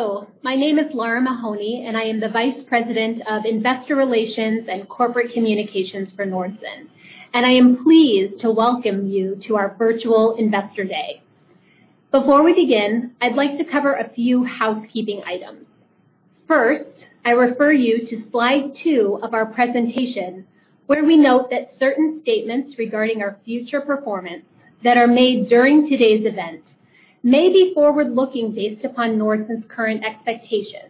Hello, my name is Lara Mahoney, and I am the Vice President of Investor Relations and Corporate Communications for Nordson, and I am pleased to welcome you to our virtual Investor Day. Before we begin, I'd like to cover a few housekeeping items. First, I refer you to slide two of our presentation, where we note that certain statements regarding our future performance that are made during today's event may be forward-looking based upon Nordson's current expectations.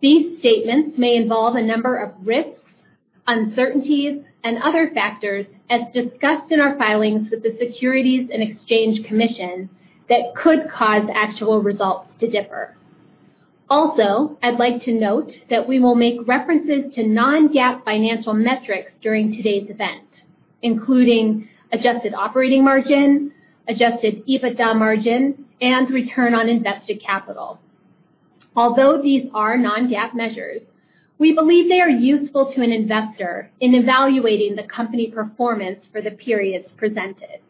These statements may involve a number of risks, uncertainties, and other factors as discussed in our filings with the Securities and Exchange Commission that could cause actual results to differ. Also, I'd like to note that we will make references to non-GAAP financial metrics during today's event, including adjusted operating margin, adjusted EBITDA margin, and return on invested capital. Although these are non-GAAP measures, we believe they are useful to an investor in evaluating the company performance for the periods presented.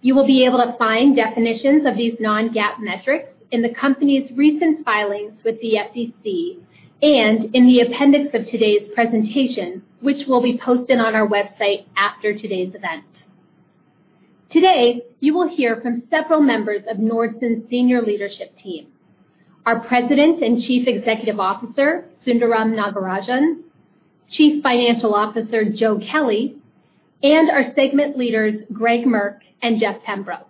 You will be able to find definitions of these non-GAAP metrics in the company's recent filings with the SEC and in the appendix of today's presentation, which will be posted on our website after today's event. Today, you will hear from several members of Nordson's senior leadership team. Our President and Chief Executive Officer, Sundaram Nagarajan, Chief Financial Officer, Joe Kelley, and our segment leaders, Greg Merk and Jeff Pembroke.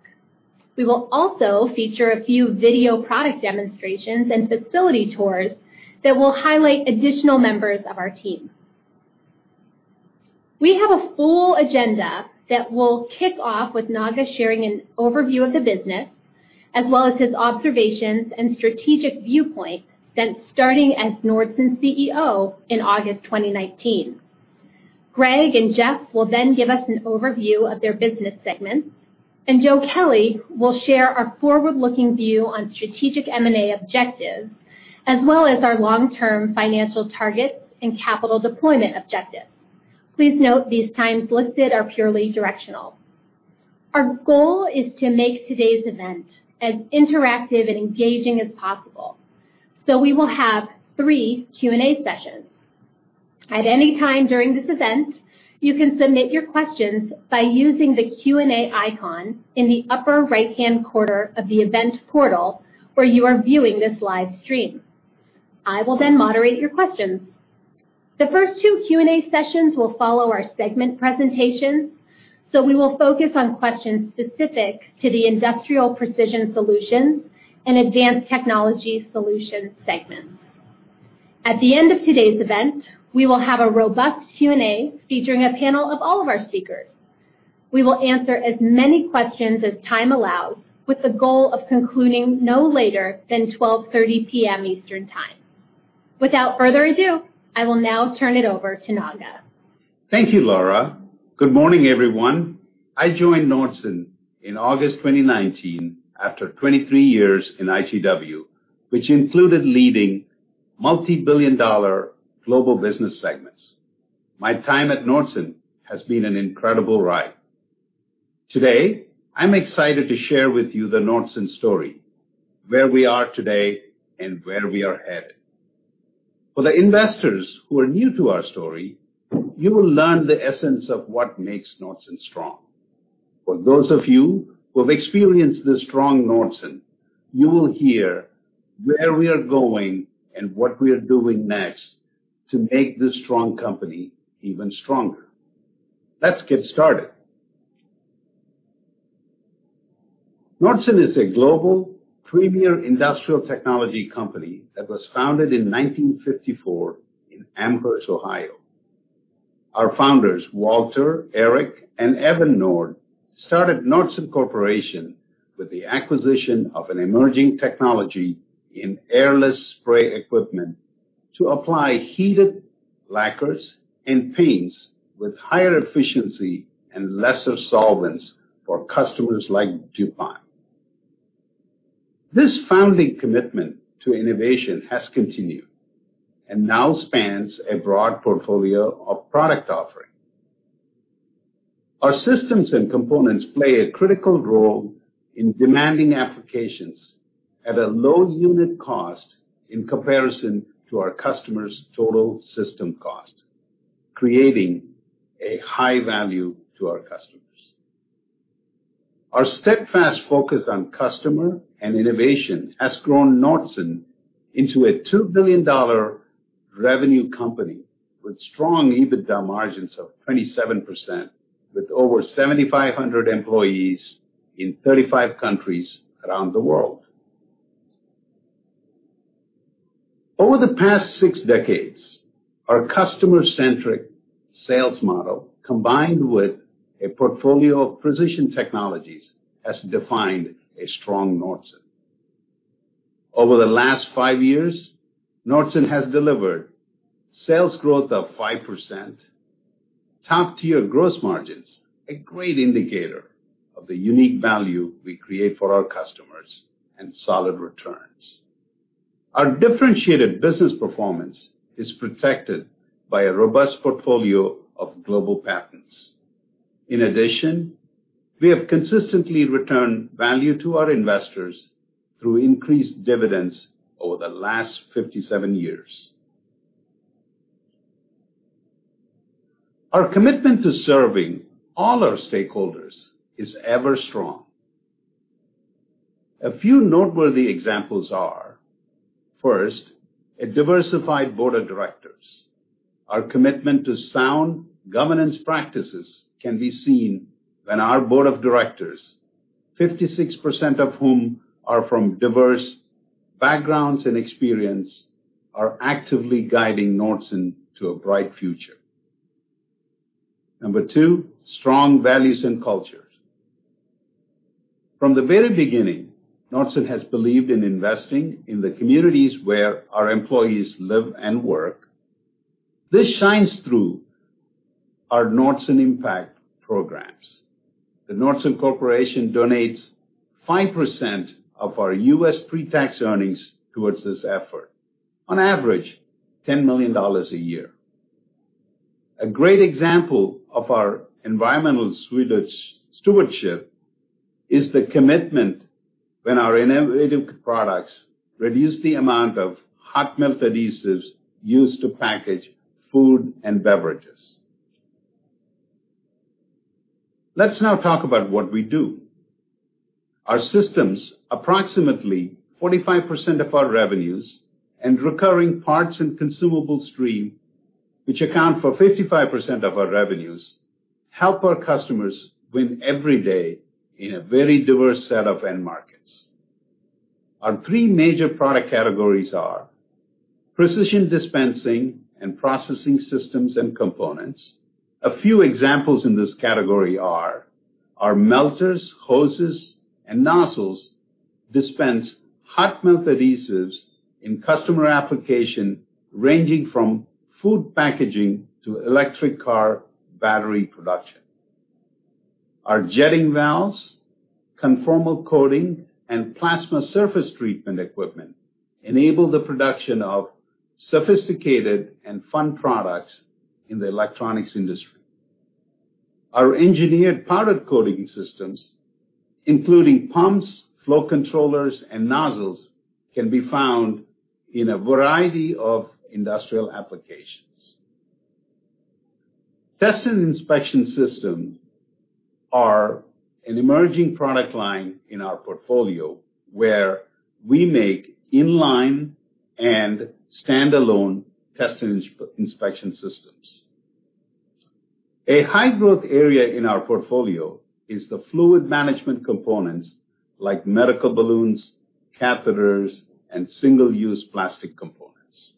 We will also feature a few video product demonstrations and facility tours that will highlight additional members of our team. We have a full agenda that will kick off with Naga sharing an overview of the business, as well as his observations and strategic viewpoint since starting as Nordson's CEO in August 2019. Greg and Jeff will then give us an overview of their business segments, and Joe Kelley will share our forward-looking view on strategic M&A objectives, as well as our long-term financial targets and capital deployment objectives. Please note these times listed are purely directional. Our goal is to make today's event as interactive and engaging as possible, so we will have three Q&A sessions. At any time during this event, you can submit your questions by using the Q&A icon in the upper right-hand corner of the event portal where you are viewing this live stream. I will then moderate your questions. The first two Q&A sessions will follow our segment presentations, so we will focus on questions specific to the Industrial Precision Solutions and Advanced Technology Solutions segments. At the end of today's event, we will have a robust Q&A featuring a panel of all of our speakers. We will answer as many questions as time allows with the goal of concluding no later than 12:30 P.M. Eastern Time. Without further ado, I will now turn it over to Naga. Thank you, Lara. Good morning, everyone. I joined Nordson in August 2019 after 23 years in ITW, which included leading multibillion-dollar global business segments. My time at Nordson has been an incredible ride. Today, I'm excited to share with you the Nordson story, where we are today, and where we are headed. For the investors who are new to our story, you will learn the essence of what makes Nordson strong. For those of you who have experienced the strong Nordson, you will hear where we are going and what we are doing next to make this strong company even stronger. Let's get started. Nordson is a global premier industrial technology company that was founded in 1954 in Amherst, Ohio. Our founders, Walter, Eric, and Evan Nord started Nordson Corporation with the acquisition of an emerging technology in airless spray equipment to apply heated lacquers and paints with higher efficiency and lesser solvents for customers like DuPont. This founding commitment to innovation has continued and now spans a broad portfolio of product offering. Our systems and components play a critical role in demanding applications at a low unit cost in comparison to our customers' total system cost, creating a high value to our customers. Our steadfast focus on customer and innovation has grown Nordson into a $2 billion revenue company with strong EBITDA margins of 27% with over 7,500 employees in 35 countries around the world. Over the past six decades, our customer-centric sales model, combined with a portfolio of precision technologies, has defined a strong Nordson. Over the last five years, Nordson has delivered sales growth of 5%, top-tier gross margins, a great indicator of the unique value we create for our customers, and solid returns. We have consistently returned value to our investors through increased dividends over the last 57 years. Our commitment to serving all our stakeholders is ever strong. A few noteworthy examples are, first, a diversified board of directors. Our commitment to sound governance practices can be seen when our board of directors, 56% of whom are from diverse backgrounds and experience, are actively guiding Nordson to a bright future. Number two, strong values and cultures. From the very beginning, Nordson has believed in investing in the communities where our employees live and work. This shines through our Nordson Impact programs. The Nordson Corporation donates 5% of our U.S. pre-tax earnings towards this effort, on average, $10 million a year. A great example of our environmental stewardship is the commitment when our innovative products reduce the amount of hot melt adhesives used to package food and beverages. Let's now talk about what we do. Our systems, approximately 45% of our revenues, and recurring parts and consumable stream, which account for 55% of our revenues, help our customers win every day in a very diverse set of end markets. Our three major product categories are precision dispensing and processing systems and components. A few examples in this category are our melters, hoses, and nozzles dispense hot melt adhesives in customer application, ranging from food packaging to electric car battery production. Our jetting valves, conformal coating, and plasma surface treatment equipment enable the production of sophisticated and fun products in the electronics industry. Our engineered powder coating systems, including pumps, flow controllers, and nozzles, can be found in a variety of industrial applications. Test and inspection systems are an emerging product line in our portfolio where we make in-line and standalone test and inspection systems. A high growth area in our portfolio is the fluid management components like medical balloons, catheters, and single-use plastic components.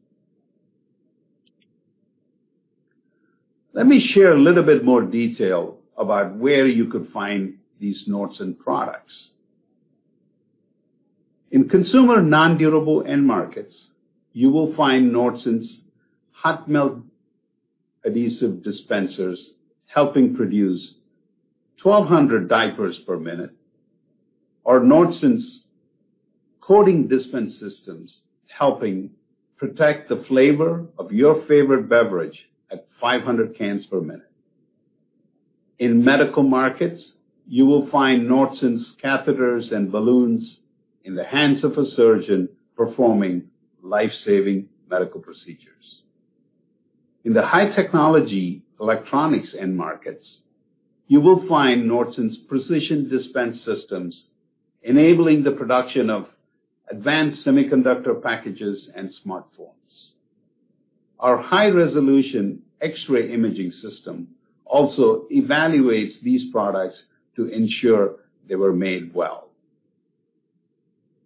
Let me share a little bit more detail about where you could find these Nordson products. In consumer non-durable end markets, you will find Nordson's hot melt adhesive dispensers helping produce 1,200 diapers per minute or Nordson's coating dispense systems helping protect the flavor of your favorite beverage at 500 cans per minute. In medical markets, you will find Nordson's catheters and balloons in the hands of a surgeon performing life-saving medical procedures. In the high technology electronics end markets, you will find Nordson's precision dispense systems enabling the production of advanced semiconductor packages and smartphones. Our high-resolution X-ray imaging system also evaluates these products to ensure they were made well.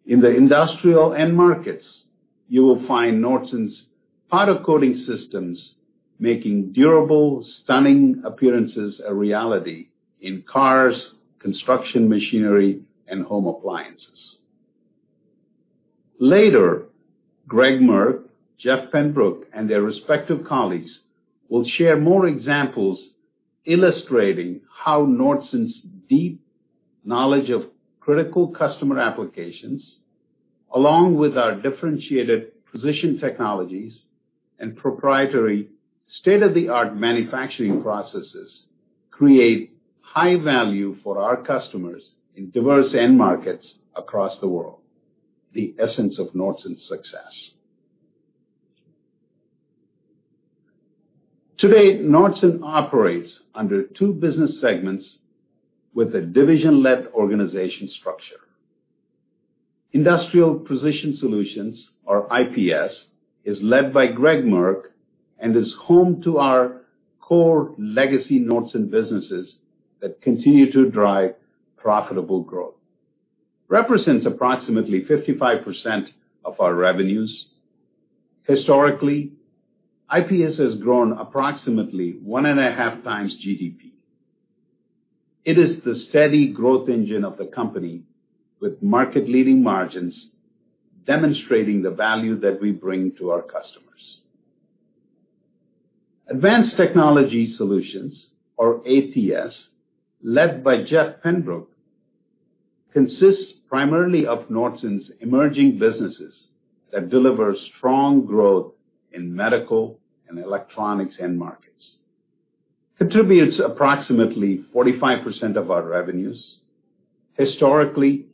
In the industrial end markets, you will find Nordson's powder coating systems making durable, stunning appearances a reality in cars, construction machinery, and home appliances. Later, Greg Merk, Jeff Pembroke, and their respective colleagues will share more examples illustrating how Nordson's deep knowledge of critical customer applications, along with our differentiated precision technologies and proprietary state-of-the-art manufacturing processes, create high value for our customers in diverse end markets across the world, the essence of Nordson's success. Today, Nordson operates under two business segments with a division-led organization structure. Industrial Precision Solutions, or IPS, is led by Greg Merk and is home to our core legacy Nordson businesses that continue to drive profitable growth. Represents approximately 55% of our revenues. Historically, IPS has grown approximately one and a half times GDP. It is the steady growth engine of the company with market-leading margins, demonstrating the value that we bring to our customers. Advanced Technology Solutions, or ATS, led by Jeff Pembroke, consists primarily of Nordson's emerging businesses that deliver strong growth in medical and electronics end markets. Contributes approximately 45% of our revenues. Historically,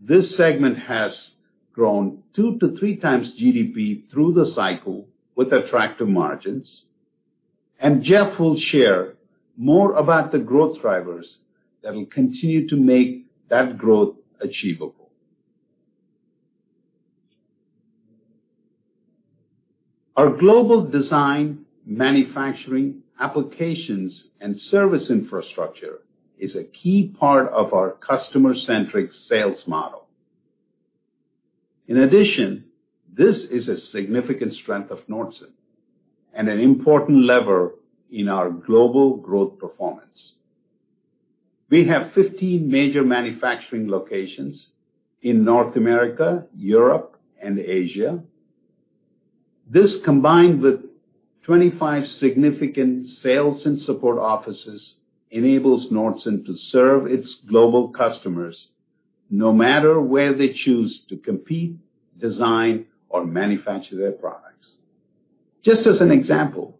this segment has grown two to three times GDP through the cycle with attractive margins, and Jeff will share more about the growth drivers that will continue to make that growth achievable. Our global design, manufacturing, applications, and service infrastructure is a key part of our customer-centric sales model. In addition, this is a significant strength of Nordson and an important lever in our global growth performance. We have 15 major manufacturing locations in North America, Europe, and Asia. This, combined with 25 significant sales and support offices, enables Nordson to serve its global customers no matter where they choose to compete, design, or manufacture their products. Just as an example,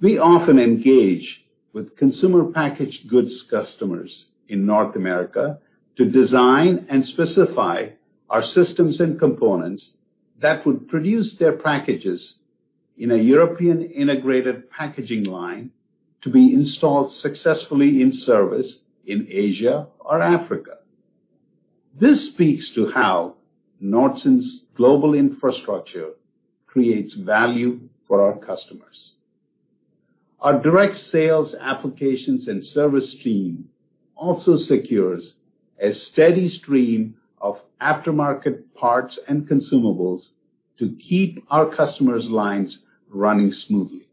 we often engage with consumer packaged goods customers in North America to design and specify our systems and components that would produce their packages in a European integrated packaging line to be installed successfully in service in Asia or Africa. This speaks to how Nordson's global infrastructure creates value for our customers. Our direct sales applications and service team also secures a steady stream of aftermarket parts and consumables to keep our customers' lines running smoothly.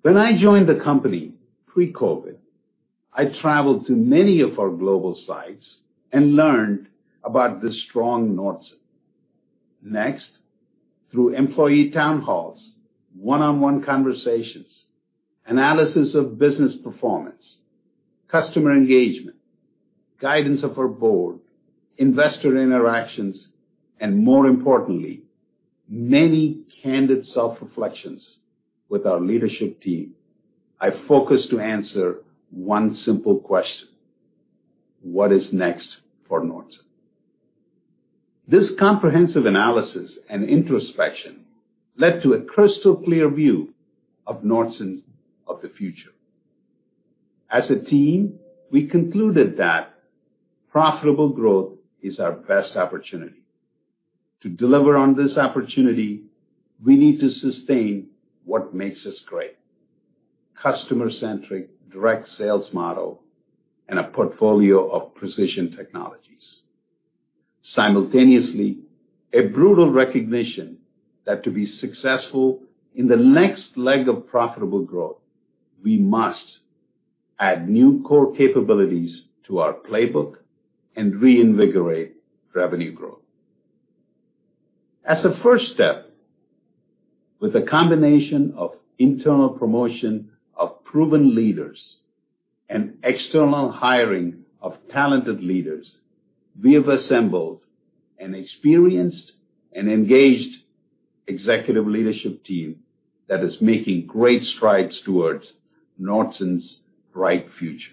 When I joined the company pre-COVID, I traveled to many of our global sites and learned about the strong Nordson. Next, through employee town halls, one-on-one conversations, analysis of business performance, customer engagement, guidance of our board, investor interactions, and more importantly, many candid self-reflections with our leadership team, I focused to answer one simple question: What is next for Nordson? This comprehensive analysis and introspection led to a crystal-clear view of Nordson of the future. As a team, we concluded that profitable growth is our best opportunity. To deliver on this opportunity, we need to sustain what makes us great: customer-centric direct sales model and a portfolio of precision technologies. Simultaneously, a brutal recognition that to be successful in the next leg of profitable growth, we must add new core capabilities to our playbook and reinvigorate revenue growth. As a first step, with a combination of internal promotion of proven leaders and external hiring of talented leaders, we have assembled an experienced and engaged executive leadership team that is making great strides towards Nordson's bright future.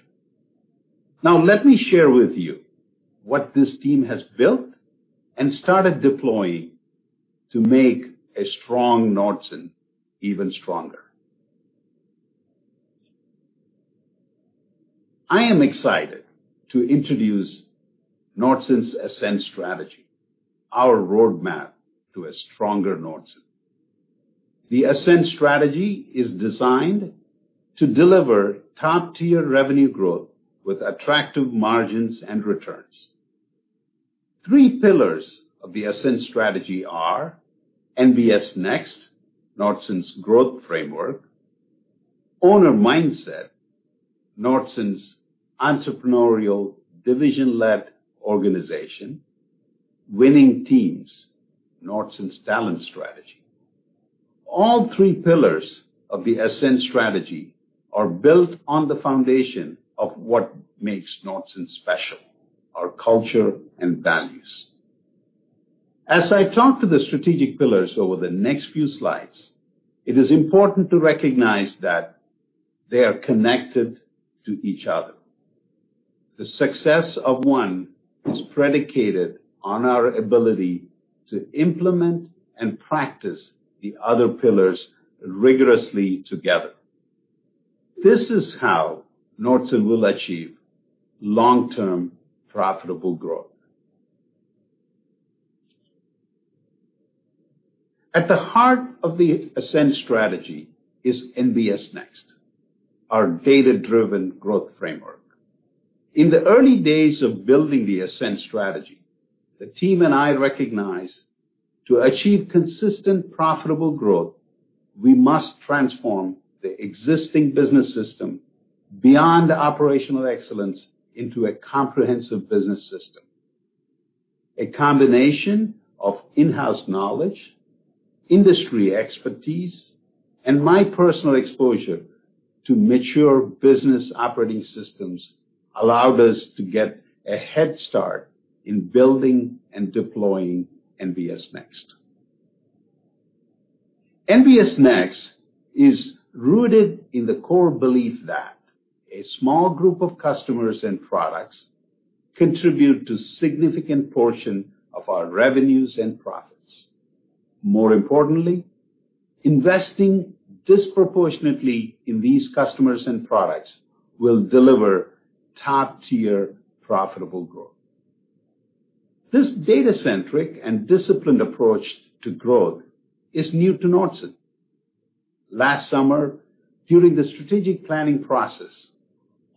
Let me share with you what this team has built and started deploying to make a strong Nordson even stronger. I am excited to introduce Nordson's ASCEND strategy, our roadmap to a stronger Nordson. The ASCEND strategy is designed to deliver top-tier revenue growth with attractive margins and returns. Three pillars of the ASCEND strategy are NBS Next, Nordson's growth framework. Owner Mindset, Nordson's entrepreneurial division-led organization. Winning Teams, Nordson's talent strategy. All three pillars of the ASCEND strategy are built on the foundation of what makes Nordson special, our culture and values. As I talk to the strategic pillars over the next few slides, it is important to recognize that they are connected to each other. The success of one is predicated on our ability to implement and practice the other pillars rigorously together. This is how Nordson will achieve long-term profitable growth. At the heart of the ASCEND strategy is NBS Next, our data-driven growth framework. In the early days of building the ASCEND strategy, the team and I recognized, to achieve consistent profitable growth, we must transform the existing business system beyond operational excellence into a comprehensive business system. A combination of in-house knowledge, industry expertise, and my personal exposure to mature business operating systems allowed us to get a head start in building and deploying NBS Next. NBS Next is rooted in the core belief that a small group of customers and products contribute to a significant portion of our revenues and profits. More importantly, investing disproportionately in these customers and products will deliver top-tier profitable growth. This data-centric and disciplined approach to growth is new to Nordson. Last summer, during the strategic planning process,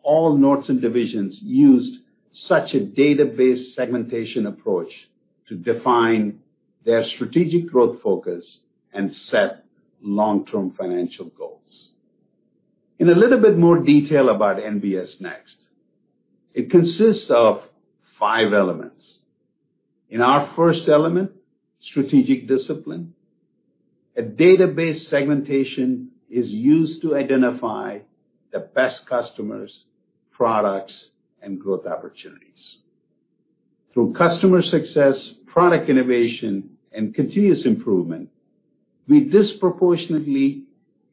all Nordson divisions used such a database segmentation approach to define their strategic growth focus and set long-term financial goals. In a little bit more detail about NBS Next, it consists of five elements. In our first element, strategic discipline, a database segmentation is used to identify the best customers, products, and growth opportunities. Through customer success, product innovation, and continuous improvement, we disproportionately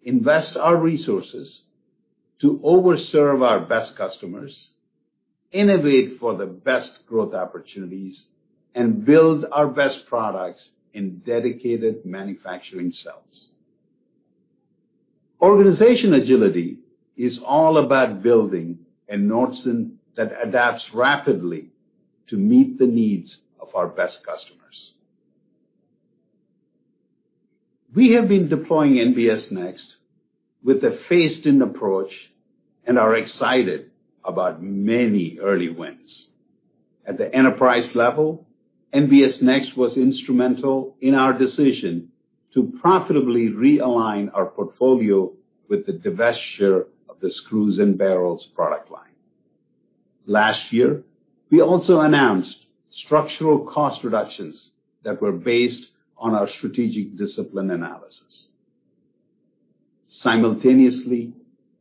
invest our resources to over-serve our best customers, innovate for the best growth opportunities, and build our best products in dedicated manufacturing cells. Organization agility is all about building a Nordson that adapts rapidly to meet the needs of our best customers. We have been deploying NBS Next with a phased-in approach and are excited about many early wins. At the enterprise level, NBS Next was instrumental in our decision to profitably realign our portfolio with the divestiture of the screws and barrels product line. Last year, we also announced structural cost reductions that were based on our strategic discipline analysis. Simultaneously,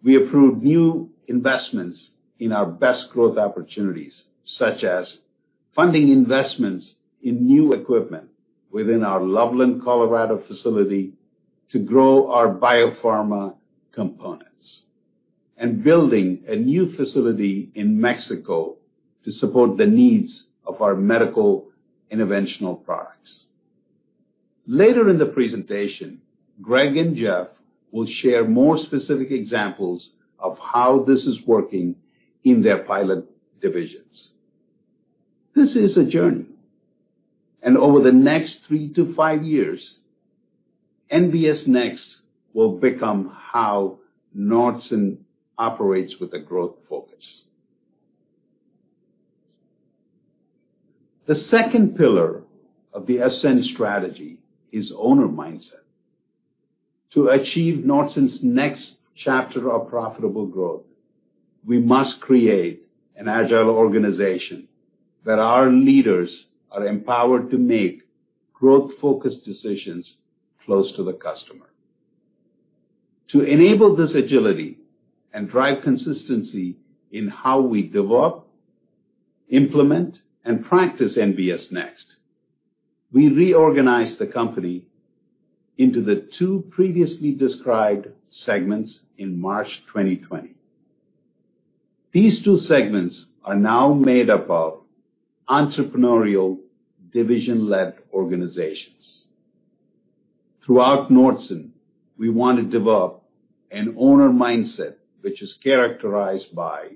we approved new investments in our best growth opportunities, such as funding investments in new equipment within our Loveland, Colorado facility to grow our biopharma components, and building a new facility in Mexico to support the needs of our medical interventional products. Later in the presentation, Greg and Jeff will share more specific examples of how this is working in their pilot divisions. This is a journey, and over the next three to five years, NBSNext will become how Nordson operates with a growth focus. The second pillar of the ASCEND Strategy is owner mindset. To achieve Nordson's next chapter of profitable growth, we must create an agile organization where our leaders are empowered to make growth-focused decisions close to the customer. To enable this agility and drive consistency in how we develop, implement, and practice NBSNext, we reorganized the company into the two previously described segments in March 2020. These two segments are now made up of entrepreneurial, division-led organizations. Throughout Nordson, we want to develop an owner mindset, which is characterized by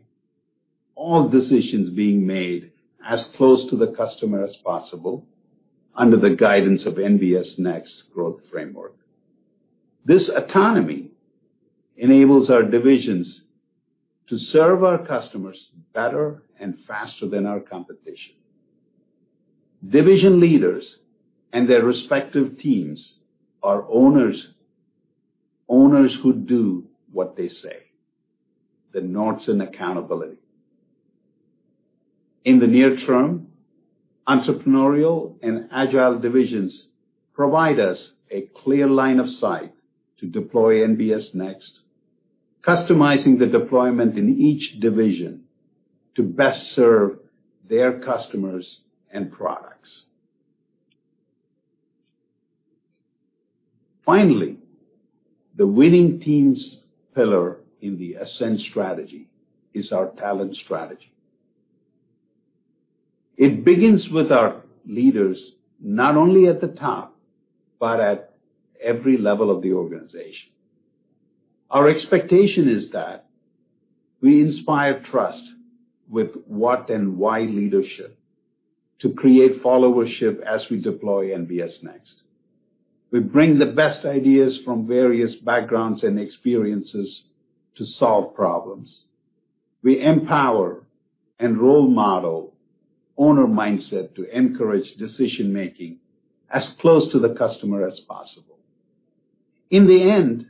all decisions being made as close to the customer as possible under the guidance of NBSNext growth framework. This autonomy enables our divisions to serve our customers better and faster than our competition. Division leaders and their respective teams are owners. Owners who do what they say. The Nordson accountability. In the near term, entrepreneurial and agile divisions provide us a clear line of sight to deploy NBS Next, customizing the deployment in each division to best serve their customers and products. Finally, the winning teams pillar in the ASCEND Strategy is our talent strategy. It begins with our leaders, not only at the top, but at every level of the organization. Our expectation is that we inspire trust with what and why leadership to create followership as we deploy NBS Next. We bring the best ideas from various backgrounds and experiences to solve problems. We empower and role model owner mindset to encourage decision-making as close to the customer as possible. In the end,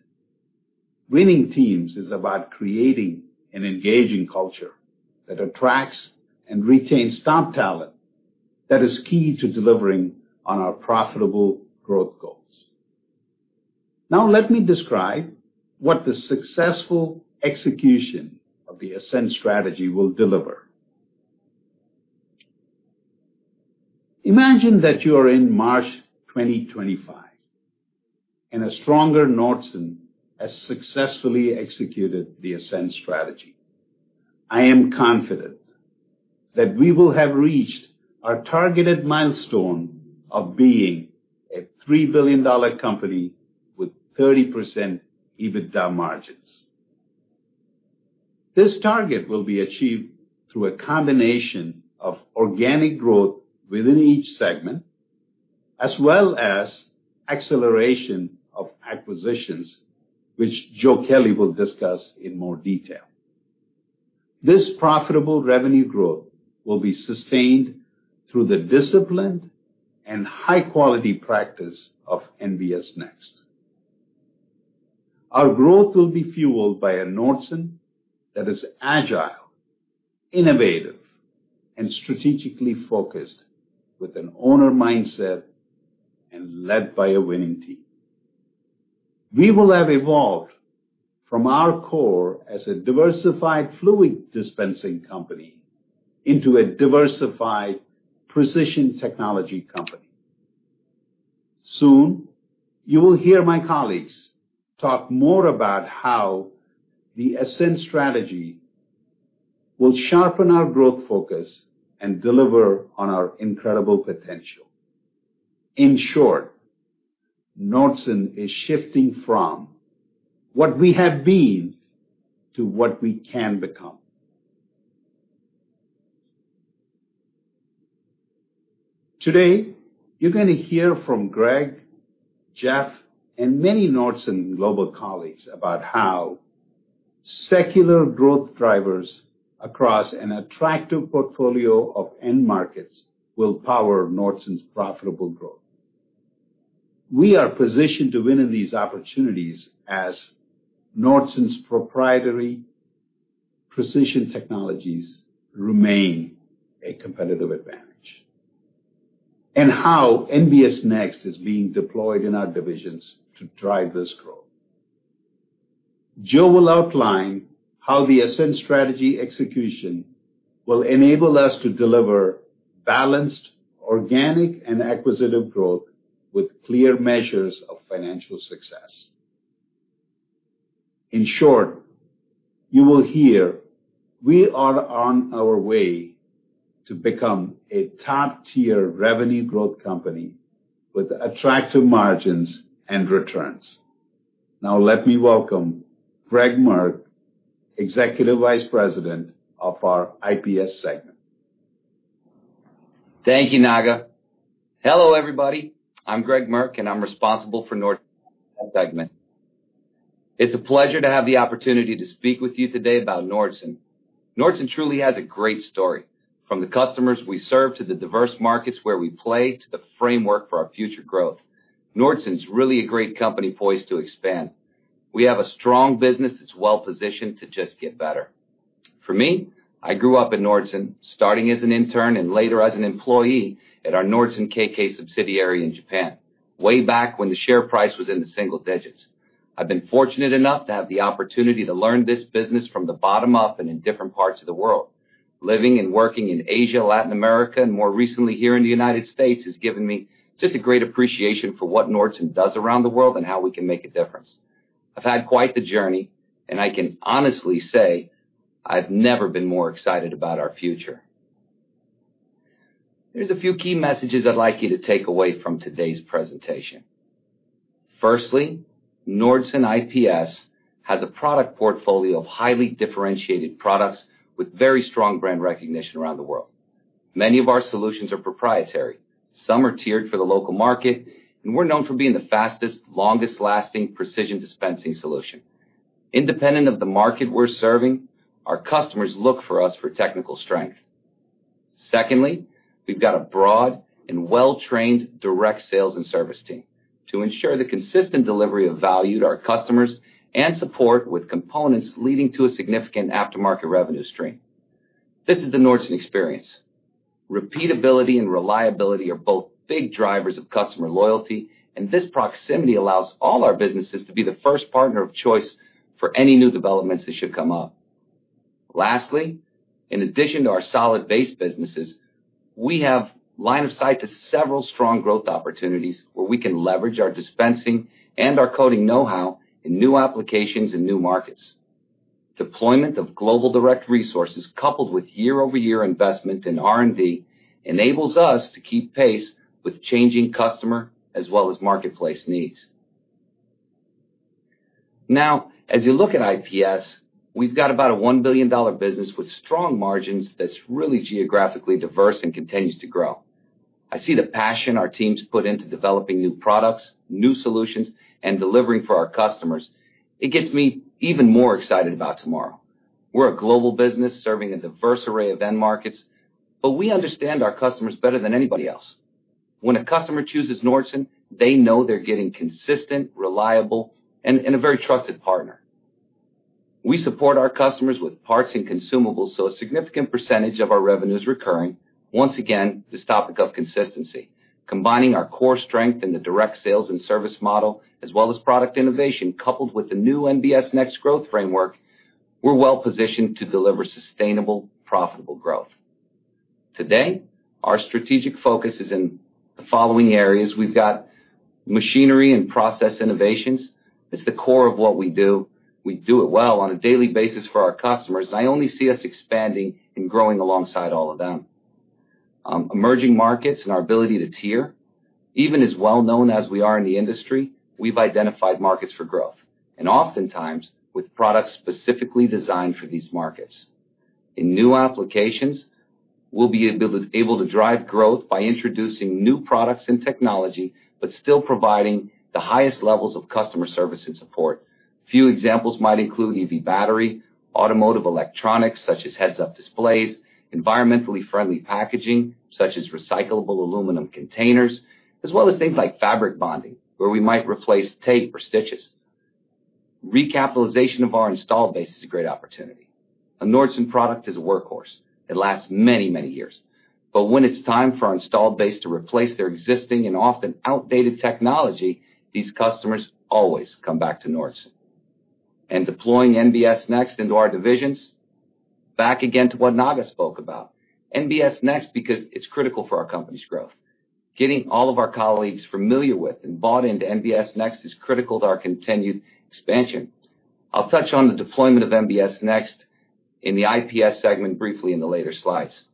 winning teams is about creating an engaging culture that attracts and retains top talent that is key to delivering on our profitable growth goals. Now let me describe what the successful execution of the ASCEND strategy will deliver. Imagine that you are in March 2025, and a stronger Nordson has successfully executed the ASCEND strategy. I am confident that we will have reached our targeted milestone of being a $3 billion company with 30% EBITDA margins. This target will be achieved through a combination of organic growth within each segment, as well as acceleration of acquisitions, which Joe Kelley will discuss in more detail. This profitable revenue growth will be sustained through the disciplined and high-quality practice of NBS Next. Our growth will be fueled by a Nordson that is agile, innovative, and strategically focused with an owner mindset and led by a winning team. We will have evolved from our core as a diversified fluid dispensing company into a diversified precision technology company. Soon, you will hear my colleagues talk more about how the ASCEND strategy will sharpen our growth focus and deliver on our incredible potential. In short, Nordson is shifting from what we have been to what we can become. Today, you're going to hear from Greg, Jeff, and many Nordson global colleagues about how secular growth drivers across an attractive portfolio of end markets will power Nordson's profitable growth. We are positioned to win in these opportunities as Nordson's proprietary precision technologies remain a competitive advantage, and how NBS Next is being deployed in our divisions to drive this growth. Joe will outline how the ASCEND strategy execution will enable us to deliver balanced organic and acquisitive growth with clear measures of financial success. In short, you will hear we are on our way to become a top-tier revenue growth company with attractive margins and returns. Now let me welcome Greg Merk, Executive Vice President of our IPS segment. Thank you, Naga. Hello, everybody. I'm Greg Merk, and I'm responsible for Nordson's IPS segment. It's a pleasure to have the opportunity to speak with you today about Nordson. Nordson truly has a great story, from the customers we serve, to the diverse markets where we play, to the framework for our future growth. Nordson's really a great company poised to expand. We have a strong business that's well-positioned to just get better. For me, I grew up at Nordson, starting as an intern and later as an employee at our Nordson K.K. subsidiary in Japan, way back when the share price was in the single digits. I've been fortunate enough to have the opportunity to learn this business from the bottom up and in different parts of the world. Living and working in Asia, Latin America, and more recently here in the United States, has given me just a great appreciation for what Nordson does around the world and how we can make a difference. I've had quite the journey, and I can honestly say I've never been more excited about our future. There's a few key messages I'd like you to take away from today's presentation. Firstly, Nordson IPS has a product portfolio of highly differentiated products with very strong brand recognition around the world. Many of our solutions are proprietary. Some are tiered for the local market, and we're known for being the fastest, longest-lasting precision dispensing solution. Independent of the market we're serving, our customers look for us for technical strength. Secondly, we've got a broad and well-trained direct sales and service team to ensure the consistent delivery of value to our customers and support with components leading to a significant aftermarket revenue stream. This is the Nordson experience. Repeatability and reliability are both big drivers of customer loyalty, and this proximity allows all our businesses to be the first partner of choice for any new developments that should come up. Lastly, in addition to our solid base businesses, we have line of sight to several strong growth opportunities where we can leverage our dispensing and our coating know-how in new applications and new markets. Deployment of global direct resources, coupled with year-over-year investment in R&D, enables us to keep pace with changing customer as well as marketplace needs. Now, as you look at IPS, we've got about a $1 billion business with strong margins that's really geographically diverse and continues to grow. I see the passion our team's put into developing new products, new solutions, and delivering for our customers. It gets me even more excited about tomorrow. We're a global business serving a diverse array of end markets, but we understand our customers better than anybody else. When a customer chooses Nordson, they know they're getting consistent, reliable, and a very trusted partner. We support our customers with parts and consumables, so a significant percentage of our revenue is recurring. Once again, this topic of consistency. Combining our core strength in the direct sales and service model, as well as product innovation, coupled with the new NBS Next growth framework, we're well-positioned to deliver sustainable, profitable growth. Today, our strategic focus is in the following areas. We've got machinery and process innovations. It's the core of what we do. We do it well on a daily basis for our customers, and I only see us expanding and growing alongside all of them. Emerging markets and our ability to tier. Even as well-known as we are in the industry, we've identified markets for growth, and oftentimes with products specifically designed for these markets. In new applications, we'll be able to drive growth by introducing new products and technology, but still providing the highest levels of customer service and support. Few examples might include EV battery, automotive electronics such as heads-up displays, environmentally friendly packaging such as recyclable aluminum containers, as well as things like fabric bonding where we might replace tape or stitches. Recapitalization of our installed base is a great opportunity. A Nordson product is a workhorse. It lasts many years. When it's time for our installed base to replace their existing and often outdated technology, these customers always come back to Nordson. Deploying NBS Next into our divisions, back again to what Naga spoke about. NBS Next because it's critical for our company's growth. Getting all of our colleagues familiar with and bought into NBS Next is critical to our continued expansion. I'll touch on the deployment of NBS Next in the IPS segment briefly in the later Slides.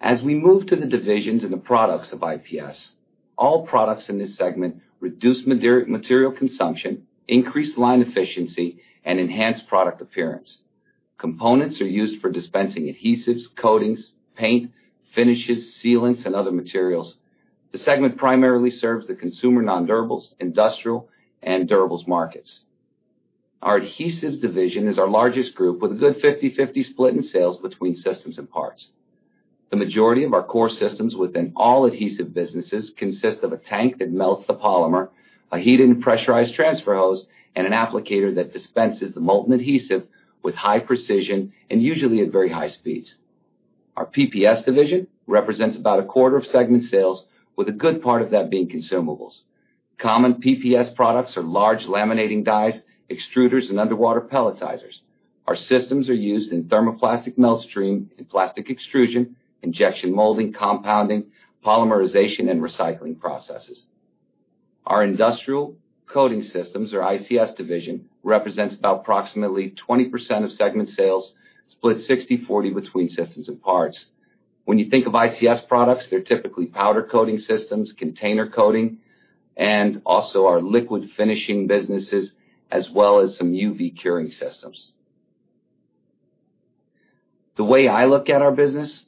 As we move to the divisions and the products of IPS, all products in this segment reduce material consumption, increase line efficiency, and enhance product appearance. Components are used for dispensing adhesives, coatings, paint, finishes, sealants, and other materials. The segment primarily serves the consumer non-durables, industrial, and durables markets. Our adhesives division is our largest group with a good 50/50 split in sales between systems and parts. The majority of our core systems within all adhesive businesses consist of a tank that melts the polymer, a heated and pressurized transfer hose, and an applicator that dispenses the molten adhesive with high precision and usually at very high speeds. Our PPS division represents about a quarter of segment sales with a good part of that being consumables. Common PPS products are large laminating dies, extruders, and underwater pelletizers. Our systems are used in thermoplastic melt stream and plastic extrusion, injection molding, compounding, polymerization, and recycling processes. Our Industrial Precision Solutions or ICS division represents about approximately 20% of segment sales, split 60/40 between systems and parts. When you think of ICS products, they're typically powder coating systems, container coating, and also our liquid finishing businesses, as well as some UV curing systems. The way I look at our business,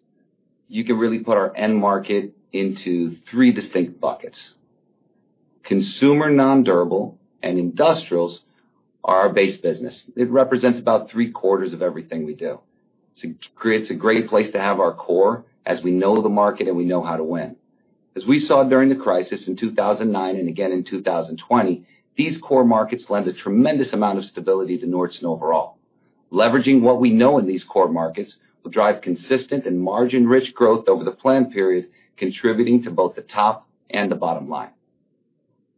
you can really put our end market into three distinct buckets. Consumer non-durable and industrials are our base business. It represents about three-quarters of everything we do. It creates a great place to have our core as we know the market and we know how to win. As we saw during the crisis in 2009 and again in 2020, these core markets lend a tremendous amount of stability to Nordson overall. Leveraging what we know in these core markets will drive consistent and margin-rich growth over the plan period, contributing to both the top and the bottom line.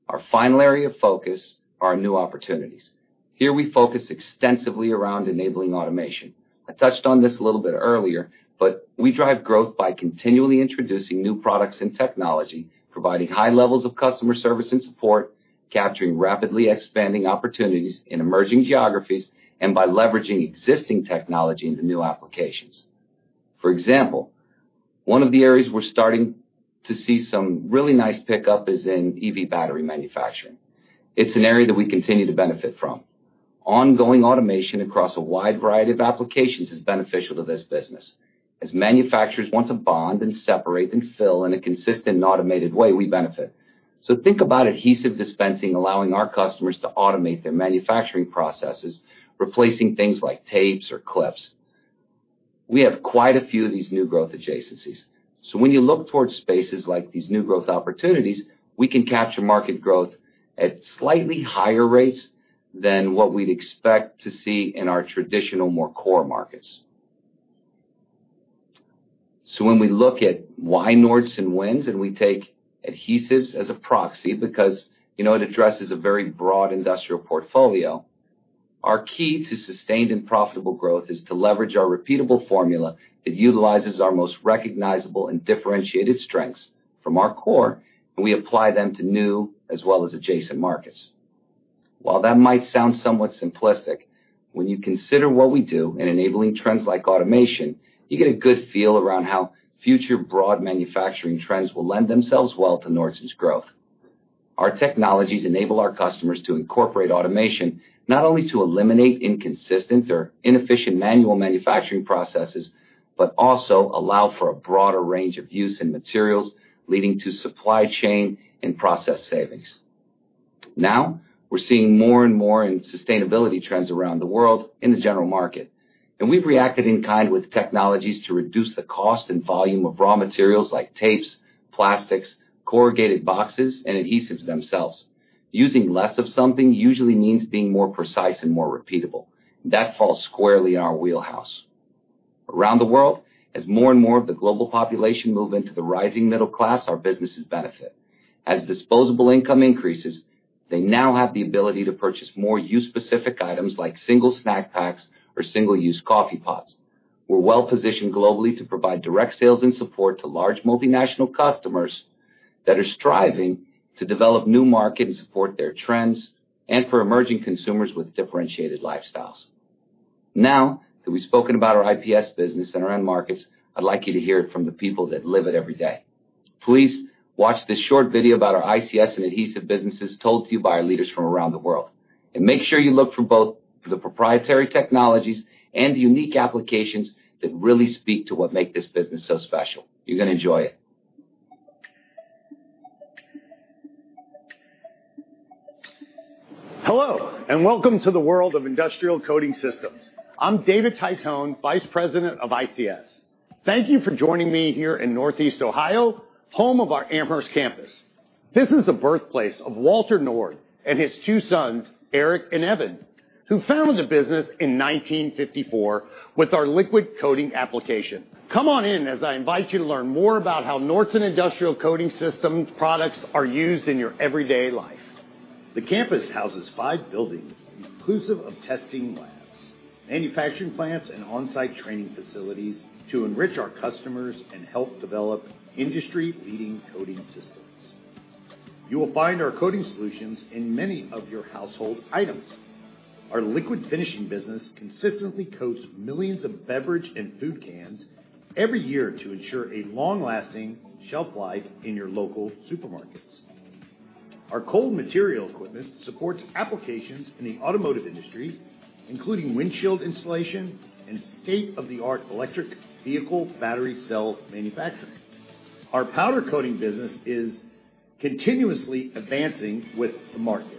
Our final area of focus are new opportunities. Here we focus extensively around enabling automation. I touched on this a little bit earlier, but we drive growth by continually introducing new products and technology, providing high levels of customer service and support, capturing rapidly expanding opportunities in emerging geographies, and by leveraging existing technology into new applications. For example, one of the areas we're starting to see some really nice pickup is in EV battery manufacturing. It's an area that we continue to benefit from. Ongoing automation across a wide variety of applications is beneficial to this business. As manufacturers want to bond and separate and fill in a consistent and automated way, we benefit. Think about adhesive dispensing allowing our customers to automate their manufacturing processes, replacing things like tapes or clips. We have quite a few of these new growth adjacencies. When you look towards spaces like these new growth opportunities, we can capture market growth at slightly higher rates than what we'd expect to see in our traditional, more core markets. When we look at why Nordson wins, and we take adhesives as a proxy because it addresses a very broad industrial portfolio, our key to sustained and profitable growth is to leverage our repeatable formula that utilizes our most recognizable and differentiated strengths from our core, and we apply them to new as well as adjacent markets. While that might sound somewhat simplistic, when you consider what we do in enabling trends like automation, you get a good feel around how future broad manufacturing trends will lend themselves well to Nordson's growth. Our technologies enable our customers to incorporate automation not only to eliminate inconsistent or inefficient manual manufacturing processes, but also allow for a broader range of use in materials, leading to supply chain and process savings. We're seeing more and more in sustainability trends around the world in the general market, and we've reacted in kind with technologies to reduce the cost and volume of raw materials like tapes, plastics, corrugated boxes, and adhesives themselves. Using less of something usually means being more precise and more repeatable. That falls squarely in our wheelhouse. Around the world, as more and more of the global population move into the rising middle class, our businesses benefit. As disposable income increases, they now have the ability to purchase more use-specific items like single snack packs or single-use coffee pots. We're well-positioned globally to provide direct sales and support to large multinational customers that are striving to develop new market and support their trends and for emerging consumers with differentiated lifestyles. Now that we've spoken about our ICS business and our end markets, I'd like you to hear it from the people that live it every day. Please watch this short video about our ICS and adhesive businesses told to you by our leaders from around the world. Make sure you look for both the proprietary technologies and the unique applications that really speak to what make this business so special. You're going to enjoy it. Hello, and welcome to the world of Industrial Precision Solutions. I'm David Tyshon, Vice President of ICS. Thank you for joining me here in Northeast Ohio, home of our Amherst campus. This is the birthplace of Walter Nord and his two sons, Eric and Evan, who founded the business in 1954 with our liquid coating application. Come on in as I invite you to learn more about how Nordson Industrial Precision Solutions products are used in your everyday life. The campus houses five buildings, inclusive of testing labs, manufacturing plants, and on-site training facilities to enrich our customers and help develop industry-leading coating systems. You will find our coating solutions in many of your household items. Our liquid finishing business consistently coats millions of beverage and food cans every year to ensure a long-lasting shelf life in your local supermarkets. Our cold material equipment supports applications in the automotive industry, including windshield installation and state-of-the-art electric vehicle battery cell manufacturing. Our powder coating business is continuously advancing with the market.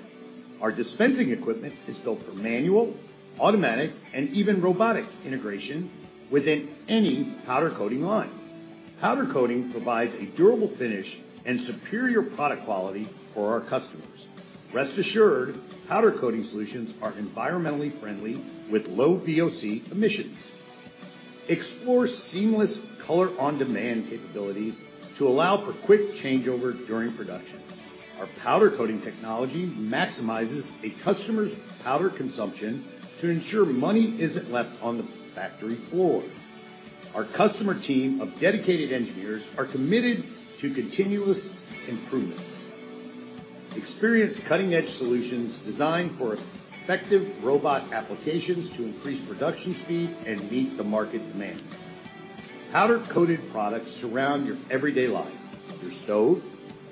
Our dispensing equipment is built for manual, automatic, and even robotic integration within any powder coating line. Powder coating provides a durable finish and superior product quality for our customers. Rest assured, powder coating solutions are environmentally friendly with low VOC emissions. Explore seamless color-on-demand capabilities to allow for quick changeover during production. Our powder coating technology maximizes a customer's powder consumption to ensure money isn't left on the factory floor. Our customer team of dedicated engineers are committed to continuous improvements. Experience cutting-edge solutions designed for effective robot applications to increase production speed and meet the market demand. Powder-coated products surround your everyday life. Your stove,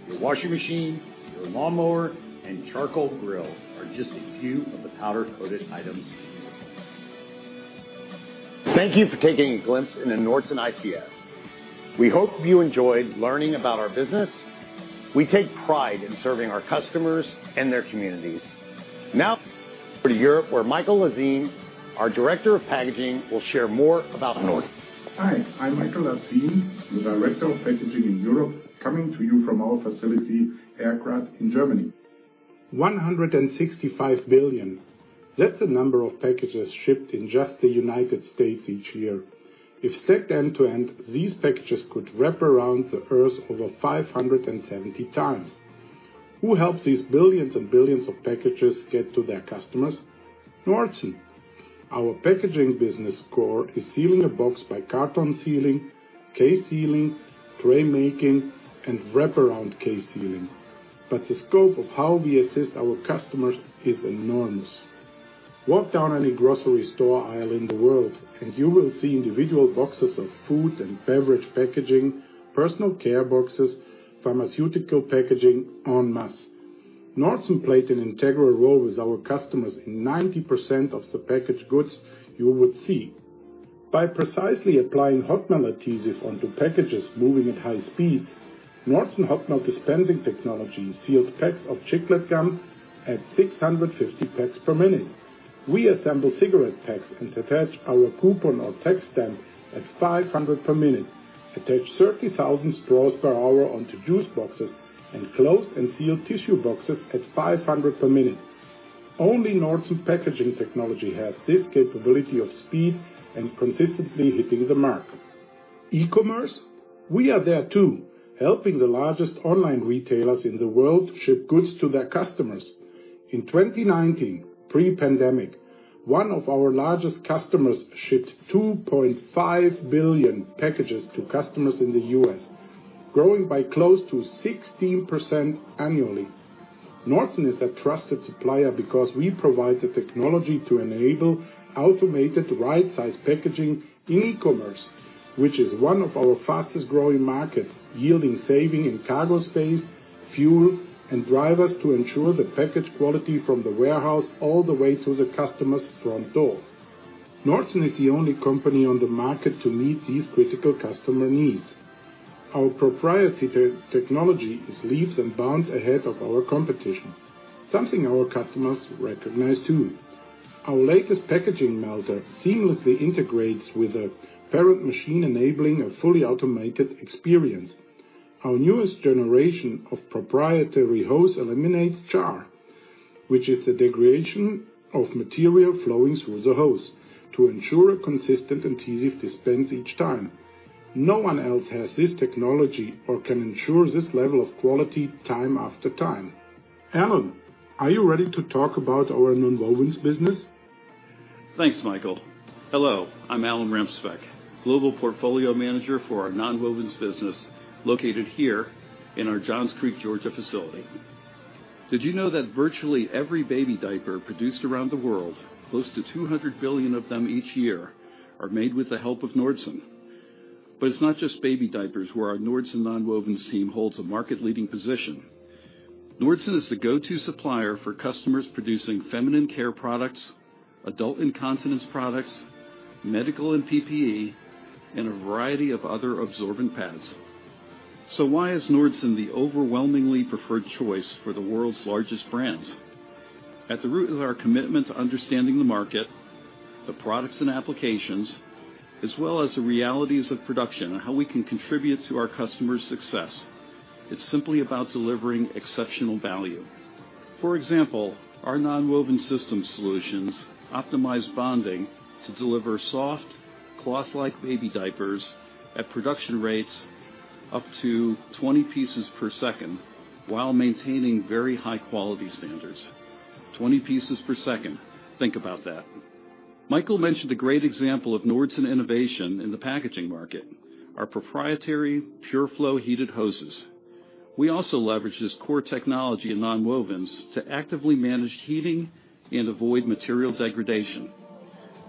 your washing machine, your lawnmower, and charcoal grill are just a few of the powder-coated items. Thank you for taking a glimpse into Nordson ICS. We hope you enjoyed learning about our business. We take pride in serving our customers and their communities. Now, for to Europe, where Michael Lazine, our director of packaging, will share more about Nordson. Hi, I'm Michael Lazine, the director of packaging in Europe, coming to you from our facility, Erkrath, in Germany. 165 billion. That's the number of packages shipped in just the U.S. each year. If stacked end to end, these packages could wrap around the Earth over 570 times. Who helps these billions and billions of packages get to their customers? Nordson. Our packaging business core is sealing a box by carton sealing, case sealing, tray making, and wraparound case sealing. The scope of how we assist our customers is enormous. Walk down any grocery store aisle in the world and you will see individual boxes of food and beverage packaging, personal care boxes, pharmaceutical packaging en masse. Nordson played an integral role with our customers in 90% of the packaged goods you would see. By precisely applying hot melt adhesive onto packages moving at high speeds, Nordson hot melt dispensing technology seals packs of Chiclets gum at 650 packs per minute. We assemble cigarette packs and attach our coupon or tax stamp at 500 per minute, attach 30,000 straws per hour onto juice boxes, and close and seal tissue boxes at 500 per minute. Only Nordson packaging technology has this capability of speed and consistently hitting the mark. E-commerce, we are there, too, helping the largest online retailers in the world ship goods to their customers. In 2019, pre-pandemic, one of our largest customers shipped 2.5 billion packages to customers in the U.S., growing by close to 16% annually. Nordson is a trusted supplier because we provide the technology to enable automated right-size packaging in e-commerce, which is one of our fastest-growing markets, yielding saving in cargo space, fuel, and drivers to ensure the package quality from the warehouse all the way to the customer's front door. Nordson is the only company on the market to meet these critical customer needs. Our proprietary technology is leaps and bounds ahead of our competition, something our customers recognize too. Our latest packaging melter seamlessly integrates with a parent machine, enabling a fully automated experience. Our newest generation of proprietary hose eliminates char, which is the degradation of material flowing through the hose to ensure a consistent and easy dispense each time. No one else has this technology or can ensure this level of quality time after time. Alan, are you ready to talk about our Nonwovens Business? Thanks, Michael. Hello, I'm Alan Ramspeck, global portfolio manager for our Nonwovens Business located here in our Johns Creek, Georgia facility. Did you know that virtually every baby diaper produced around the world, close to 200 billion of them each year, are made with the help of Nordson? It's not just baby diapers where our Nordson Nonwovens team holds a market-leading position. Nordson is the go-to supplier for customers producing feminine care products, adult incontinence products, medical and PPE, and a variety of other absorbent pads. Why is Nordson the overwhelmingly preferred choice for the world's largest brands? At the root of our commitment to understanding the market, the products and applications, as well as the realities of production and how we can contribute to our customers' success. It's simply about delivering exceptional value. For example, our nonwoven system solutions optimize bonding to deliver soft cloth-like baby diapers at production rates up to 20 pieces per second while maintaining very high quality standards. 20 pieces per second. Think about that. Michael mentioned a great example of Nordson innovation in the packaging market, our proprietary PureFlow heated hoses. We also leverage this core technology in nonwovens to actively manage heating and avoid material degradation.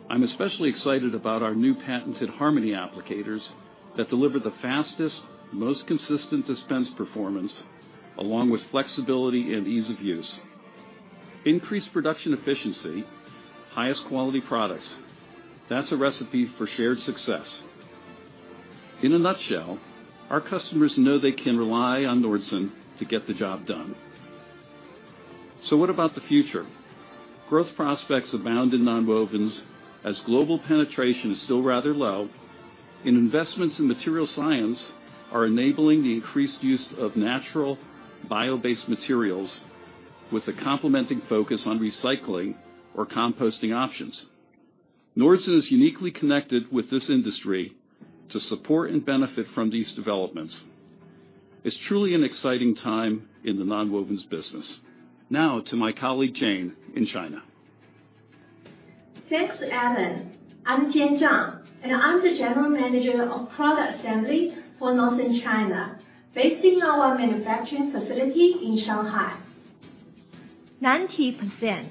I'm especially excited about our new patented Harmony applicators that deliver the fastest, most consistent dispense performance along with flexibility and ease of use. Increased production efficiency, highest quality products, that's a recipe for shared success. In a nutshell, our customers know they can rely on Nordson to get the job done. What about the future? Growth prospects abound in nonwovens as global penetration is still rather low, and investments in material science are enabling the increased use of natural bio-based materials with a complementing focus on recycling or composting options. Nordson is uniquely connected with this industry to support and benefit from these developments. It's truly an exciting time in the nonwovens business. To my colleague Jen in China. Thanks, Alan. I'm Jen Jang, and I'm the general manager of product assembly for Nordson China based in our manufacturing facility in Shanghai. 90%,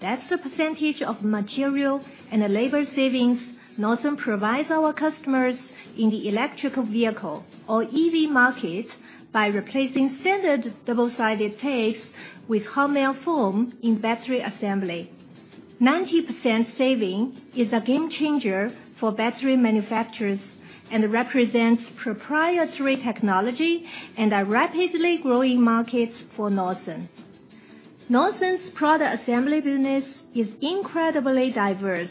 that's the percentage of material and labor savings Nordson provides our customers in the electric vehicle or EV market by replacing standard double-sided tapes with hot melt foam in battery assembly. 90% saving is a game changer for battery manufacturers and represents proprietary technology and a rapidly growing market for Nordson. Nordson's product assembly business is incredibly diverse,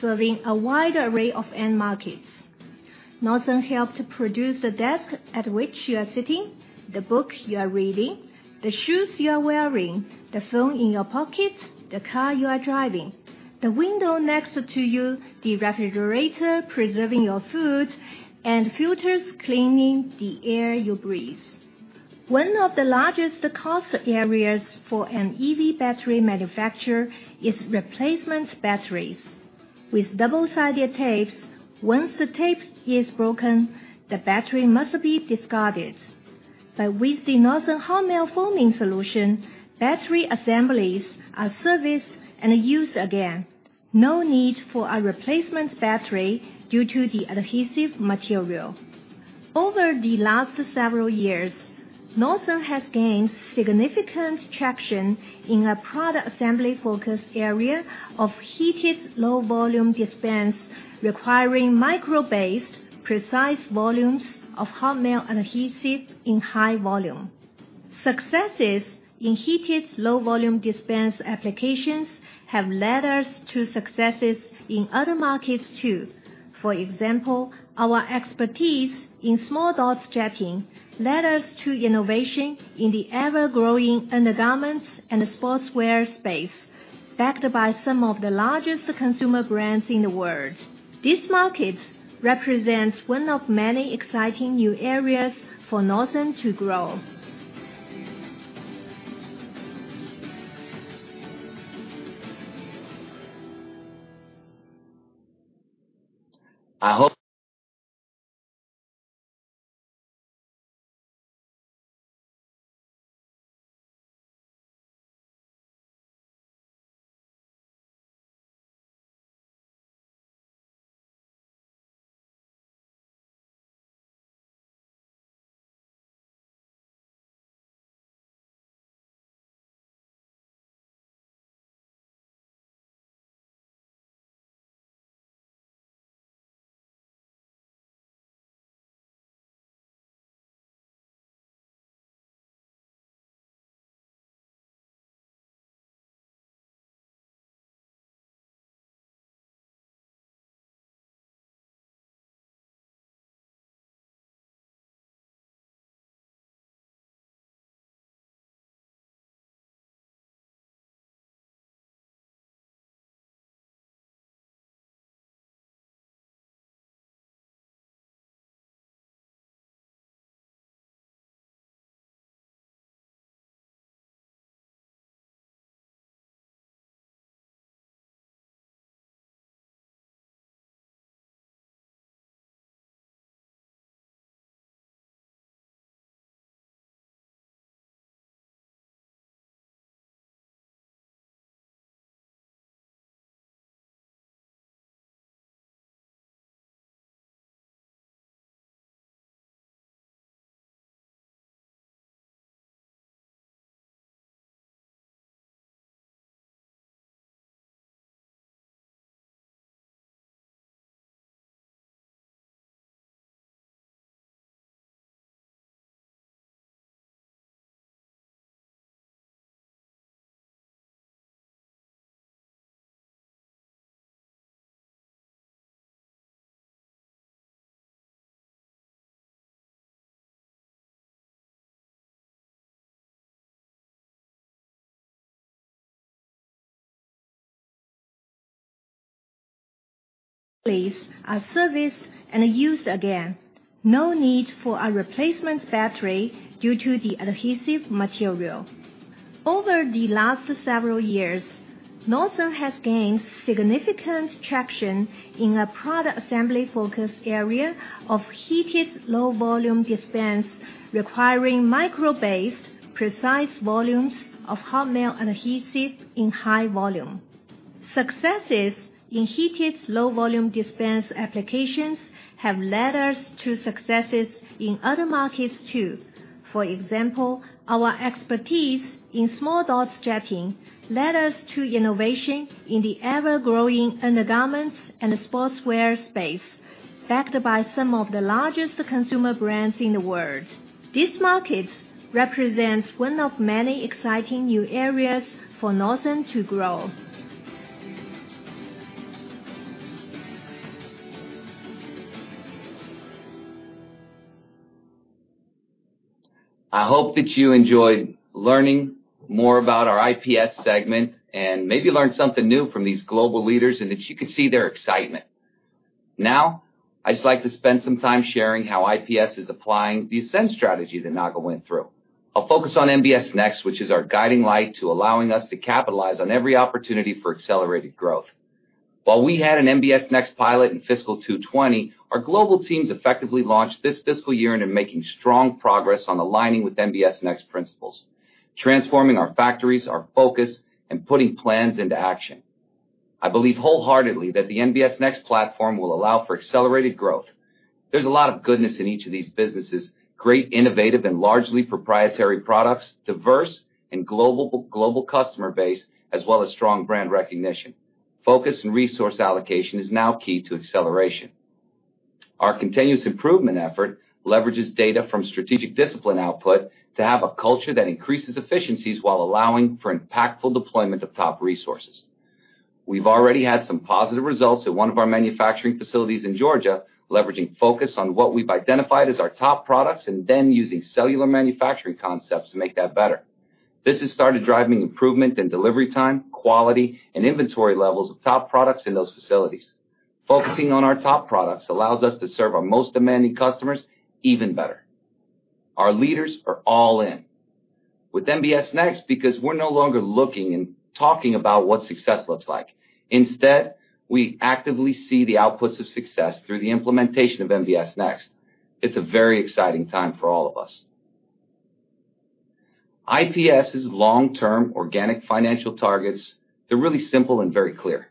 serving a wide array of end markets. Nordson helped produce the desk at which you are sitting, the book you are reading, the shoes you are wearing, the phone in your pocket, the car you are driving, the window next to you, the refrigerator preserving your food, and filters cleaning the air you breathe. One of the largest cost areas for an EV battery manufacturer is replacement batteries. With double-sided tapes, once the tape is broken, the battery must be discarded. But with the Nordson hot melt foaming solution, battery assemblies are serviced and used again. No need for a replacement battery due to the adhesive material. Over the last several years, Nordson has gained significant traction in a product assembly focus area of heated low-volume dispense requiring micro-based precise volumes of hot melt adhesive in high volume. Successes in heated low-volume dispense applications have led us to successes in other markets too. For example, our expertise in small dot strapping led us to innovation in the ever-growing undergarments and sportswear space backed by some of the largest consumer brands in the world. This market represents one of many exciting new areas for Nordson to grow. Please are serviced and used again. No need for a replacement battery due to the adhesive material. Over the last several years, Nordson has gained significant traction in the product assembly focus area of heated low volume dispense requiring micro-based precise volumes of hot melt adhesives in high volume. Successes in heated low volume dispense applications have led us to successes in other markets too. For example, our expertise in small dot strapping led us to innovation in the ever-growing undergarments and sportswear space, backed by some of the largest consumer brands in the world. This market represents one of many exciting new areas for Nordson to grow. I hope that you enjoyed learning more about our IPS segment and maybe learned something new from these global leaders and that you could see their excitement. Now, I'd just like to spend some time sharing how IPS is applying the ASCEND strategy that Naga went through. I'll focus on NBS Next, which is our guiding light to allowing us to capitalize on every opportunity for accelerated growth. While we had an NBS Next pilot in fiscal 2020, our global teams effectively launched this fiscal year and are making strong progress on aligning with NBS Next principles, transforming our factories, our focus, and putting plans into action. I believe wholeheartedly that the NBS Next platform will allow for accelerated growth. There's a lot of goodness in each of these businesses. Great, innovative, and largely proprietary products, diverse and global customer base, as well as strong brand recognition. Focus and resource allocation is now key to acceleration. Our continuous improvement effort leverages data from strategic discipline output to have a culture that increases efficiencies while allowing for impactful deployment of top resources. We've already had some positive results at one of our manufacturing facilities in Georgia, leveraging focus on what we've identified as our top products and then using cellular manufacturing concepts to make that better. This has started driving improvement in delivery time, quality, and inventory levels of top products in those facilities. Focusing on our top products allows us to serve our most demanding customers even better. Our leaders are all in with NBS Next because we're no longer looking and talking about what success looks like. Instead, we actively see the outputs of success through the implementation of NBS Next. It's a very exciting time for all of us. IPS's long-term organic financial targets, they're really simple and very clear.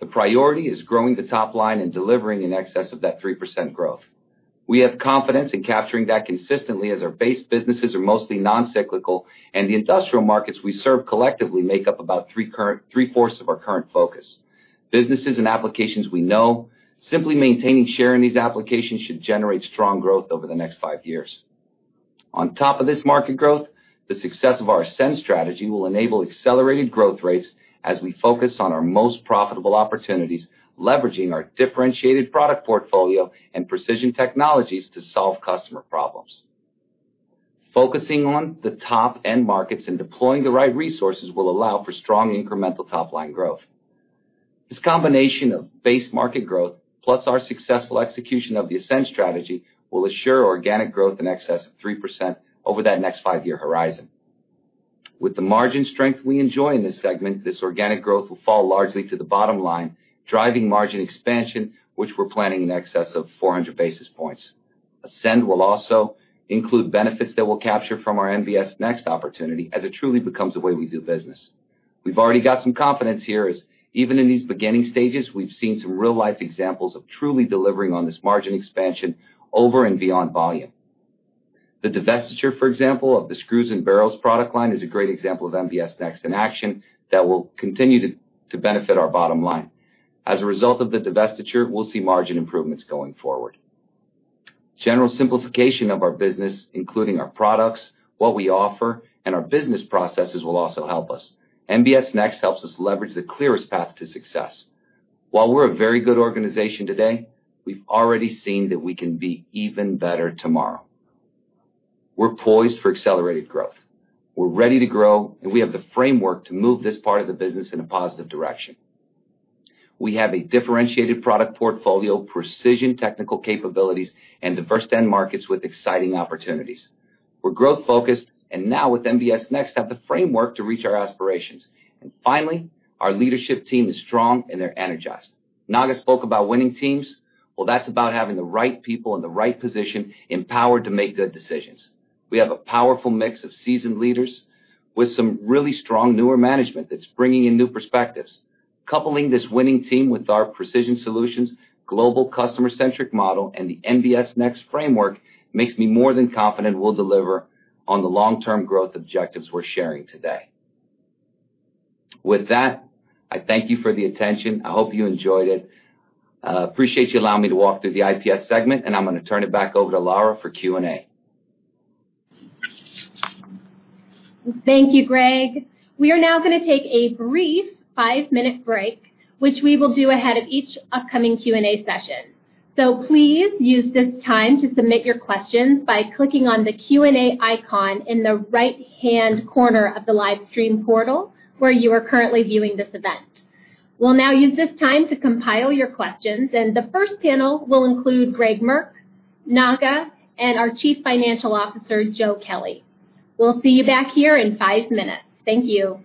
The priority is growing the top line and delivering in excess of that 3% growth. We have confidence in capturing that consistently as our base businesses are mostly non-cyclical, and the industrial markets we serve collectively make up about three-fourths of our current focus. Businesses and applications we know, simply maintaining share in these applications should generate strong growth over the next five years. On top of this market growth, the success of our ASCEND strategy will enable accelerated growth rates as we focus on our most profitable opportunities, leveraging our differentiated product portfolio and precision technologies to solve customer problems. Focusing on the top-end markets and deploying the right resources will allow for strong incremental top-line growth. This combination of base market growth plus our successful execution of the ASCEND strategy will assure organic growth in excess of 3% over that next five-year horizon. With the margin strength we enjoy in this segment, this organic growth will fall largely to the bottom line, driving margin expansion, which we're planning in excess of 400 basis points. ASCEND will also include benefits that we'll capture from our NBS Next opportunity as it truly becomes the way we do business. We've already got some confidence here, as even in these beginning stages, we've seen some real-life examples of truly delivering on this margin expansion over and beyond volume. The divestiture, for example, of the screws and barrels product line is a great example of NBS Next in action that will continue to benefit our bottom line. As a result of the divestiture, we'll see margin improvements going forward. General simplification of our business, including our products, what we offer, and our business processes will also help us. NBS Next helps us leverage the clearest path to success. While we're a very good organization today, we've already seen that we can be even better tomorrow. We're poised for accelerated growth. We're ready to grow. We have the framework to move this part of the business in a positive direction. We have a differentiated product portfolio, precision technical capabilities, and diverse end markets with exciting opportunities. We're growth-focused. Now with NBS Next, have the framework to reach our aspirations. Finally, our leadership team is strong and they're energized. Naga spoke about winning teams. Well, that's about having the right people in the right position, empowered to make good decisions. We have a powerful mix of seasoned leaders with some really strong newer management that's bringing in new perspectives. Coupling this winning team with our precision solutions, global customer-centric model, and the NBS Next framework makes me more than confident we'll deliver on the long-term growth objectives we're sharing today. With that, I thank you for the attention. I hope you enjoyed it. Appreciate you allowing me to walk through the IPS segment, and I'm going to turn it back over to Lara for Q&A. Thank you, Greg. We are now going to take a brief five-minute break, which we will do ahead of each upcoming Q&A session. Please use this time to submit your questions by clicking on the Q&A icon in the right-hand corner of the live stream portal where you are currently viewing this event. We'll now use this time to compile your questions, and the first panel will include Gregory Merk, Naga, and our Chief Financial Officer, Joseph Kelley. We'll see you back here in five minutes. Thank you.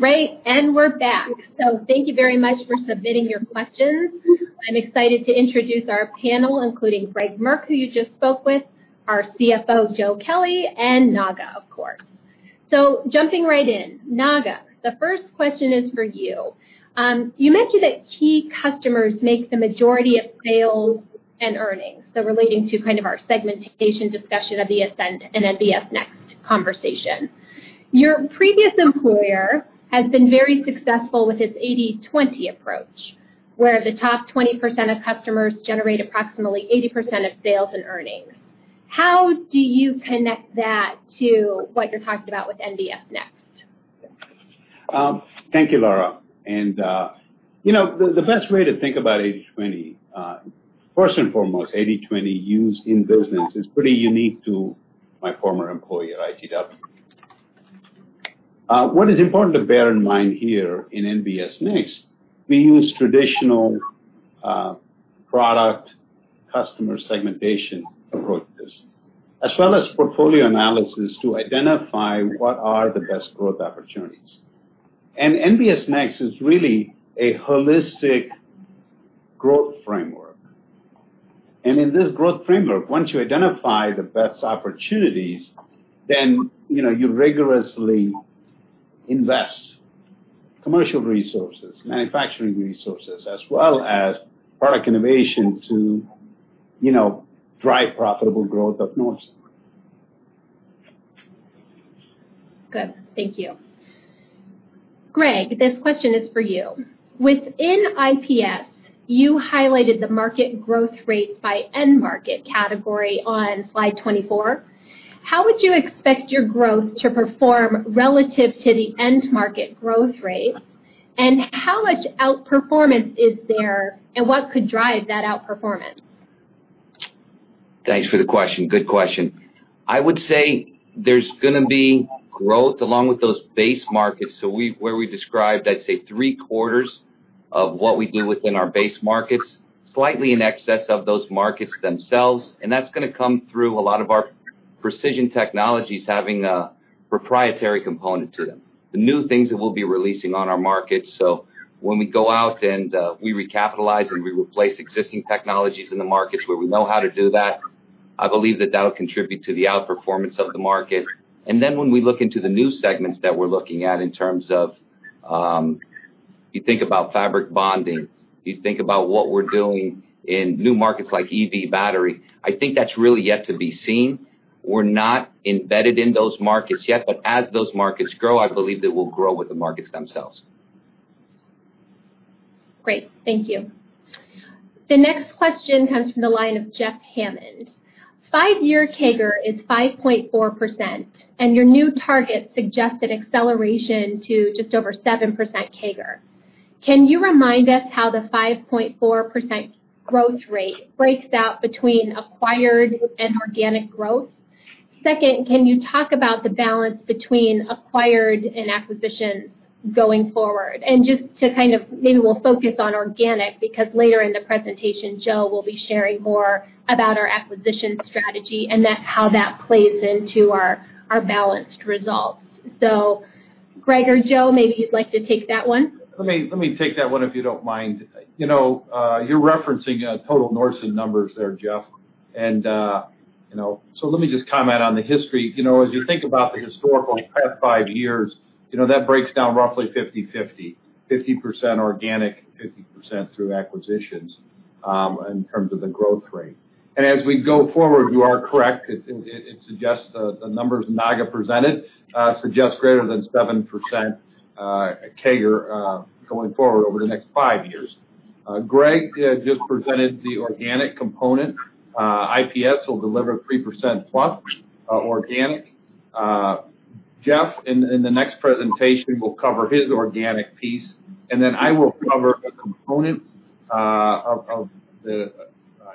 Great, we're back. Thank you very much for submitting your questions. I'm excited to introduce our panel, including Gregory Merk, who you just spoke with, our CFO, Joe Kelley, and Naga, of course. Jumping right in. Naga, the first question is for you. You mentioned that key customers make the majority of sales and earnings, relating to kind of our segmentation discussion of the ASCEND and then the NBS Next conversation. Your previous employer has been very successful with its 80/20 approach, where the top 20% of customers generate approximately 80% of sales and earnings. How do you connect that to what you're talking about with NBS Next? Thank you, Lara. The best way to think about 80/20, first and foremost, 80/20 used in business is pretty unique to my former employer at ITW. What is important to bear in mind here in NBS Next, we use traditional product customer segmentation approach to this, as well as portfolio analysis to identify what are the best growth opportunities. NBS Next is really a holistic growth framework. In this growth framework, once you identify the best opportunities, then you rigorously invest commercial resources, manufacturing resources, as well as product innovation to drive profitable growth of Nordson. Good. Thank you. Greg, this question is for you. Within IPS, you highlighted the market growth rates by end market category on Slide 24. How would you expect your growth to perform relative to the end market growth rates? How much outperformance is there, and what could drive that outperformance? Thanks for the question. Good question. I would say there's going to be growth along with those base markets. Where we described, I'd say three-quarters of what we do within our base markets, slightly in excess of those markets themselves, and that's going to come through a lot of our precision technologies having a proprietary component to them, the new things that we'll be releasing on our markets. When we go out and we recapitalize and we replace existing technologies in the markets where we know how to do that, I believe that that'll contribute to the outperformance of the market. When we look into the new segments that we're looking at in terms of, you think about fabric bonding, you think about what we're doing in new markets like EV battery, I think that's really yet to be seen. We're not embedded in those markets yet, but as those markets grow, I believe that we'll grow with the markets themselves. Great. Thank you. The next question comes from the line of Jeff Hammond. Five-year CAGR is 5.4%. Your new target suggested acceleration to just over 7% CAGR. Can you remind us how the 5.4% growth rate breaks out between acquired and organic growth? Second, can you talk about the balance between acquired and acquisitions going forward? Just to kind of, maybe we'll focus on organic, because later in the presentation, Joe will be sharing more about our acquisition strategy and how that plays into our balanced results. Greg or Joe, maybe you'd like to take that one. Let me take that one, if you don't mind. You're referencing total Nordson numbers there, Jeff. Let me just comment on the history. As you think about the historical past five years, that breaks down roughly 50/50% organic, 50% through acquisitions, in terms of the growth rate. As we go forward, you are correct. The numbers Naga presented suggest greater than 7% CAGR going forward over the next five years. Greg just presented the organic component. IPS will deliver 3% plus organic. Jeff, in the next presentation, will cover his organic piece, and then I will cover the component of the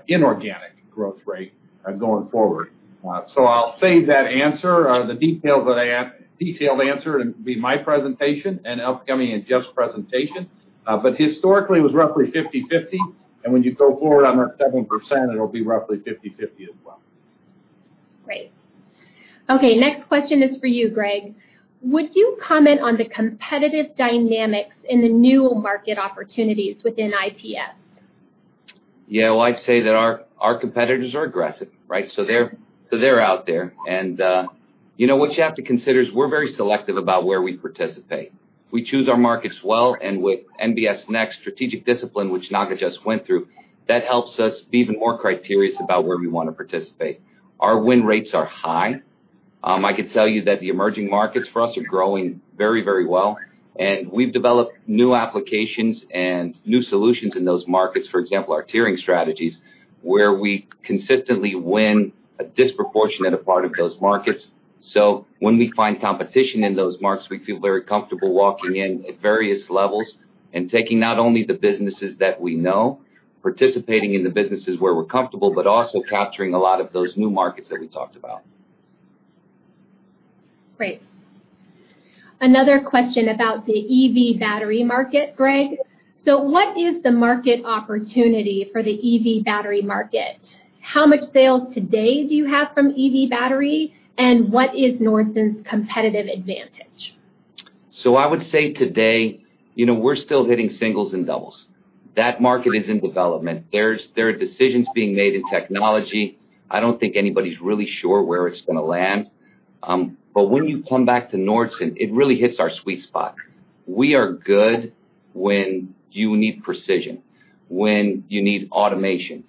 inorganic growth rate going forward. I'll save that answer, the detailed answer, it will be my presentation and upcoming in Jeff's presentation. Historically, it was roughly 50/50, and when you go forward on that 7%, it'll be roughly 50/50 as well. Great. Okay. Next question is for you, Greg. Would you comment on the competitive dynamics in the new market opportunities within IPS? Yeah. Well, I'd say that our competitors are aggressive, right? They're out there, and what you have to consider is we're very selective about where we participate. We choose our markets well. With NBS Next strategic discipline, which Naga just went through, that helps us be even more criterious about where we want to participate. Our win rates are high. I could tell you that the emerging markets for us are growing very well. We've developed new applications and new solutions in those markets. For example, our tiering strategies, where we consistently win a disproportionate part of those markets. When we find competition in those markets, we feel very comfortable walking in at various levels and taking not only the businesses that we know, participating in the businesses where we're comfortable, but also capturing a lot of those new markets that we talked about. Great. Another question about the EV battery market, Greg. What is the market opportunity for the EV battery market? How much sales today do you have from EV battery, and what is Nordson's competitive advantage? I would say today, we're still hitting singles and doubles. That market is in development. There are decisions being made in technology. I don't think anybody's really sure where it's going to land. When you come back to Nordson, it really hits our sweet spot. We are good when you need precision, when you need automation.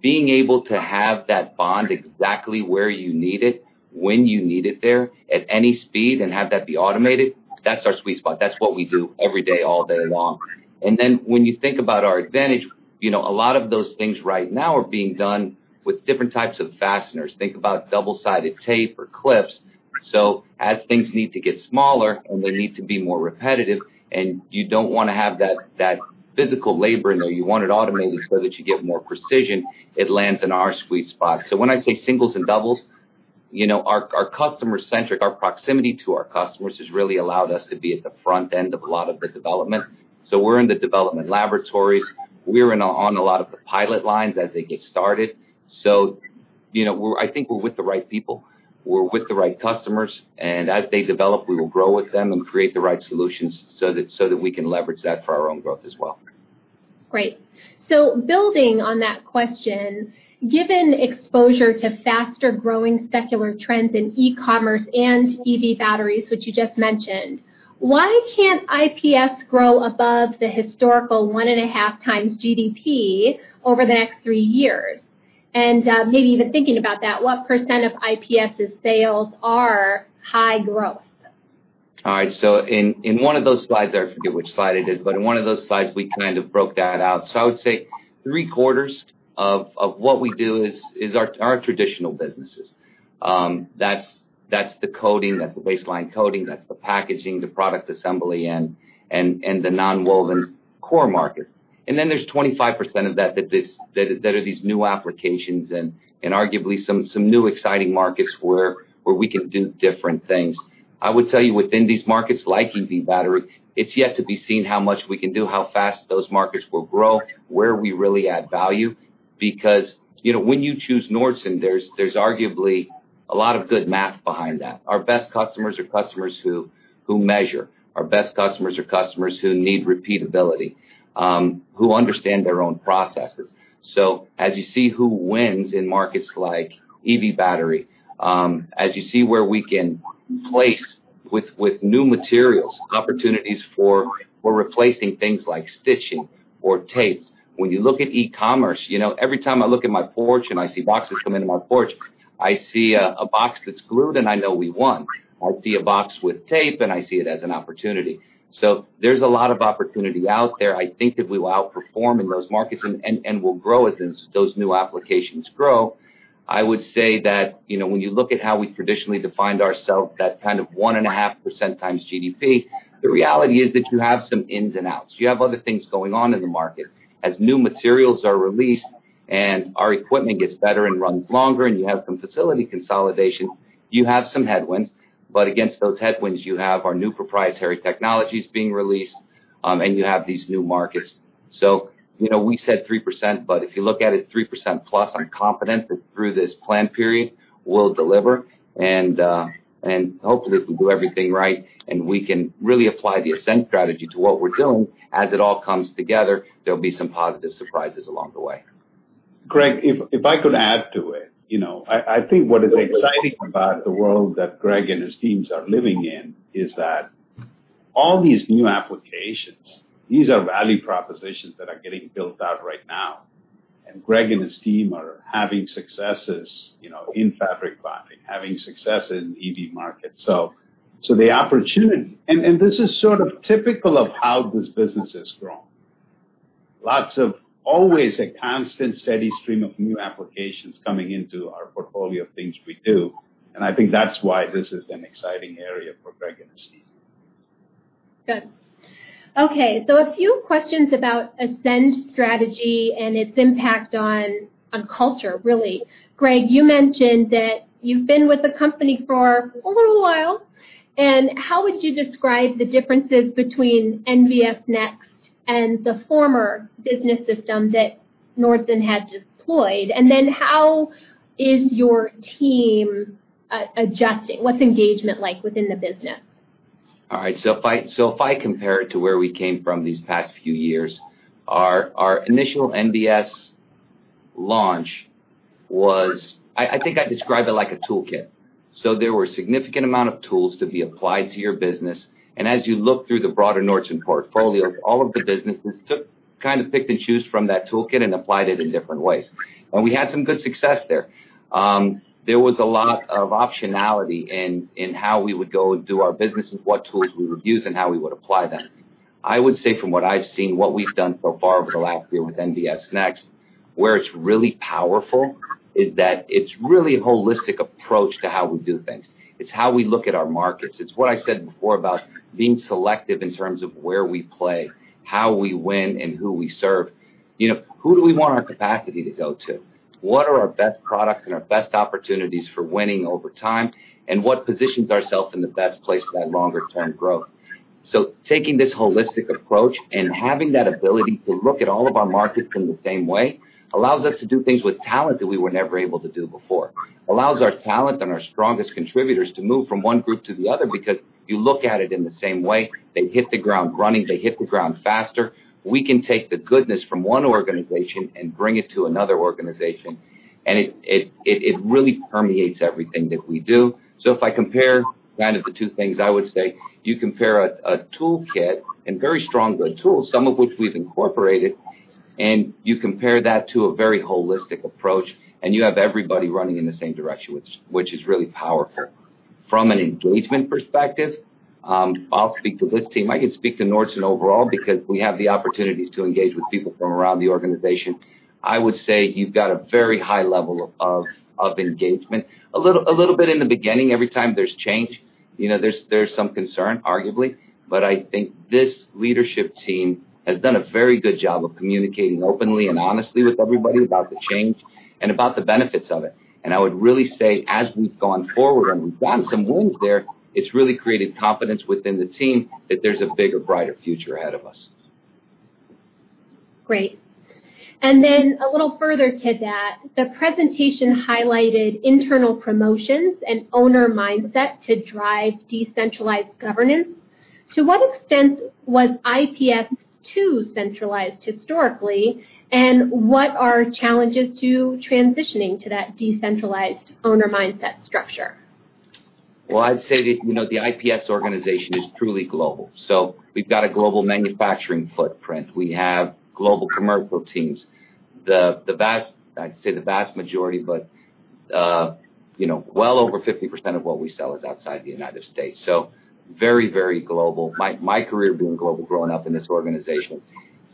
Being able to have that bond exactly where you need it, when you need it there, at any speed, and have that be automated, that's our sweet spot. That's what we do every day, all day long. When you think about our advantage, a lot of those things right now are being done with different types of fasteners. Think about double-sided tape or clips. As things need to get smaller and they need to be more repetitive and you don't want to have that physical labor in there, you want it automated so that you get more precision, it lands in our sweet spot. When I say singles and doubles, our customer-centric, our proximity to our customers, has really allowed us to be at the front end of a lot of the development. We're in the development laboratories. We're on a lot of the pilot lines as they get started. I think we're with the right people, we're with the right customers, and as they develop, we will grow with them and create the right solutions so that we can leverage that for our own growth as well. Great. Building on that question, given exposure to faster-growing secular trends in e-commerce and EV batteries, which you just mentioned, why can't IPS grow above the historical one and a half times GDP over the next three years? Maybe even thinking about that, what % of IPS's sales are high growth? All right. In one of those slides, I forget which slide it is, but in one of those slides, we kind of broke that out. I would say three-quarters of what we do is our traditional businesses. That's the coating, that's the baseline coating, that's the packaging, the product assembly, and the nonwoven core market. There's 25% of that that are these new applications and arguably some new exciting markets where we can do different things. I would tell you within these markets, like EV battery, it's yet to be seen how much we can do, how fast those markets will grow, where we really add value. When you choose Nordson, there's arguably a lot of good math behind that. Our best customers are customers who measure. Our best customers are customers who need repeatability, who understand their own processes. As you see who wins in markets like EV battery, as you see where we can place with new materials, opportunities for replacing things like stitching or tapes. When you look at e-commerce, every time I look at my porch and I see boxes come into my porch, I see a box that's glued, and I know we won. I see a box with tape, and I see it as an opportunity. There's a lot of opportunity out there. I think that we will outperform in those markets and will grow as those new applications grow. I would say that when you look at how we traditionally defined ourselves, that kind of one and a half % times GDP, the reality is that you have some ins and outs. You have other things going on in the market. As new materials are released and our equipment gets better and runs longer, you have some facility consolidation, you have some headwinds. Against those headwinds, you have our new proprietary technologies being released, you have these new markets. We said 3%, if you look at it, 3% plus, I'm confident that through this plan period, we'll deliver. Hopefully, if we do everything right and we can really apply the ASCEND strategy to what we're doing as it all comes together, there'll be some positive surprises along the way. Greg, if I could add to it. I think what is exciting about the world that Greg and his teams are living in is that all these new applications, these are value propositions that are getting built out right now. Greg and his team are having successes in fabric bonding, having success in the EV market. This is sort of typical of how this business has grown. Lots of always a constant steady stream of new applications coming into our portfolio of things we do, and I think that's why this is an exciting area for Greg and his team. Good. Okay. A few questions about ASCEND strategy and its impact on culture, really. Greg, you mentioned that you've been with the company for a little while, and how would you describe the differences between NBS Next and the former business system that Nordson had deployed? How is your team adjusting? What's engagement like within the business? All right. If I compare it to where we came from these past few years, our initial NBS launch was, I think I described it like a toolkit. There were significant amount of tools to be applied to your business, and as you look through the broader Nordson portfolio, all of the businesses took kind of picked and choose from that toolkit and applied it in different ways. We had some good success there. There was a lot of optionality in how we would go and do our business and what tools we would use and how we would apply them. I would say from what I've seen, what we've done so far over the last year with NBS Next, where it's really powerful is that it's really a holistic approach to how we do things. It's how we look at our markets. It's what I said before about being selective in terms of where we play, how we win, and who we serve. Who do we want our capacity to go to? What are our best products and our best opportunities for winning over time? What positions ourselves in the best place for that longer-term growth? Taking this holistic approach and having that ability to look at all of our markets in the same way allows us to do things with talent that we were never able to do before. Allows our talent and our strongest contributors to move from one group to the other because you look at it in the same way. They hit the ground running. They hit the ground faster. We can take the goodness from one organization and bring it to another organization. It really permeates everything that we do. If I compare kind of the two things, I would say you compare a toolkit and very strong, good tools, some of which we've incorporated, and you compare that to a very holistic approach, and you have everybody running in the same direction, which is really powerful. From an engagement perspective, I'll speak to this team. I can speak to Nordson overall because we have the opportunities to engage with people from around the organization. I would say you've got a very high level of engagement. A little bit in the beginning, every time there's change, there's some concern, arguably. I think this leadership team has done a very good job of communicating openly and honestly with everybody about the change and about the benefits of it. I would really say, as we've gone forward and we've got some wins there, it's really created confidence within the team that there's a bigger, brighter future ahead of us. Great. A little further to that, the presentation highlighted internal promotions and owner mindset to drive decentralized governance. To what extent was IPS too centralized historically, and what are challenges to transitioning to that decentralized owner mindset structure? Well, I'd say the IPS organization is truly global. We've got a global manufacturing footprint. We have global commercial teams. I'd say the vast majority, but well over 50% of what we sell is outside the U.S., very global. My career being global growing up in this organization.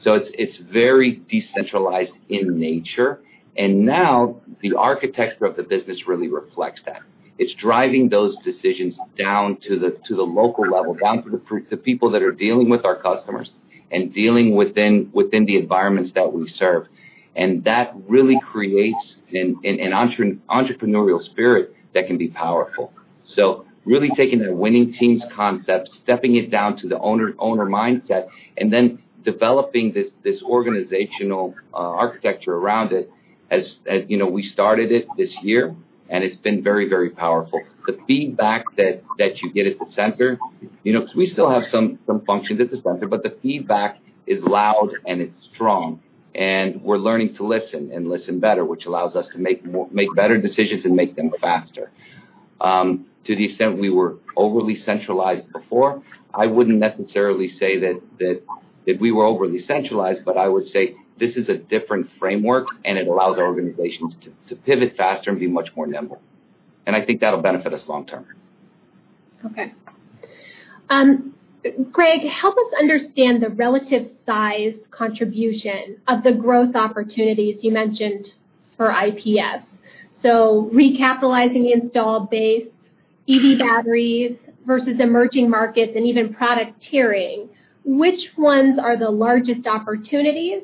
It's very decentralized in nature, now the architecture of the business really reflects that. It's driving those decisions down to the local level, down to the people that are dealing with our customers and dealing within the environments that we serve. That really creates an entrepreneurial spirit that can be powerful. Really taking that winning teams concept, stepping it down to the owner mindset, then developing this organizational architecture around it as we started it this year, it's been very powerful. The feedback that you get at the center, because we still have some functions at the center, but the feedback is loud and it's strong, and we're learning to listen and listen better, which allows us to make better decisions and make them faster. To the extent we were overly centralized before, I wouldn't necessarily say that we were overly centralized, but I would say this is a different framework, and it allows our organizations to pivot faster and be much more nimble. I think that'll benefit us long term. Okay. Greg, help us understand the relative size contribution of the growth opportunities you mentioned for IPS. Recapitalizing the installed base, EV batteries versus emerging markets, and even product tiering. Which ones are the largest opportunities,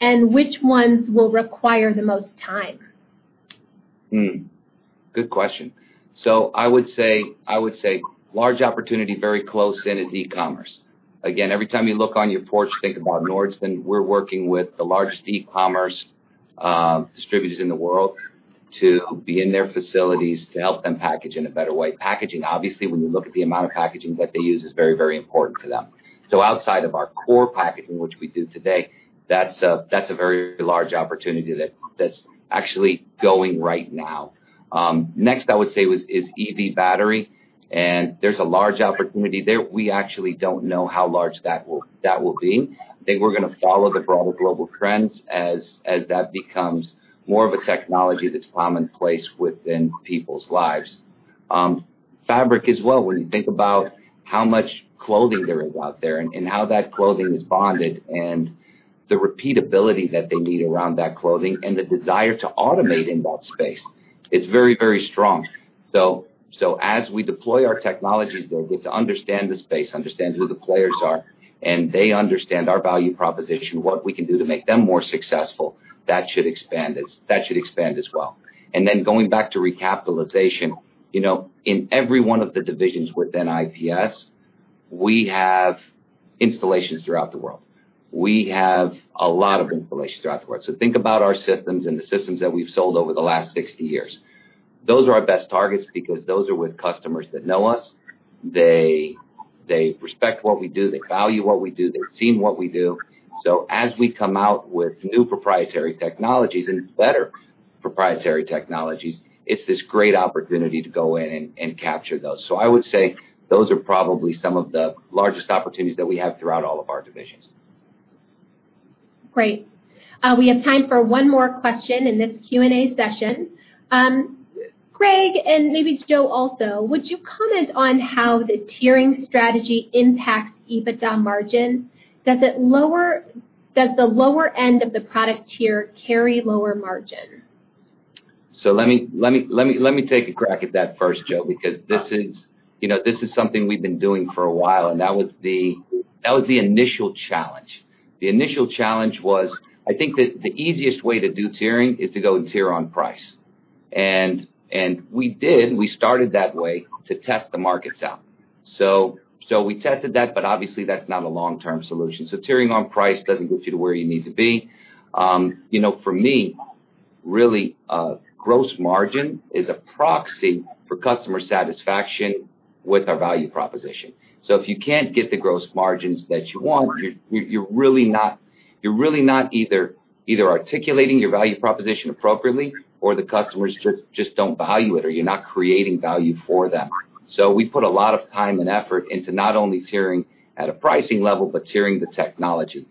and which ones will require the most time? Good question. I would say large opportunity very close in is e-commerce. Again, every time you look on your porch, think about Nordson. We're working with the largest e-commerce distributors in the world to be in their facilities to help them package in a better way. Packaging, obviously, when you look at the amount of packaging that they use is very important to them. Outside of our core packaging, which we do today, that's a very large opportunity that's actually going right now. Next I would say is EV battery, and there's a large opportunity there. We actually don't know how large that will be. I think we're going to follow the broader global trends as that becomes more of a technology that's commonplace within people's lives. Fabric as well. When you think about how much clothing there is out there and how that clothing is bonded and the repeatability that they need around that clothing and the desire to automate in that space, it's very strong. As we deploy our technologies there, we get to understand the space, understand who the players are, and they understand our value proposition, what we can do to make them more successful. That should expand as well. Then going back to recapitalization. In every one of the divisions within IPS, we have installations throughout the world. We have a lot of installations throughout the world. Think about our systems and the systems that we've sold over the last 60 years. Those are our best targets because those are with customers that know us. They respect what we do. They value what we do. They've seen what we do. As we come out with new proprietary technologies, and better proprietary technologies, it's this great opportunity to go in and capture those. I would say those are probably some of the largest opportunities that we have throughout all of our divisions. Great. We have time for one more question in this Q&A session. Greg, and maybe Joe also, would you comment on how the tiering strategy impacts EBITDA margin? Does the lower end of the product tier carry lower margin? Let me take a crack at that first, Joe, because this is something we've been doing for a while, and that was the initial challenge. The initial challenge was, I think, that the easiest way to do tiering is to go and tier on price. We did. We started that way to test the markets out. We tested that, but obviously that's not a long-term solution. Tiering on price doesn't get you to where you need to be. For me, really, gross margin is a proxy for customer satisfaction with our value proposition. If you can't get the gross margins that you want, you're really not either articulating your value proposition appropriately, or the customers just don't value it, or you're not creating value for them. We put a lot of time and effort into not only tiering at a pricing level, but tiering the technology.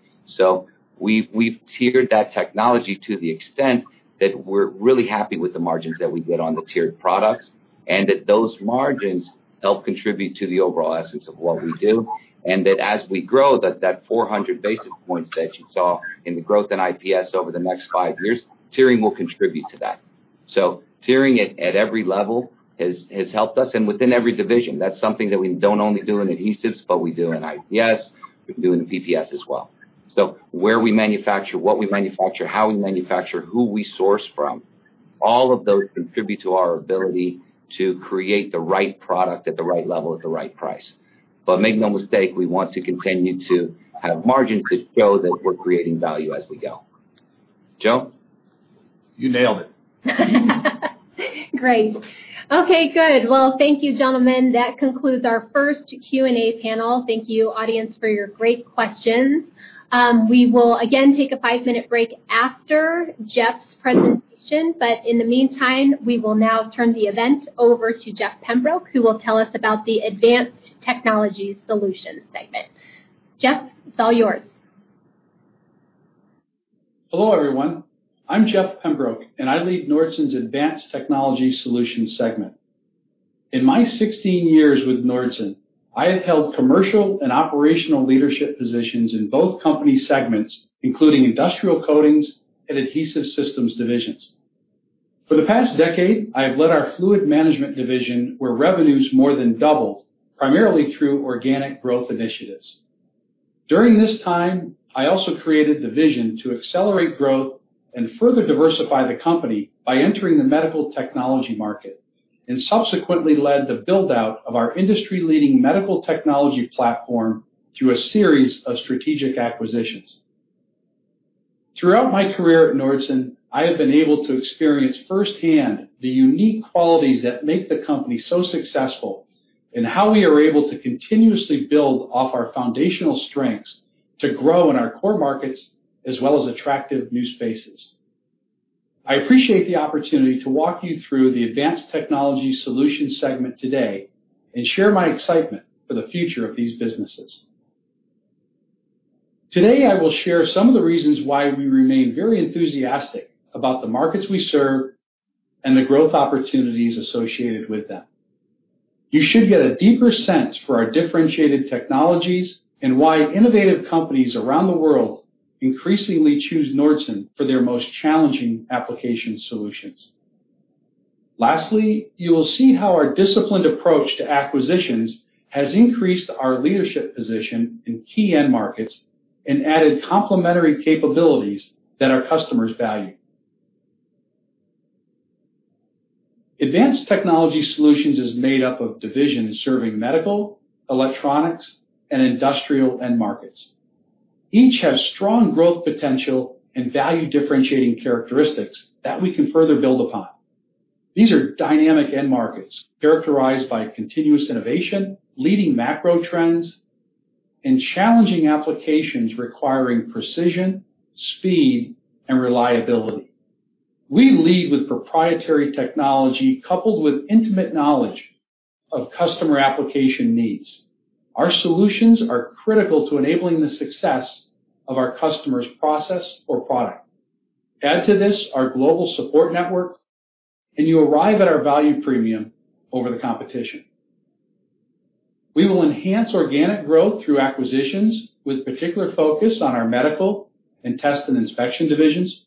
We've tiered that technology to the extent that we're really happy with the margins that we get on the tiered products, and that those margins help contribute to the overall essence of what we do. As we grow, that 400 basis points that you saw in the growth in IPS over the next five years, tiering will contribute to that. Tiering at every level has helped us, and within every division. That's something that we don't only do in adhesives, but we do in IPS, we do in the PPS as well. Where we manufacture, what we manufacture, how we manufacture, who we source from, all of those contribute to our ability to create the right product at the right level at the right price. But make no mistake, we want to continue to have margins that show that we're creating value as we go. Joe? You nailed it. Great. Okay, good. Thank you, gentlemen. That concludes our first Q&A panel. Thank you audience for your great questions. We will again take a five-minute break after Jeff's presentation, but in the meantime, we will now turn the event over to Jeff Pembroke, who will tell us about the Advanced Technology Solutions Segment. Jeff, it's all yours. Hello, everyone. I'm Jeff Pembroke, and I lead Nordson's Advanced Technology Solutions segment. In my 16 years with Nordson, I have held commercial and operational leadership positions in both company segments, including Industrial Coatings and Adhesive Systems divisions. For the past decade, I have led our Fluid Management division, where revenues more than doubled, primarily through organic growth initiatives. During this time, I also created the vision to accelerate growth and further diversify the company by entering the medical technology market, and subsequently led the build-out of our industry-leading medical technology platform through a series of strategic acquisitions. Throughout my career at Nordson, I have been able to experience firsthand the unique qualities that make the company so successful, and how we are able to continuously build off our foundational strengths to grow in our core markets as well as attractive new spaces. I appreciate the opportunity to walk you through the Advanced Technology Solutions segment today and share my excitement for the future of these businesses. Today, I will share some of the reasons why we remain very enthusiastic about the markets we serve and the growth opportunities associated with them. You should get a deeper sense for our differentiated technologies and why innovative companies around the world increasingly choose Nordson for their most challenging application solutions. Lastly, you will see how our disciplined approach to acquisitions has increased our leadership position in key end markets and added complementary capabilities that our customers value. Advanced Technology Solutions is made up of divisions serving medical, electronics, and industrial end markets. Each has strong growth potential and value differentiating characteristics that we can further build upon. These are dynamic end markets characterized by continuous innovation, leading macro trends, and challenging applications requiring precision, speed, and reliability. We lead with proprietary technology coupled with intimate knowledge of customer application needs. Our solutions are critical to enabling the success of our customer's process or product. Add to this our global support network, you arrive at our value premium over the competition. We will enhance organic growth through acquisitions with particular focus on our Medical and Test & Inspection divisions.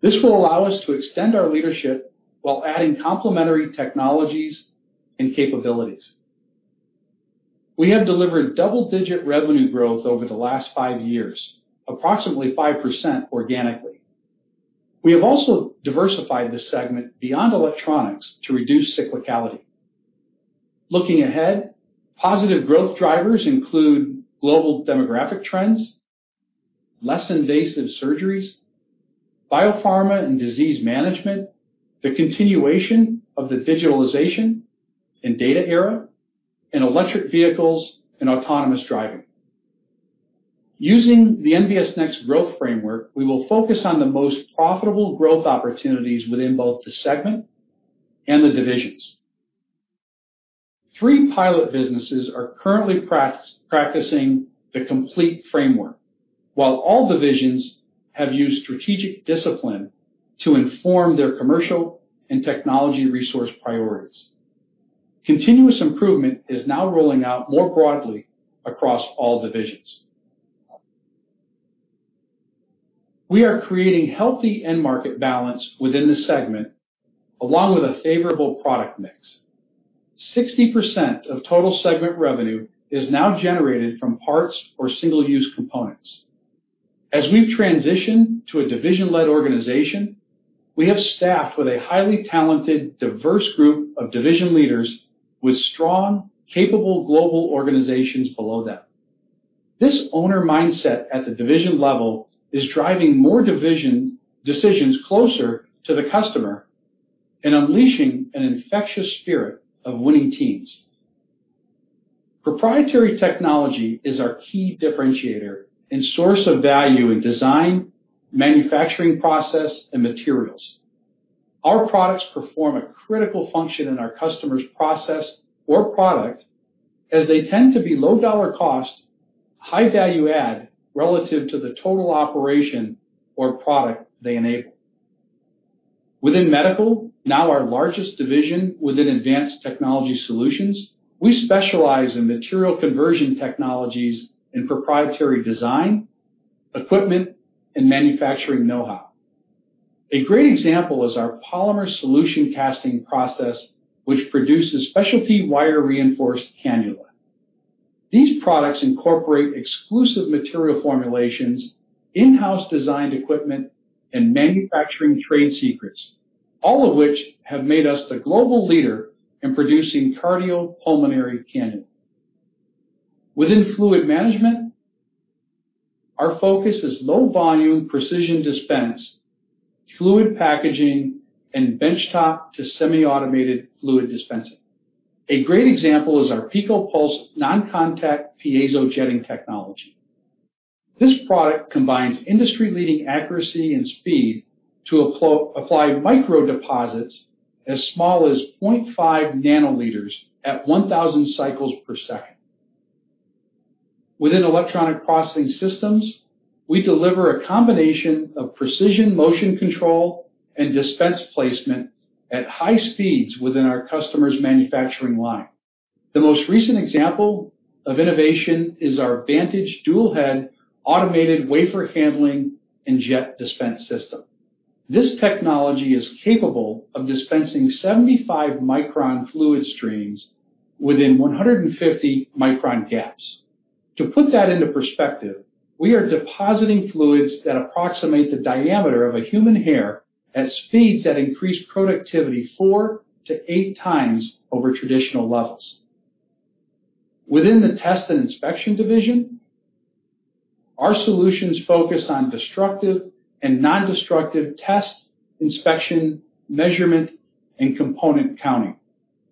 This will allow us to extend our leadership while adding complementary technologies and capabilities. We have delivered double-digit revenue growth over the last five years, approximately 5% organically. We have also diversified this segment beyond electronics to reduce cyclicality. Looking ahead, positive growth drivers include global demographic trends, less invasive surgeries, biopharma and disease management, the continuation of the digitalization and data era, and electric vehicles and autonomous driving. Using the NBS Next growth framework, we will focus on the most profitable growth opportunities within both the segment and the divisions. Three pilot businesses are currently practicing the complete framework, while all divisions have used strategic discipline to inform their commercial and technology resource priorities. Continuous improvement is now rolling out more broadly across all divisions. We are creating healthy end market balance within the segment, along with a favorable product mix. 60% of total segment revenue is now generated from parts or single-use components. As we've transitioned to a division-led organization, we have staffed with a highly talented, diverse group of division leaders with strong, capable global organizations below them. This owner mindset at the division level is driving more decisions closer to the customer and unleashing an infectious spirit of winning teams. Proprietary technology is our key differentiator and source of value in design, manufacturing process, and materials. Our products perform a critical function in our customer's process or product, as they tend to be low dollar cost, high value add relative to the total operation or product they enable. Within Medical, now our largest division within Advanced Technology Solutions, we specialize in material conversion technologies and proprietary design, equipment, and manufacturing know-how. A great example is our polymer solution casting process, which produces specialty wire-reinforced cannula. These products incorporate exclusive material formulations, in-house designed equipment, and manufacturing trade secrets, all of which have made us the global leader in producing cardiopulmonary cannula. Within Fluid Management, our focus is low volume precision dispense, fluid packaging, and benchtop to semi automated fluid dispensing. A great example is our PICO Pµlse non-contact piezo jetting technology. This product combines industry-leading accuracy and speed to apply microdeposits as small as 0.5 nL at 1,000 cycles per second. Within Electronics Processing Systems, we deliver a combination of precision motion control and dispense placement at high speeds within our customer's manufacturing line. The most recent example of innovation is our Vantage dual-head automated wafer handling and jet dispense system. This technology is capable of dispensing 75-micron fluid streams within 150-micron gaps. To put that into perspective, we are depositing fluids that approximate the diameter of a human hair at speeds that increase productivity four to eight times over traditional levels. Within the Test & Inspection division, our solutions focus on destructive and non-destructive test, inspection, measurement, and component counting.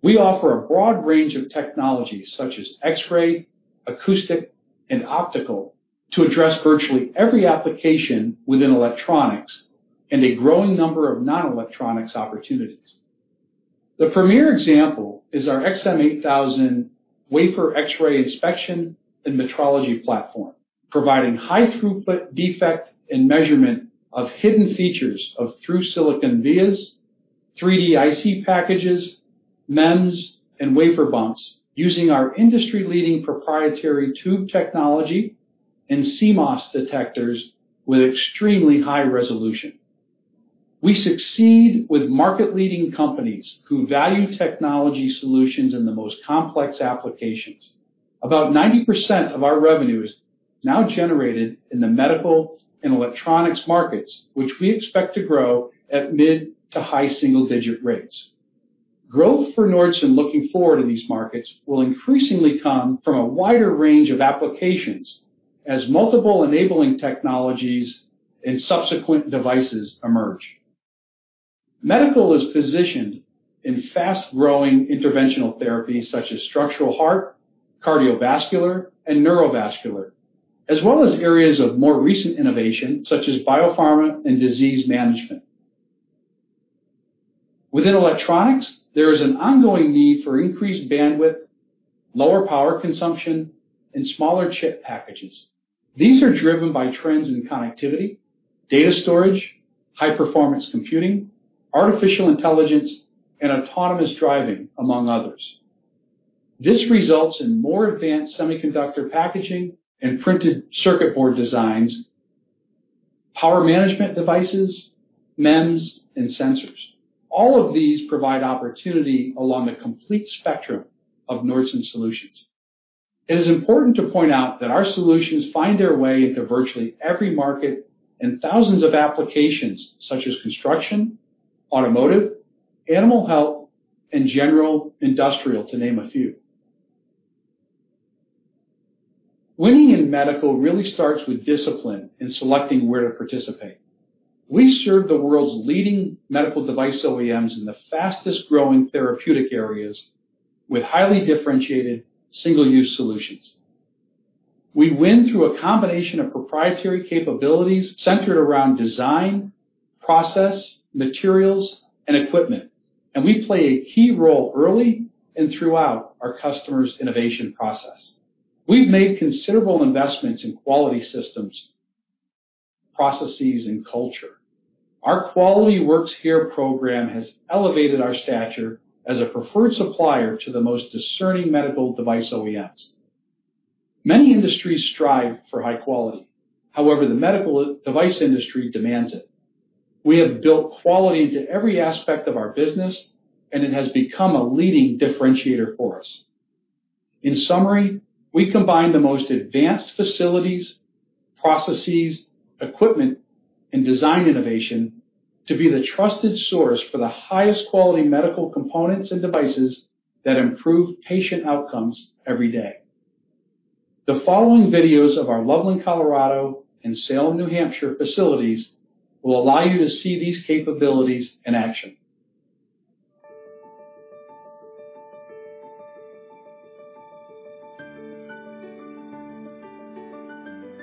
We offer a broad range of technologies such as X-ray, acoustic, and optical to address virtually every application within electronics and a growing number of non-electronics opportunities. The premier example is our XM8000 wafer X-ray inspection and metrology platform, providing high throughput defect and measurement of hidden features of through-silicon vias, 3D IC packages, MEMS, and wafer bumps using our industry-leading proprietary tube technology and CMOS detectors with extremely high resolution. We succeed with market-leading companies who value technology solutions in the most complex applications. About 90% of our revenue is now generated in the Medical and electronics markets, which we expect to grow at mid to high single-digit rates. Growth for Nordson looking forward in these markets will increasingly come from a wider range of applications as multiple enabling technologies and subsequent devices emerge. Medical is positioned in fast-growing interventional therapies such as structural heart, cardiovascular, and neurovascular, as well as areas of more recent innovation such as biopharma and disease management. Within electronics, there is an ongoing need for increased bandwidth, lower power consumption, and smaller chip packages. These are driven by trends in connectivity, data storage, high-performance computing, artificial intelligence, and autonomous driving, among others. This results in more advanced semiconductor packaging and printed circuit board designs, power management devices, MEMS, and sensors. All of these provide opportunity along the complete spectrum of Nordson solutions. It is important to point out that our solutions find their way into virtually every market and thousands of applications such as construction, automotive, animal health, and general industrial, to name a few. Winning in medical really starts with discipline in selecting where to participate. We serve the world's leading medical device OEMs in the fastest-growing therapeutic areas with highly differentiated single-use solutions. We win through a combination of proprietary capabilities centered around design, process, materials, and equipment, and we play a key role early and throughout our customers' innovation process. We've made considerable investments in quality systems, processes, and culture. Our Quality Works Here program has elevated our stature as a preferred supplier to the most discerning medical device OEMs. Many industries strive for high quality. However, the medical device industry demands it. We have built quality into every aspect of our business, and it has become a leading differentiator for us. In summary, we combine the most advanced facilities, processes, equipment, and design innovation to be the trusted source for the highest quality medical components and devices that improve patient outcomes every day. The following videos of our Loveland, Colorado, and Salem, New Hampshire, facilities will allow you to see these capabilities in action.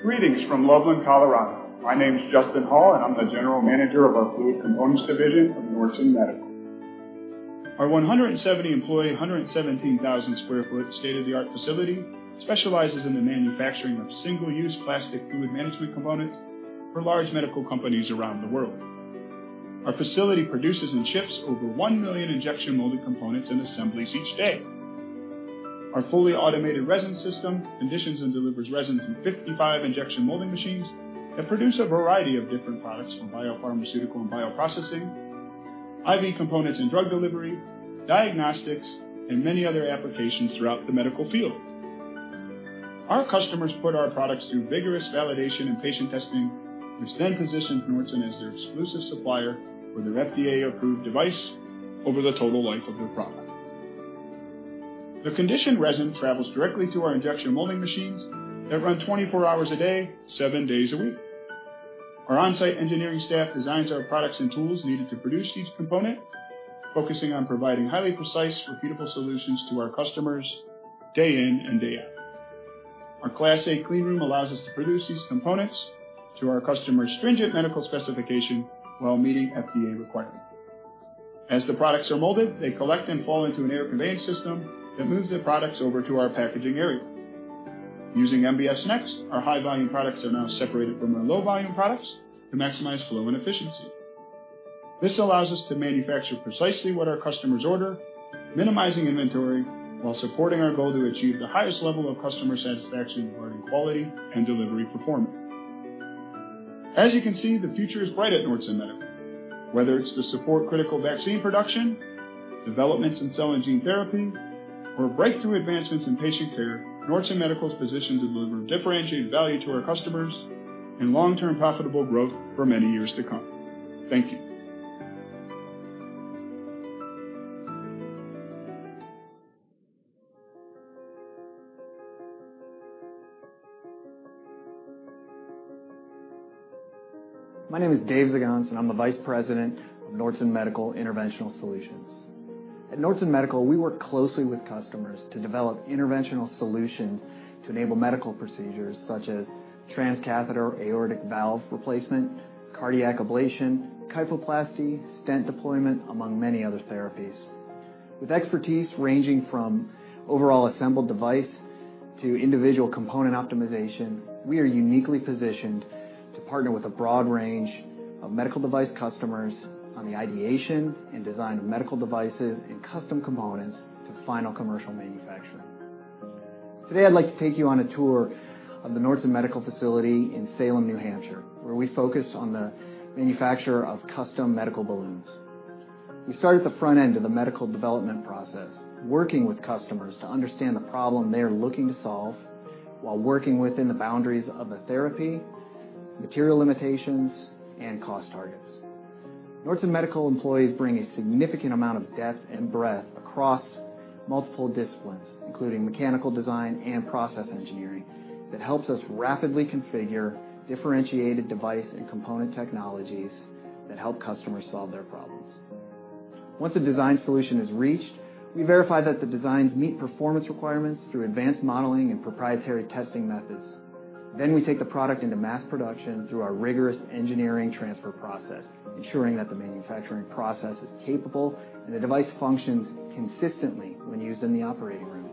Greetings from Loveland, Colorado. My name's Justin Hall, and I'm the general manager of our fluid components division of Nordson Medical. Our 170-employee, 117,000 sq ft state-of-the-art facility specializes in the manufacturing of single-use plastic fluid management components for large medical companies around the world. Our facility produces and ships over 1 million injection molded components and assemblies each day. Our fully automated resin system conditions and delivers resin in 55 injection molding machines that produce a variety of different products from biopharmaceutical and bioprocessing, IV components and drug delivery, diagnostics, and many other applications throughout the medical field. Our customers put our products through vigorous validation and patient testing, which then positions Nordson as their exclusive supplier for their FDA-approved device over the total life of their product. The conditioned resin travels directly to our injection molding machines that run 24 hours a day, seven days a week. Our on-site engineering staff designs our products and tools needed to produce each component, focusing on providing highly precise, repeatable solutions to our customers day in and day out. Our Grade A cleanroom allows us to produce these components to our customers' stringent medical specification while meeting FDA requirements. As the products are molded, they collect and fall into an air conveyance system that moves the products over to our packaging area. Using NBS Next, our high-volume products are now separated from our low-volume products to maximize flow and efficiency. This allows us to manufacture precisely what our customers order, minimizing inventory while supporting our goal to achieve the highest level of customer satisfaction regarding quality and delivery performance. As you can see, the future is bright at Nordson Medical. Whether it's to support critical vaccine production, developments in cell and gene therapy, or breakthrough advancements in patient care, Nordson Medical is positioned to deliver differentiated value to our customers and long-term profitable growth for many years to come. Thank you. My name is Dave Zgonc, and I'm the vice president of Nordson Medical Interventional Solutions. At Nordson Medical, we work closely with customers to develop interventional solutions to enable medical procedures such as transcatheter aortic valve replacement, cardiac ablation, kyphoplasty, stent deployment, among many other therapies. With expertise ranging from overall assembled device to individual component optimization, we are uniquely positioned to partner with a broad range of medical device customers on the ideation and design of medical devices and custom components to final commercial manufacturing. Today, I'd like to take you on a tour of the Nordson Medical facility in Salem, New Hampshire, where we focus on the manufacture of custom medical balloons. We start at the front end of the medical development process, working with customers to understand the problem they are looking to solve while working within the boundaries of the therapy, material limitations, and cost targets. Nordson Medical employees bring a significant amount of depth and breadth across multiple disciplines, including mechanical design and process engineering, that helps us rapidly configure differentiated device and component technologies that help customers solve their problems. Once a design solution is reached, we verify that the designs meet performance requirements through advanced modeling and proprietary testing methods. We take the product into mass production through our rigorous engineering transfer process, ensuring that the manufacturing process is capable and the device functions consistently when used in the operating room.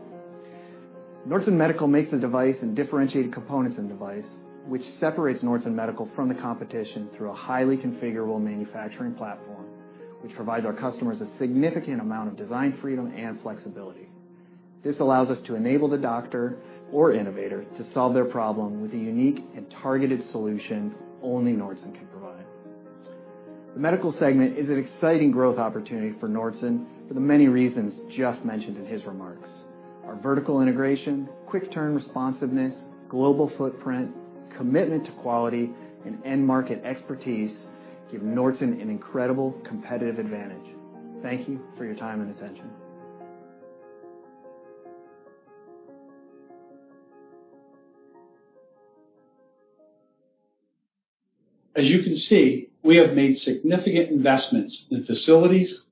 Nordson Medical makes the device and differentiated components in device, which separates Nordson Medical from the competition through a highly configurable manufacturing platform, which provides our customers a significant amount of design freedom and flexibility. This allows us to enable the doctor or innovator to solve their problem with a unique and targeted solution only Nordson can provide. The medical segment is an exciting growth opportunity for Nordson for the many reasons Jeff mentioned in his remarks. Our vertical integration, quick turn responsiveness, global footprint, commitment to quality, and end market expertise give Nordson an incredible competitive advantage. Thank you for your time and attention. As you can see, we have made significant investments in facilities,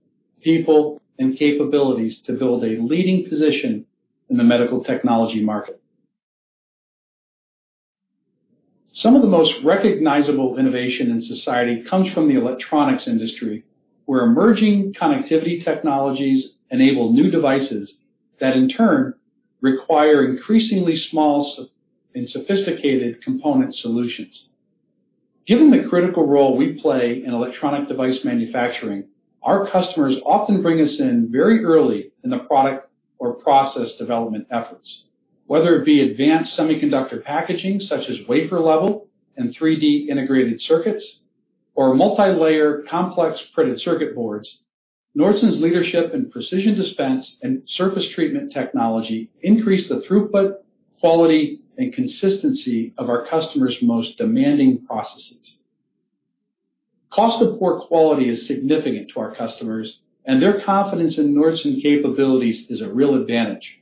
people, and capabilities to build a leading position in the medical technology market. Some of the most recognizable innovation in society comes from the electronics industry, where emerging connectivity technologies enable new devices that in turn require increasingly small and sophisticated component solutions. Given the critical role we play in electronic device manufacturing, our customers often bring us in very early in the product or process development efforts. Whether it be advanced semiconductor packaging such as wafer level and 3D integrated circuits, or multilayer complex printed circuit boards, Nordson's leadership in precision dispense and surface treatment technology increase the throughput, quality, and consistency of our customers' most demanding processes. Cost of poor quality is significant to our customers, and their confidence in Nordson capabilities is a real advantage.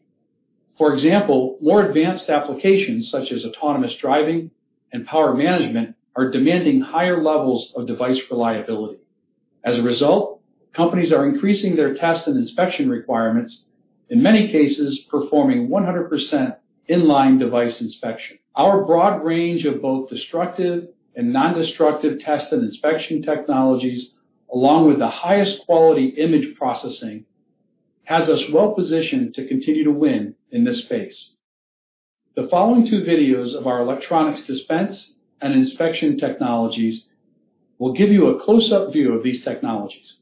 For example, more advanced applications such as autonomous driving and power management are demanding higher levels of device reliability. As a result, companies are increasing their test and inspection requirements, in many cases, performing 100% inline device inspection. Our broad range of both destructive and non-destructive test and inspection technologies, along with the highest quality image processing, has us well-positioned to continue to win in this space. The following two videos of our electronics dispense and inspection technologies will give you a close-up view of these technologies.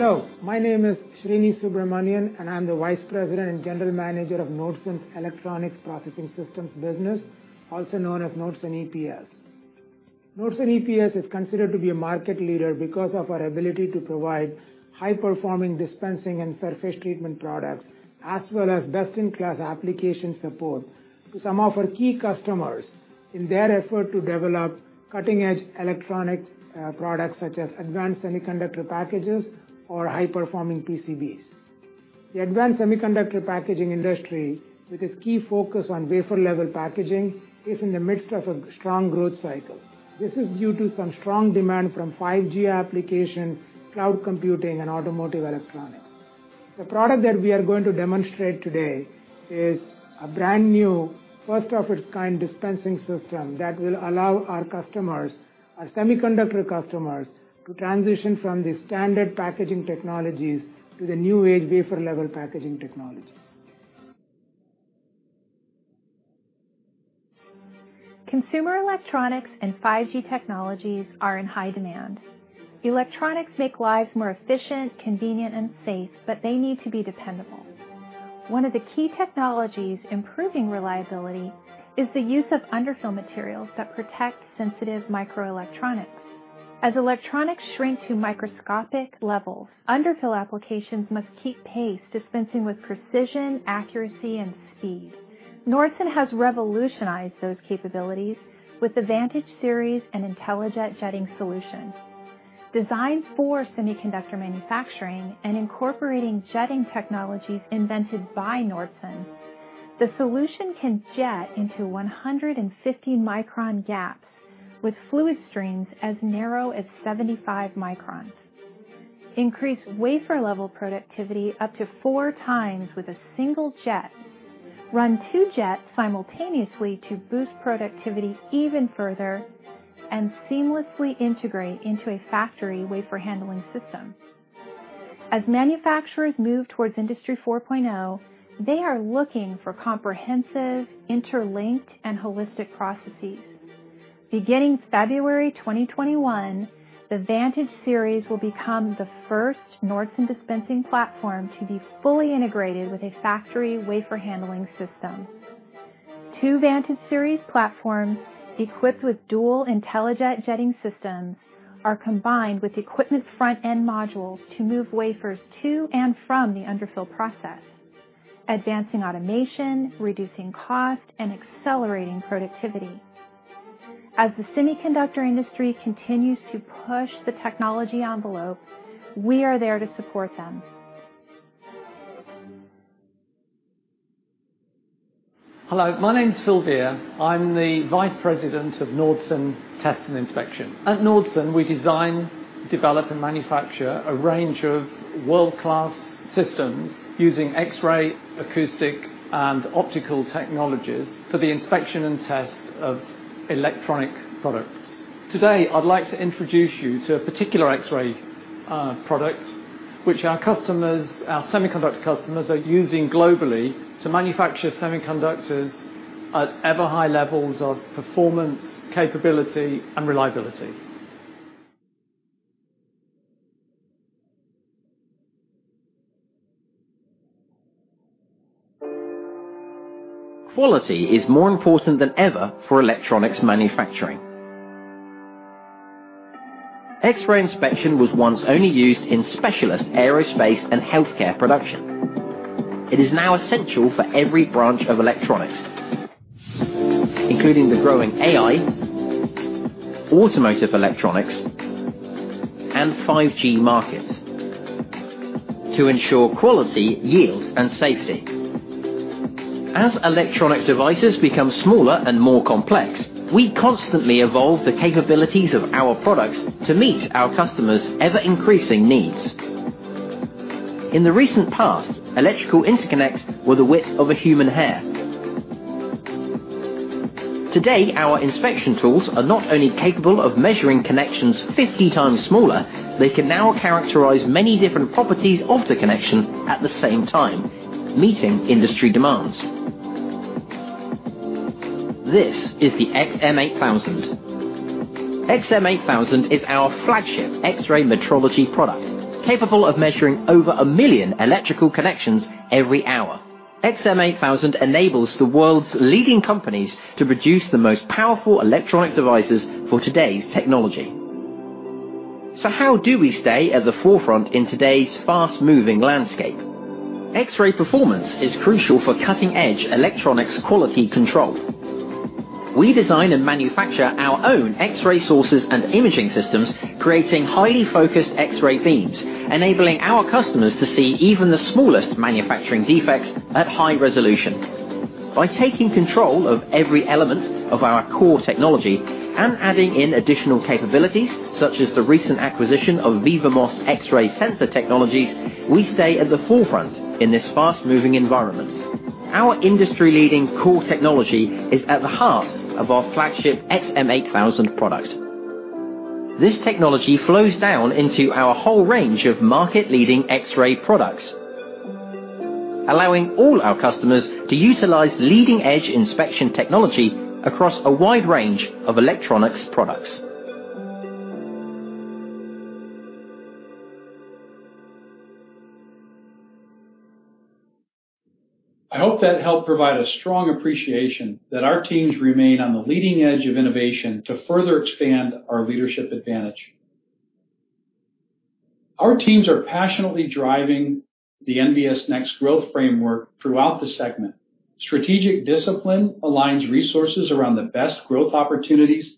Hello, my name is Srini Subramanian, I'm the Vice President and General Manager of Nordson's Electronics Processing Systems business, also known as Nordson EPS. Nordson EPS is considered to be a market leader because of our ability to provide high-performing dispensing and surface treatment products, as well as best-in-class application support to some of our key customers in their effort to develop cutting-edge electronic products such as advanced semiconductor packages or high-performing PCBs. The advanced semiconductor packaging industry, with its key focus on wafer level packaging, is in the midst of a strong growth cycle. This is due to some strong demand from 5G applications, cloud computing, and automotive electronics. The product that we are going to demonstrate today is a brand-new, first-of-its-kind dispensing system that will allow our semiconductor customers to transition from the standard packaging technologies to the new-age wafer level packaging technologies. Consumer electronics and 5G technologies are in high demand. Electronics make lives more efficient, convenient, and safe, but they need to be dependable. One of the key technologies improving reliability is the use of underfill materials that protect sensitive microelectronics. As electronics shrink to microscopic levels, underfill applications must keep pace, dispensing with precision, accuracy, and speed. Nordson has revolutionized those capabilities with the Vantage Series and IntelliJet jetting solution. Designed for semiconductor manufacturing and incorporating jetting technologies invented by Nordson, the solution can jet into 150-micron gaps with fluid streams as narrow as 75 microns, increase wafer level productivity up to four times with a single jet, run two jets simultaneously to boost productivity even further, and seamlessly integrate into a factory wafer handling system. As manufacturers move towards Industry 4.0, they are looking for comprehensive, interlinked, and holistic processes. Beginning February 2021, the Vantage Series will become the first Nordson dispensing platform to be fully integrated with a factory wafer handling system. Two Vantage Series platforms equipped with dual IntelliJet jetting systems are combined with equipment front-end modules to move wafers to and from the underfill process, advancing automation, reducing cost, and accelerating productivity. As the semiconductor industry continues to push the technology envelope, we are there to support them. Hello, my name's Phil Beer. I'm the Vice President of Nordson Test & Inspection. At Nordson, we design, develop, and manufacture a range of world-class systems using X-ray, acoustic, and optical technologies for the inspection and test of electronic products. Today, I'd like to introduce you to a particular X-ray product, which our semiconductor customers are using globally to manufacture semiconductors at ever higher levels of performance, capability, and reliability. Quality is more important than ever for electronics manufacturing. X-ray inspection was once only used in specialist aerospace and healthcare production. It is now essential for every branch of electronics, including the growing AI, automotive electronics, and 5G markets, to ensure quality, yield, and safety. As electronic devices become smaller and more complex, we constantly evolve the capabilities of our products to meet our customers' ever-increasing needs. In the recent past, electrical interconnects were the width of a human hair. Today, our inspection tools are not only capable of measuring connections 50 times smaller, they can now characterize many different properties of the connection at the same time, meeting industry demands. This is the XM 8000. XM 8000 is our flagship X-ray metrology product, capable of measuring over 1 million electrical connections every hour. XM8000 enables the world's leading companies to produce the most powerful electronic devices for today's technology. How do we stay at the forefront in today's fast-moving landscape? X-ray performance is crucial for cutting-edge electronics quality control. We design and manufacture our own X-ray sources and imaging systems, creating highly focused X-ray beams, enabling our customers to see even the smallest manufacturing defects at high resolution. By taking control of every element of our core technology and adding in additional capabilities, such as the recent acquisition of vivaMOS X-ray sensor technologies, we stay at the forefront in this fast-moving environment. Our industry-leading core technology is at the heart of our flagship XM8000 product. This technology flows down into our whole range of market-leading X-ray products, allowing all our customers to utilize leading-edge inspection technology across a wide range of electronics products. I hope that helped provide a strong appreciation that our teams remain on the leading edge of innovation to further expand our leadership advantage. Our teams are passionately driving the NBS Next growth framework throughout the segment. Strategic discipline aligns resources around the best growth opportunities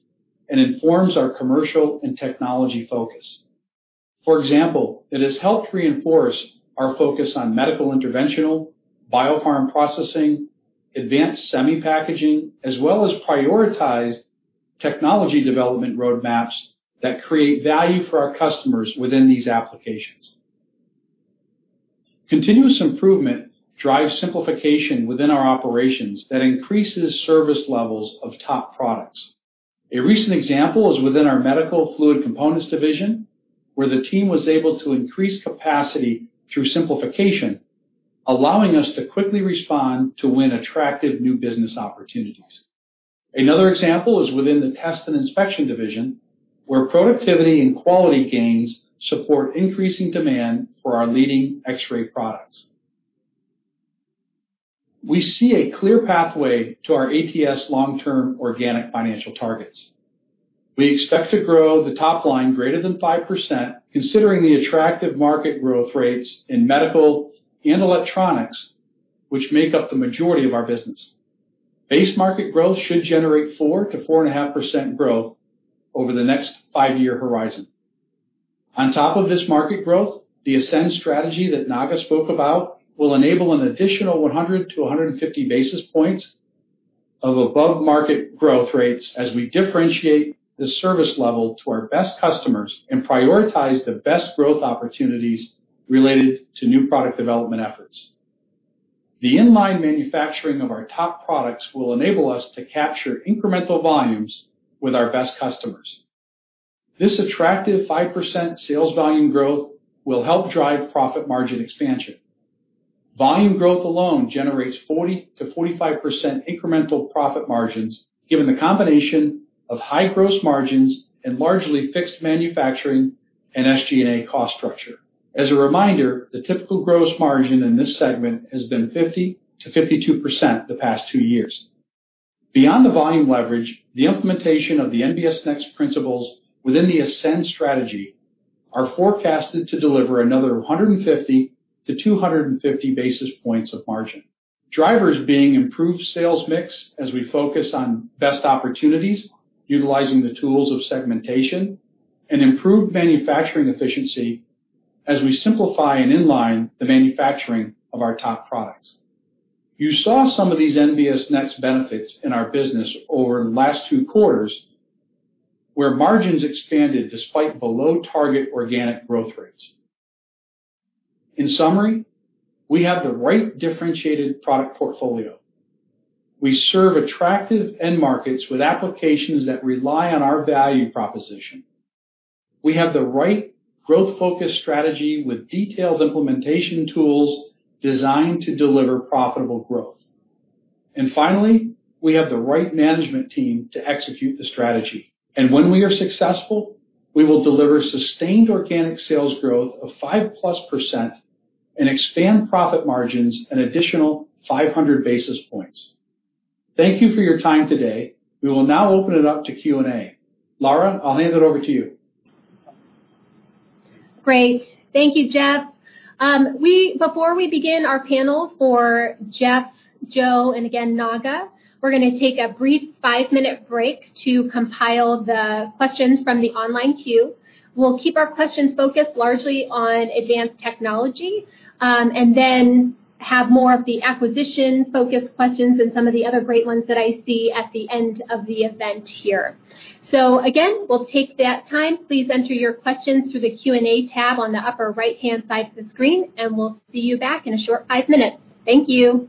and informs our commercial and technology focus. For example, it has helped reinforce our focus on medical interventional, biopharm processing, advanced semi-packaging, as well as prioritize technology development roadmaps that create value for our customers within these applications. Continuous improvement drives simplification within our operations that increases service levels of top products. A recent example is within our Medical Fluid Components division, where the team was able to increase capacity through simplification, allowing us to quickly respond to win attractive new business opportunities. Another example is within the Test and Inspection division, where productivity and quality gains support increasing demand for our leading X-ray products. We see a clear pathway to our ATS long-term organic financial targets. We expect to grow the top line greater than 5%, considering the attractive market growth rates in medical and electronics, which make up the majority of our business. Base market growth should generate 4%-4.5% growth over the next five-year horizon. On top of this market growth, the ASCEND strategy that Naga spoke about will enable an additional 100-150 basis points of above-market growth rates as we differentiate the service level to our best customers and prioritize the best growth opportunities related to new product development efforts. The in-line manufacturing of our top products will enable us to capture incremental volumes with our best customers. This attractive 5% sales volume growth will help drive profit margin expansion. Volume growth alone generates 40%-45% incremental profit margins, given the combination of high gross margins and largely fixed manufacturing and SG&A cost structure. As a reminder, the typical gross margin in this segment has been 50%-52% the past two years. Beyond the volume leverage, the implementation of the NBS Next principles within the ASCEND strategy are forecasted to deliver another 150 to 250 basis points of margin, drivers being improved sales mix as we focus on best opportunities, utilizing the tools of segmentation, and improved manufacturing efficiency as we simplify and inline the manufacturing of our top products. You saw some of these NBS Next benefits in our business over the last two quarters, where margins expanded despite below-target organic growth rates. In summary, we have the right differentiated product portfolio. We serve attractive end markets with applications that rely on our value proposition. We have the right growth-focused strategy with detailed implementation tools designed to deliver profitable growth. Finally, we have the right management team to execute the strategy. When we are successful, we will deliver sustained organic sales growth of five-plus % and expand profit margins an additional 500 basis points. Thank you for your time today. We will now open it up to Q&A. Lara, I'll hand it over to you. Great. Thank you, Jeff. Before we begin our panel for Jeff, Joe, and again, Naga, we're going to take a brief five-minute break to compile the questions from the online queue. We'll keep our questions focused largely on advanced technology, then have more of the acquisition-focused questions and some of the other great ones that I see at the end of the event here. Again, we'll take that time. Please enter your questions through the Q&A tab on the upper right-hand side of the screen, we'll see you back in a short five minutes. Thank you.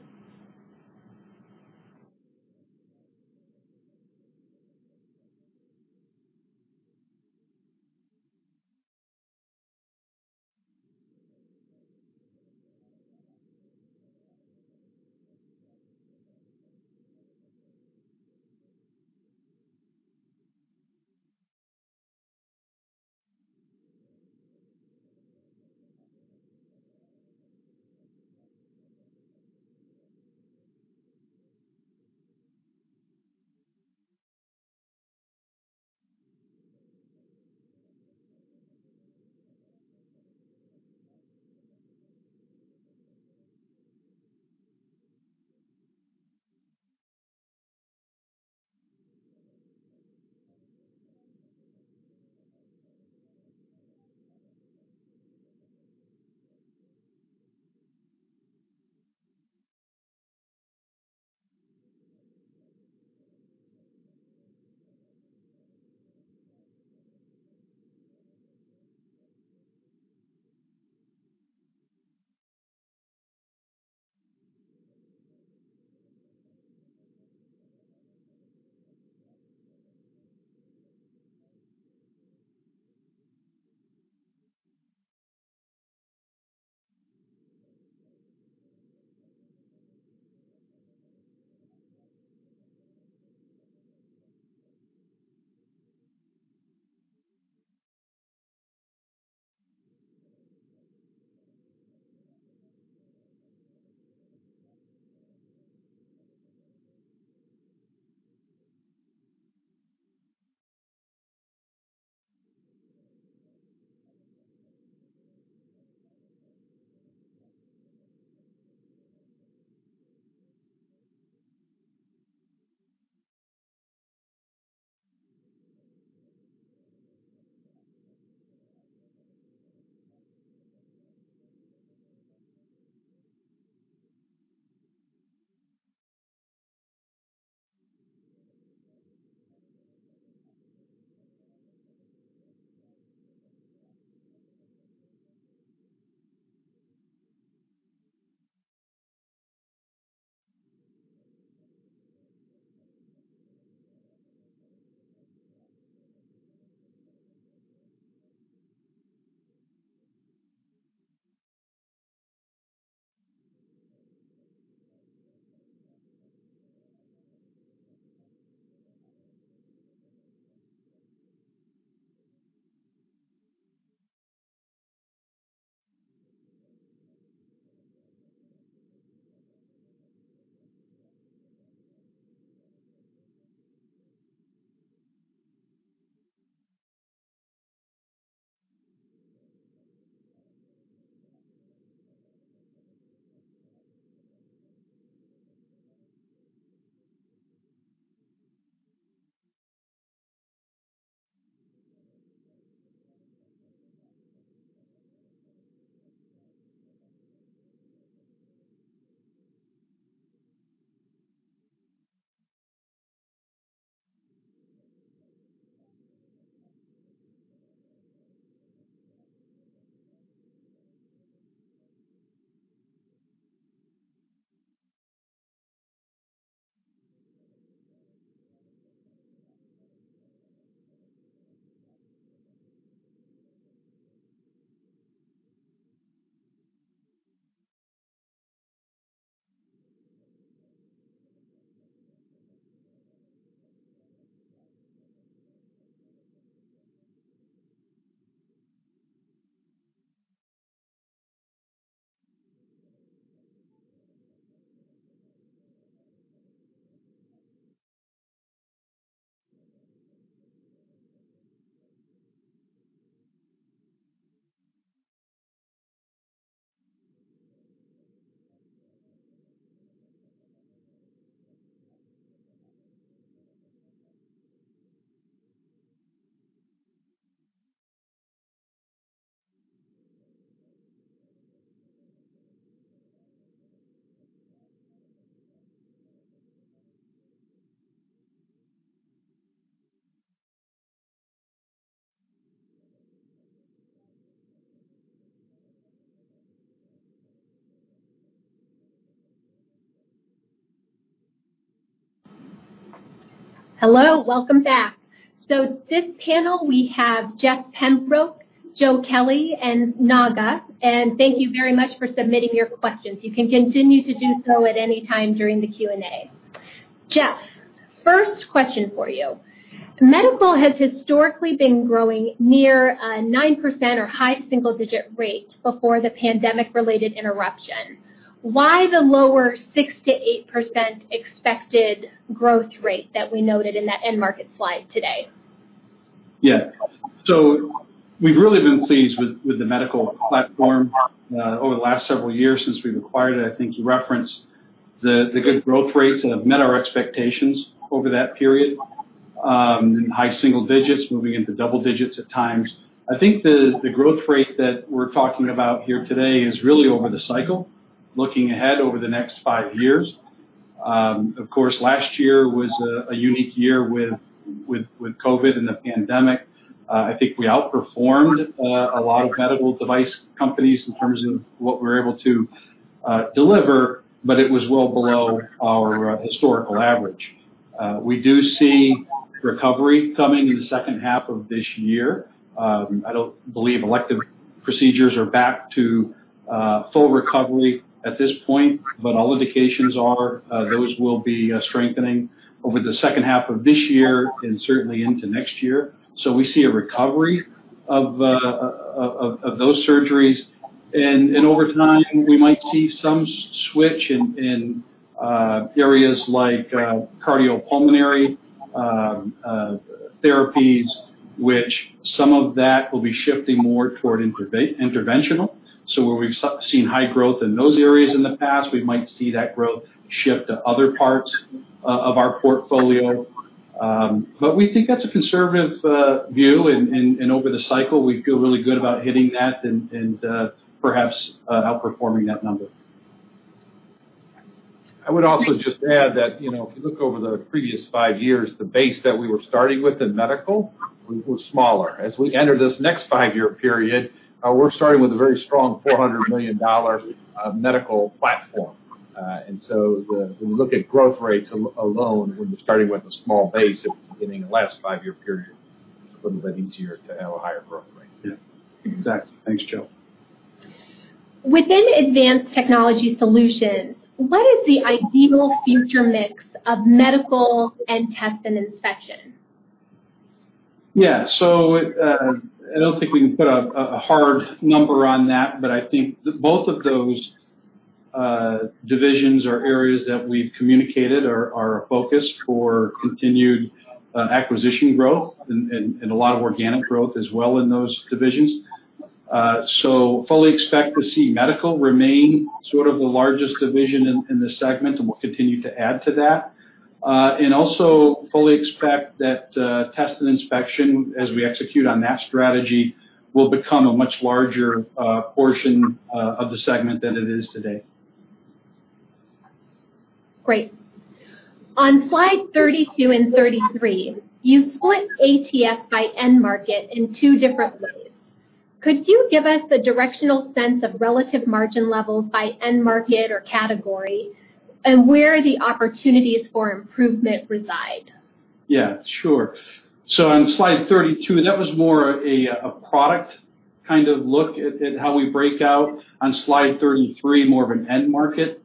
Hello, welcome back. This panel, we have Jeff Pembroke, Joseph Kelley, and Naga. Thank you very much for submitting your questions. You can continue to do so at any time during the Q&A. Jeff, first question for you. Medical has historically been growing near a 9% or high single-digit rate before the pandemic-related interruption. Why the lower 6%-8% expected growth rate that we noted in that end market Slide today? Yeah. We've really been pleased with the medical platform over the last several years since we've acquired it. I think you referenced the good growth rates that have met our expectations over that period, in high single digits, moving into double digits at times. I think the growth rate that we're talking about here today is really over the cycle, looking ahead over the next five years. Of course, last year was a unique year with COVID and the pandemic. I think we outperformed a lot of medical device companies in terms of what we were able to deliver, but it was well below our historical average. We do see recovery coming in the second half of this year. I don't believe elective procedures are back to full recovery at this point, but all indications are those will be strengthening over the second half of this year and certainly into next year. We see a recovery of those surgeries. Over time, we might see some switch in areas like cardiopulmonary therapies. Which some of that will be shifting more toward interventional. Where we've seen high growth in those areas in the past, we might see that growth shift to other parts of our portfolio. We think that's a conservative view, and over the cycle, we feel really good about hitting that and perhaps outperforming that number. I would also just add that if you look over the previous five years, the base that we were starting with in medical was smaller. As we enter this next five-year period, we're starting with a very strong $400 million medical platform. When you look at growth rates alone, when you're starting with a small base at the beginning of the last five-year period, it's a little bit easier to have a higher growth rate. Yeah, exactly. Thanks, Joe. Within Advanced Technology Solutions, what is the ideal future mix of medical and test and inspection? Yeah. I don't think we can put a hard number on that, but I think both of those divisions or areas that we've communicated are our focus for continued acquisition growth and a lot of organic growth as well in those divisions. Fully expect to see Medical remain sort of the largest division in this segment, and we'll continue to add to that. Also fully expect that Test and Inspection, as we execute on that strategy, will become a much larger portion of the segment than it is today. Great. On Slide 32 and 33, you split ATS by end market in two different ways. Could you give us a directional sense of relative margin levels by end market or category and where the opportunities for improvement reside? Yeah, sure. On Slide 32, that was more a product kind of look at how we break out. On Slide 33, more of an end market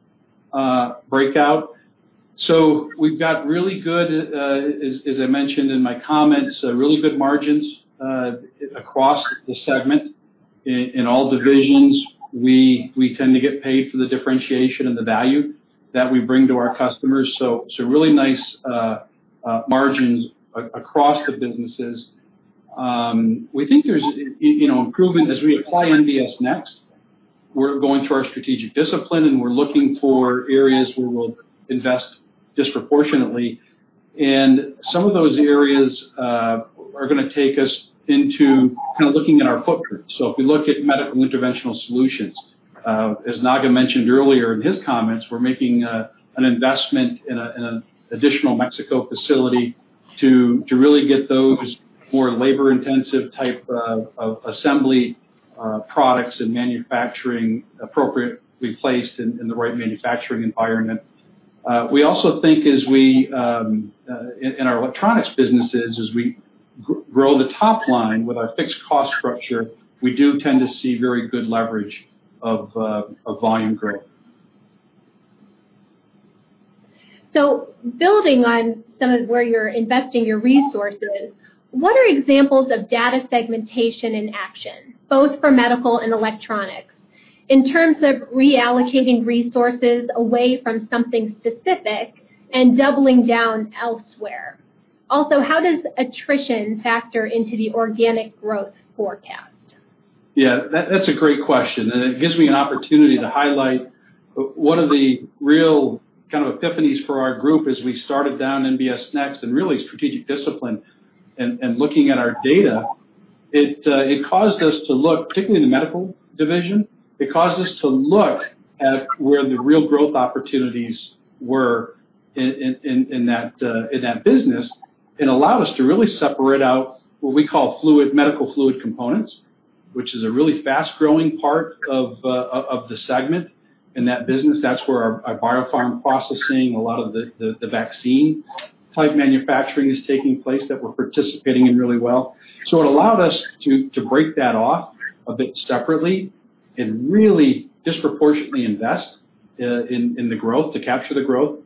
breakout. We've got, as I mentioned in my comments, really good margins across the segment. In all divisions, we tend to get paid for the differentiation and the value that we bring to our customers. Really nice margins across the businesses. We think there's improvement as we apply NBS Next. We're going through our strategic discipline, and we're looking for areas where we'll invest disproportionately. Some of those areas are going to take us into kind of looking at our footprint. If we look at Medical Interventional Solutions, as Naga mentioned earlier in his comments, we're making an investment in an additional Mexico facility to really get those more labor-intensive type of assembly products and manufacturing appropriately placed in the right manufacturing environment. We also think in our electronics businesses, as we grow the top line with our fixed cost structure, we do tend to see very good leverage of volume growth. Building on some of where you're investing your resources, what are examples of data segmentation in action, both for medical and electronics, in terms of reallocating resources away from something specific and doubling down elsewhere? Also, how does attrition factor into the organic growth forecast? That's a great question, and it gives me an opportunity to highlight one of the real kind of epiphanies for our group as we started down NBS Next and really strategic discipline in looking at our data. It caused us to look, particularly in Nordson Medical, it caused us to look at where the real growth opportunities were in that business and allowed us to really separate out what we call Medical Fluid Components, which is a really fast-growing part of the segment in that business. That's where our biopharm processing, a lot of the vaccine-type manufacturing is taking place that we're participating in really well. It allowed us to break that off a bit separately and really disproportionately invest in the growth to capture the growth.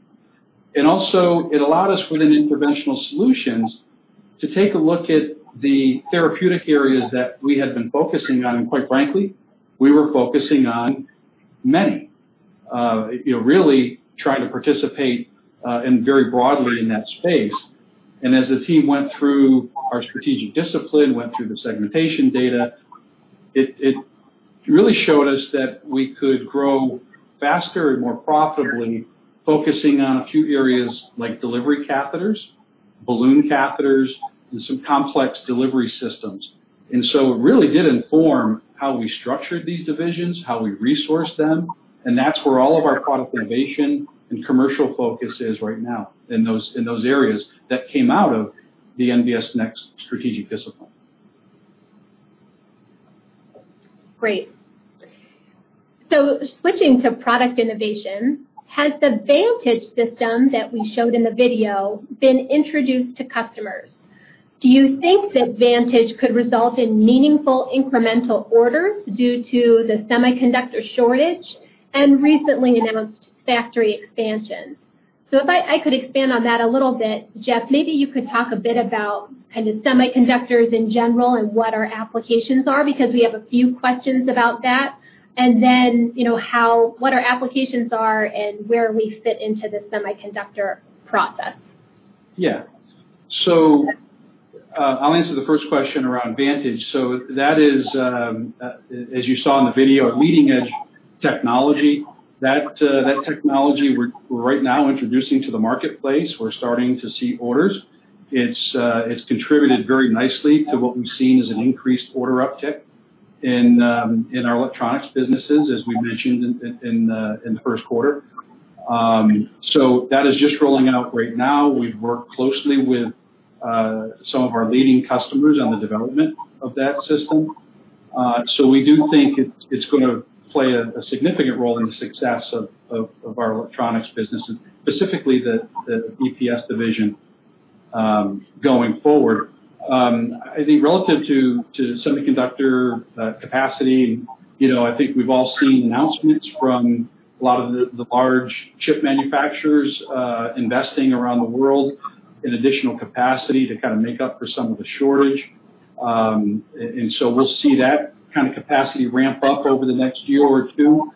Also, it allowed us within Interventional Solutions to take a look at the therapeutic areas that we had been focusing on, and quite frankly, we were focusing on many. Really trying to participate and very broadly in that space. As the team went through our strategic discipline, went through the segmentation data, it really showed us that we could grow faster and more profitably, focusing on a few areas like delivery catheters, balloon catheters, and some complex delivery systems. It really did inform how we structured these divisions, how we resourced them, and that's where all of our product innovation and commercial focus is right now, in those areas that came out of the NBS Next strategic discipline. Great. Switching to product innovation, has the Vantage system that we showed in the video been introduced to customers? Do you think that Vantage could result in meaningful incremental orders due to the semiconductor shortage and recently announced factory expansions? If I could expand on that a little bit, Jeff, maybe you could talk a bit about kind of semiconductors in general and what our applications are, because we have a few questions about that, and then what our applications are and where we fit into the semiconductor process. I'll answer the first question around Vantage. That is, as you saw in the video, a leading-edge technology. That technology we're right now introducing to the marketplace. We're starting to see orders. It's contributed very nicely to what we've seen as an increased order uptick in our electronics businesses, as we mentioned in the first quarter. That is just rolling out right now. We've worked closely with some of our leading customers on the development of that system. We do think it's going to play a significant role in the success of our electronics business, specifically the EPS division, going forward. I think relative to semiconductor capacity, I think we've all seen announcements from a lot of the large chip manufacturers, investing around the world in additional capacity to kind of make up for some of the shortage. We'll see that kind of capacity ramp up over the next year or two.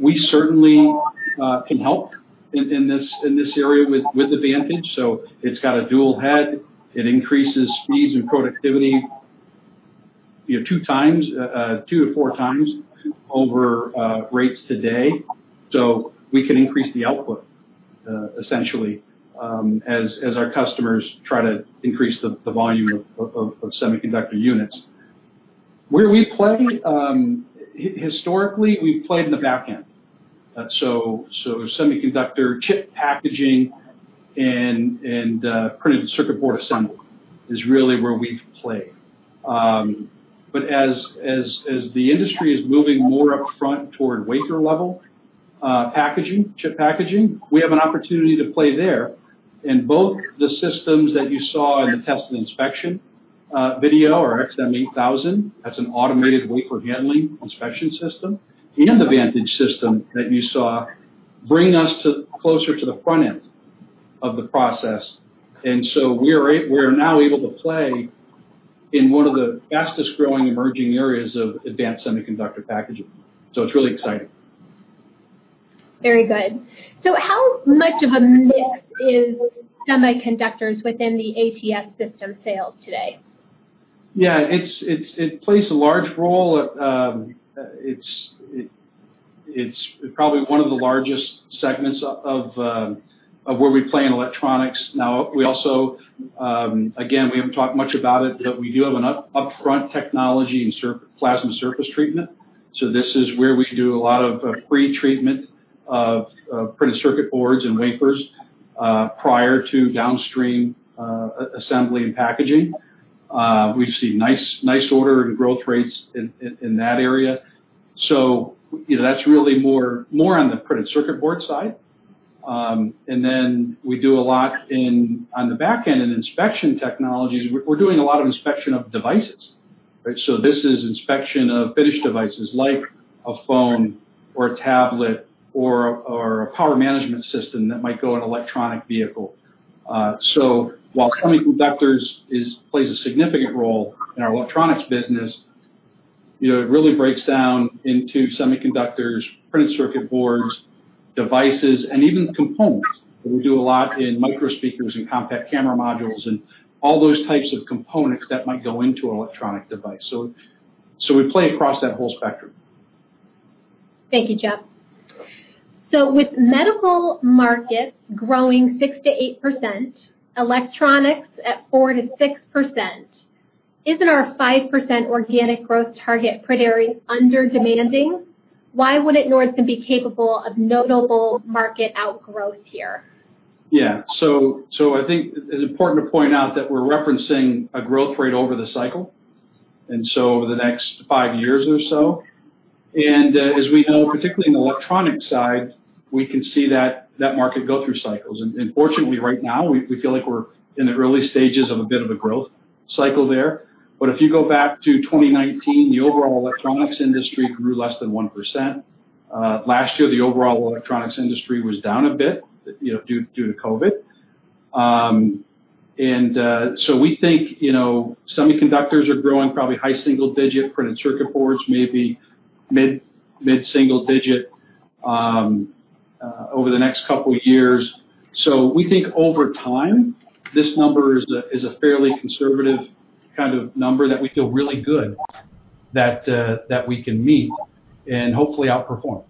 We certainly can help in this area with Vantage. It's got a dual head. It increases speeds and productivity two to four times over rates today. We can increase the output, essentially, as our customers try to increase the volume of semiconductor units. Where we play, historically, we've played in the back end. Semiconductor chip packaging and printed circuit board assembly is really where we've played. As the industry is moving more upfront toward wafer-level chip packaging, we have an opportunity to play there in both the systems that you saw in the test and inspection video, our XM8000, that's an automated wafer handling inspection system, and the Vantage system that you saw bring us closer to the front end of the process. We're now able to play in one of the fastest-growing, emerging areas of advanced semiconductor packaging. It's really exciting. Very good. How much of a mix is semiconductors within the ATS system sales today? It plays a large role. It's probably one of the largest segments of where we play in Electronics. We also, again, we haven't talked much about it, but we do have an upfront technology in plasma surface treatment. This is where we do a lot of pre-treatment of printed circuit boards and wafers, prior to downstream assembly and packaging. We've seen nice order and growth rates in that area. That's really more on the printed circuit board side. We do a lot on the back end in inspection technologies. We're doing a lot of inspection of devices, right? This is inspection of finished devices like a phone or a tablet or a power management system that might go in an electric vehicle. While semiconductors plays a significant role in our electronics business, it really breaks down into semiconductors, printed circuit boards, devices, and even components. We do a lot in microspeakers and compact camera modules and all those types of components that might go into an electronic device. We play across that whole spectrum. Thank you, Jeff. With medical markets growing 6%-8%, electronics at 4%-6%, isn't our 5% organic growth target pretty underdemanding? Why wouldn't Nordson be capable of notable market outgrowths here? Yeah. I think it's important to point out that we're referencing a growth rate over the cycle, and so over the next five years or so. As we know, particularly in the electronic side, we can see that market go through cycles. Fortunately, right now, we feel like we're in the early stages of a bit of a growth cycle there. If you go back to 2019, the overall electronics industry grew less than 1%. Last year, the overall electronics industry was down a bit due to COVID. We think semiconductors are growing probably high single digit, printed circuit boards maybe mid single digit over the next couple years. We think over time, this number is a fairly conservative kind of number that we feel really good that we can meet and hopefully outperform.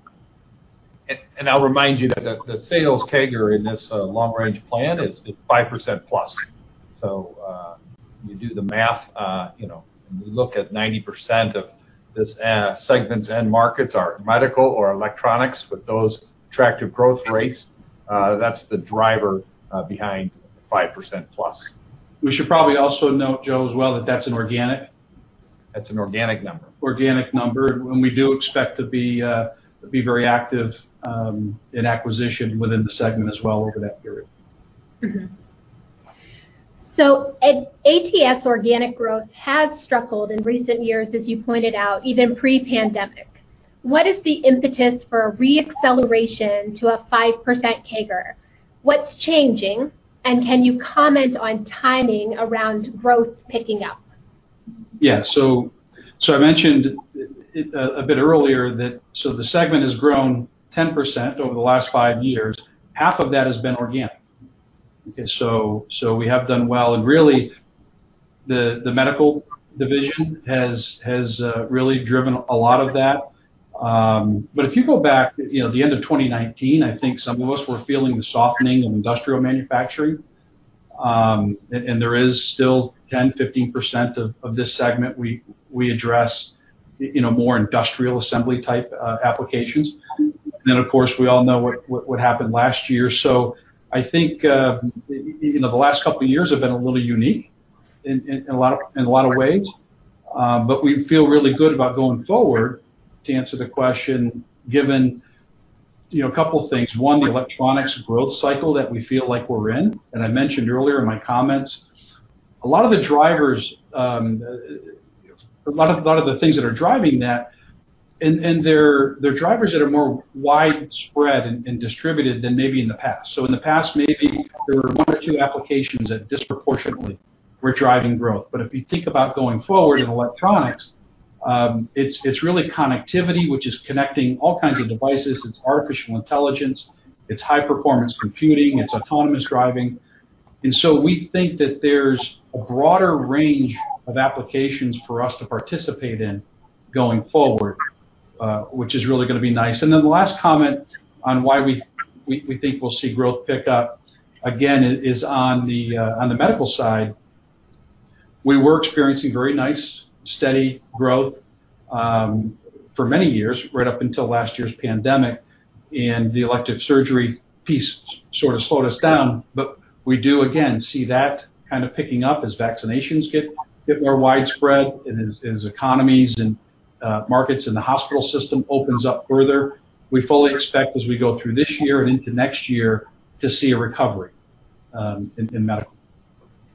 I'll remind you that the sales CAGR in this long range plan is 5% plus. When you do the math, when we look at 90% of this segment's end markets are medical or electronics with those attractive growth rates, that's the driver behind the 5% plus. We should probably also note, Joe, as well, that that's an organic. That's an organic number. Organic number, we do expect to be very active in acquisition within the segment as well over that period. ATS organic growth has struggled in recent years, as you pointed out, even pre-pandemic. What is the impetus for re-acceleration to a 5% CAGR? What's changing, and can you comment on timing around growth picking up? Yeah. I mentioned a bit earlier that the segment has grown 10% over the last five years. Half of that has been organic. Okay, we have done well, and really, Nordson Medical has really driven a lot of that. If you go back to the end of 2019, I think some of us were feeling the softening of industrial manufacturing, and there is still 10%, 15% of this segment we address more industrial assembly type applications. Of course, we all know what happened last year. I think the last couple of years have been a little unique in a lot of ways, but we feel really good about going forward to answer the question given a couple of things. One, the electronics growth cycle that we feel like we're in. I mentioned earlier in my comments, a lot of the things that are driving that, and they're drivers that are more widespread and distributed than maybe in the past. In the past, maybe there were one or two applications that disproportionately were driving growth. If you think about going forward in electronics, it's really connectivity, which is connecting all kinds of devices. It's artificial intelligence, it's high-performance computing, it's autonomous driving. We think that there's a broader range of applications for us to participate in going forward, which is really going to be nice. The last comment on why we think we'll see growth pick up again is on the medical side. We were experiencing very nice, steady growth for many years, right up until last year's pandemic, and the elective surgery piece sort of slowed us down. We do again see that kind of picking up as vaccinations get more widespread and as economies and markets in the hospital system opens up further. We fully expect as we go through this year and into next year to see a recovery in medical.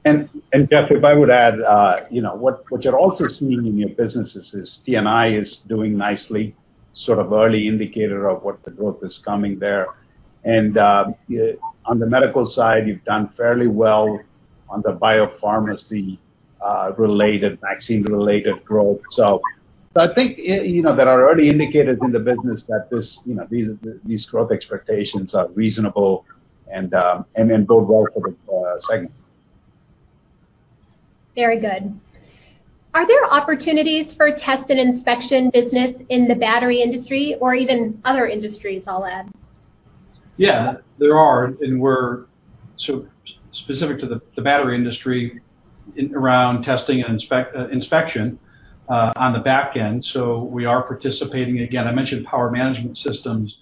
Jeff, if I would add, what you're also seeing in your business is DNI is doing nicely, sort of early indicator of what the growth is coming there. On the medical side, you've done fairly well on the biopharmacy related, vaccine related growth. I think there are early indicators in the business that these growth expectations are reasonable and bode well for the segment. Very good. Are there opportunities for test and inspection business in the battery industry or even other industries, I'll add? Yeah, there are, and we're sort of specific to the battery industry around testing and inspection on the back end, so we are participating. Again, I mentioned power management systems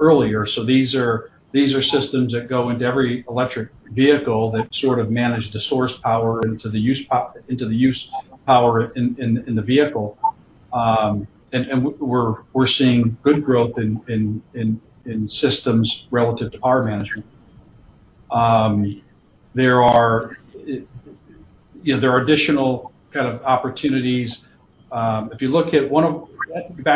earlier, so these are systems that go into every electric vehicle that sort of manage the source power into the use power in the vehicle. We're seeing good growth in systems relative to power management. There are additional kind of opportunities. Back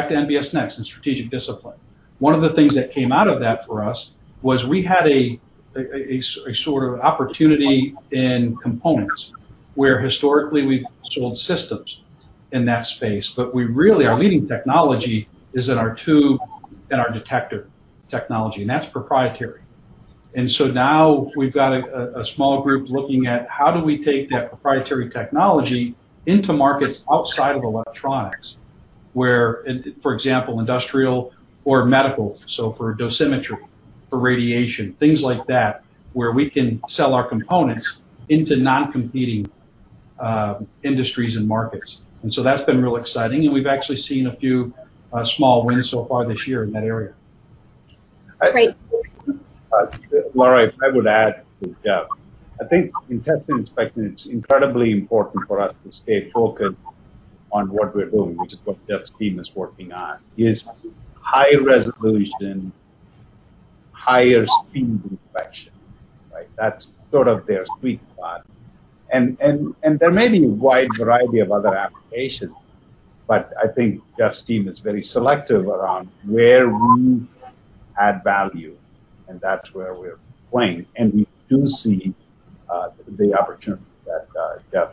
to NBS Next and strategic discipline, one of the things that came out of that for us, was we had a sort of opportunity in components where historically we've sold systems in that space. Really, our leading technology is in our tube and our detective technology, and that's proprietary. Now we've got a small group looking at how do we take that proprietary technology into markets outside of electronics, where, for example, industrial or medical, so for dosimetry, for radiation, things like that, where we can sell our components into non-competing industries and markets. That's been real exciting. We've actually seen a few small wins so far this year in that area. Great. Lara, if I would add to Jeff, I think in Test & Inspection, it's incredibly important for us to stay focused on what we're doing, which is what Jeff's team is working on, is high-resolution, higher speed inspection, right? That's sort of their sweet spot. There may be a wide variety of other applications, but I think Jeff's team is very selective around where we add value, and that's where we're playing. We do see the opportunity that Jeff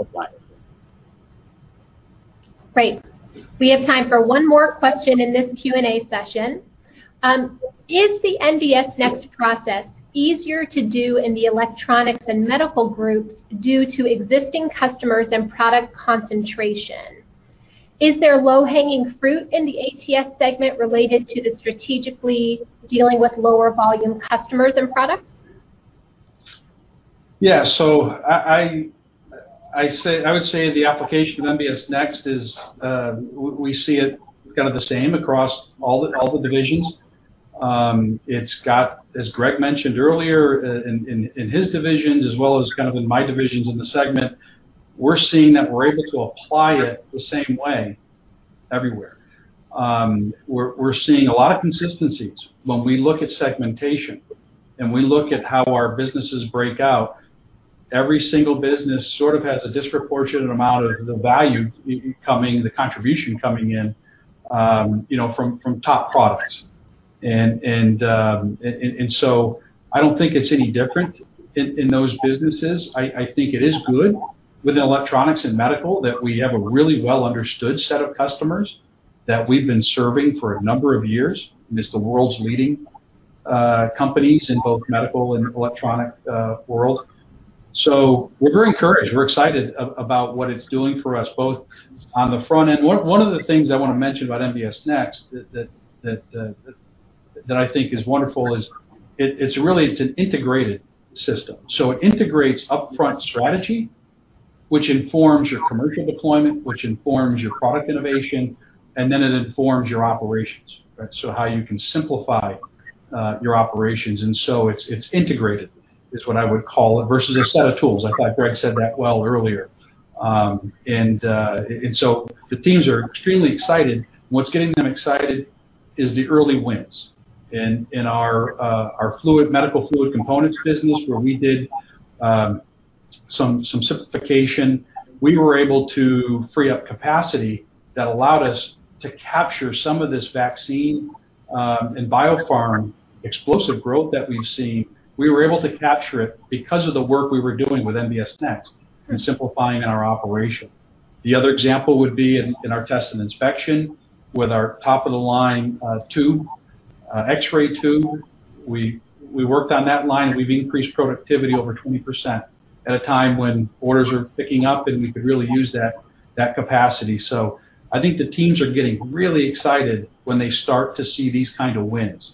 outlined. Great. We have time for one more question in this Q&A session. Is the NBS Next process easier to do in the electronics and Medical groups due to existing customers and product concentration? Is there low-hanging fruit in the ATS segment related to the strategically dealing with lower volume customers and products? Yeah. I would say the application of NBS Next is, we see it kind of the same across all the divisions. It's got, as Greg mentioned earlier, in his divisions as well as kind of in my divisions in the segment, we're seeing that we're able to apply it the same way everywhere. We're seeing a lot of consistencies when we look at segmentation and we look at how our businesses break out. Every single business sort of has a disproportionate amount of the value coming, the contribution coming in from top products. I don't think it's any different in those businesses. I think it is good within electronics and medical that we have a really well-understood set of customers that we've been serving for a number of years, and it's the world's leading companies in both medical and electronic world. We're very encouraged. We're excited about what it's doing for us, both on the front end. One of the things I want to mention about NBS Next that I think is wonderful is it's an integrated system. It integrates upfront strategy, which informs your commercial deployment, which informs your product innovation, and then it informs your operations, right? How you can simplify your operations. It's integrated is what I would call it, versus a set of tools. I thought Greg said that well earlier. The teams are extremely excited. What's getting them excited is the early wins. In our Nordson MEDICAL Fluid Components business, where we did some simplification, we were able to free up capacity that allowed us to capture some of this vaccine and biopharm explosive growth that we've seen. We were able to capture it because of the work we were doing with NBSNext and simplifying our operation. The other example would be in our Test & Inspection with our top-of-the-line tube, X-ray tube. We worked on that line and we've increased productivity over 20% at a time when orders are picking up and we could really use that capacity. I think the teams are getting really excited when they start to see these kind of wins.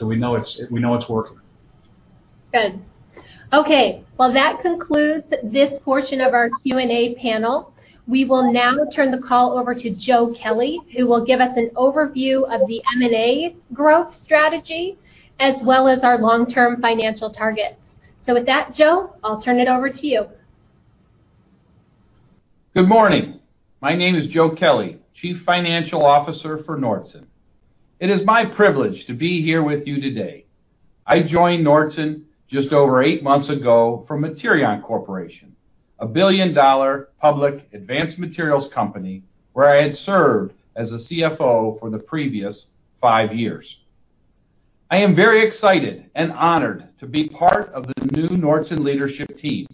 We know it's working. Good. Okay. Well, that concludes this portion of our Q&A panel. We will now turn the call over to Joe Kelley, who will give us an overview of the M&A growth strategy, as well as our long-term financial targets. With that, Joe, I'll turn it over to you. Good morning. My name is Joe Kelley, Chief Financial Officer for Nordson. It is my privilege to be here with you today. I joined Nordson just over eight months ago from Materion Corporation, a billion-dollar public advanced materials company where I had served as a CFO for the previous five years. I am very excited and honored to be part of the new Nordson leadership team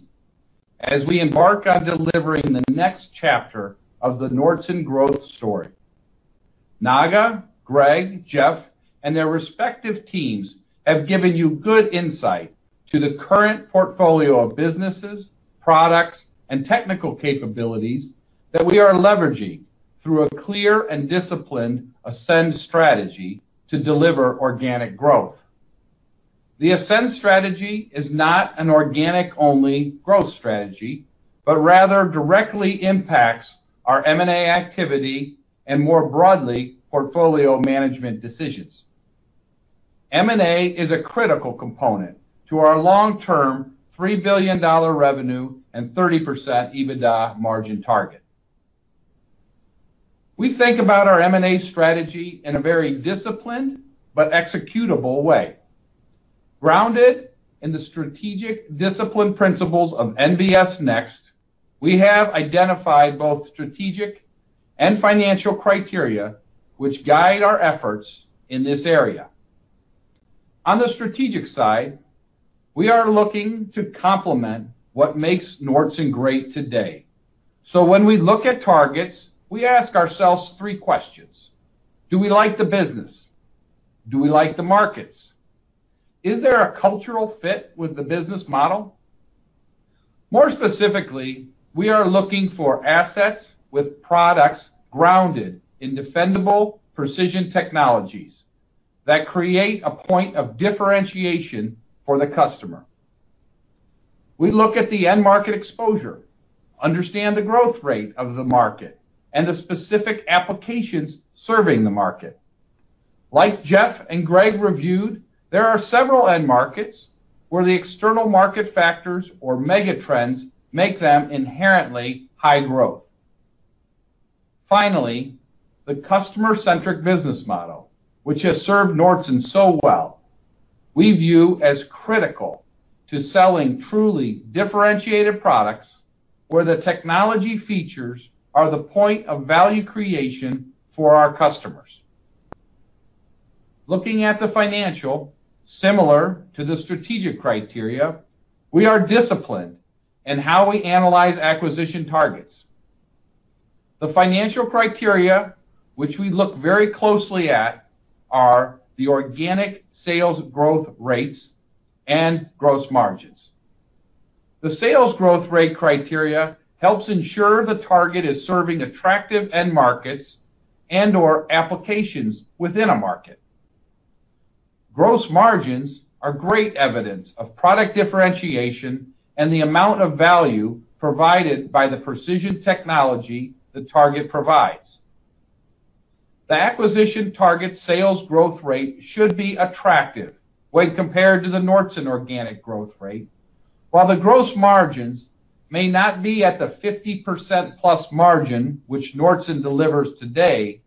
as we embark on delivering the next chapter of the Nordson growth story. Naga, Greg, Jeff, and their respective teams have given you good insight to the current portfolio of businesses, products, and technical capabilities that we are leveraging through a clear and disciplined ASCEND strategy to deliver organic growth. The ASCEND strategy is not an organic-only growth strategy, but rather directly impacts our M&A activity and, more broadly, portfolio management decisions. M&A is a critical component to our long-term $3 billion revenue and 30% EBITDA margin target. We think about our M&A strategy in a very disciplined but executable way. Grounded in the strategic discipline principles of NBSNext, we have identified both strategic and financial criteria which guide our efforts in this area. On the strategic side, we are looking to complement what makes Nordson great today. When we look at targets, we ask ourselves three questions: Do we like the business? Do we like the markets? Is there a cultural fit with the business model? More specifically, we are looking for assets with products grounded in defendable precision technologies that create a point of differentiation for the customer. We look at the end market exposure, understand the growth rate of the market, and the specific applications serving the market. Like Jeff and Greg reviewed, there are several end markets where the external market factors or mega trends make them inherently high growth. Finally, the customer-centric business model, which has served Nordson so well, we view as critical to selling truly differentiated products where the technology features are the point of value creation for our customers. Looking at the financial, similar to the strategic criteria, we are disciplined in how we analyze acquisition targets. The financial criteria, which we look very closely at, are the organic sales growth rates and gross margins. The sales growth rate criteria helps ensure the target is serving attractive end markets and/or applications within a market. Gross margins are great evidence of product differentiation and the amount of value provided by the precision technology the target provides. The acquisition target sales growth rate should be attractive when compared to the Nordson organic growth rate. While the gross margins may not be at the 50%+ margin which Nordson delivers today,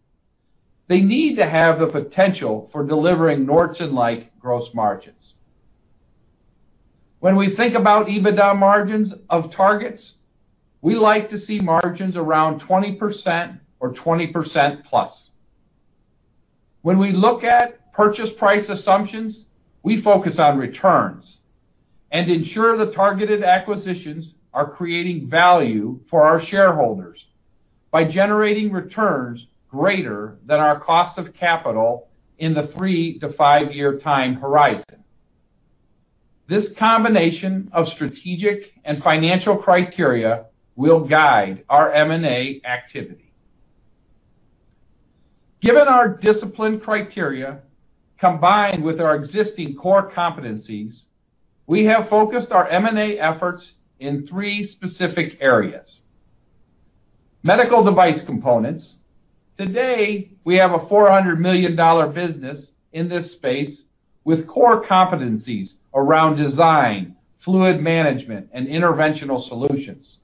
they need to have the potential for delivering Nordson-like gross margins. When we think about EBITDA margins of targets, we like to see margins around 20% or 20%+. When we look at purchase price assumptions, we focus on returns and ensure the targeted acquisitions are creating value for our shareholders by generating returns greater than our cost of capital in the three to five-year time horizon. This combination of strategic and financial criteria will guide our M&A activity. Given our disciplined criteria, combined with our existing core competencies, we have focused our M&A efforts in three specific areas. Medical device components. Today, we have a $400 million business in this space with core competencies around design, fluid management, and interventional solutions.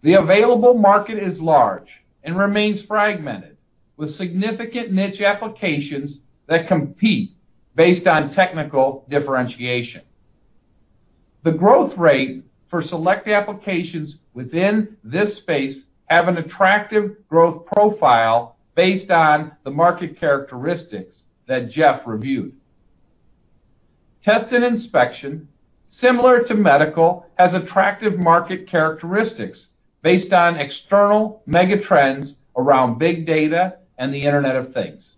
The available market is large and remains fragmented, with significant niche applications that compete based on technical differentiation. The growth rate for select applications within this space have an attractive growth profile based on the market characteristics that Jeff reviewed. Test and Inspection, similar to Medical, has attractive market characteristics based on external mega trends around big data and the Internet of Things.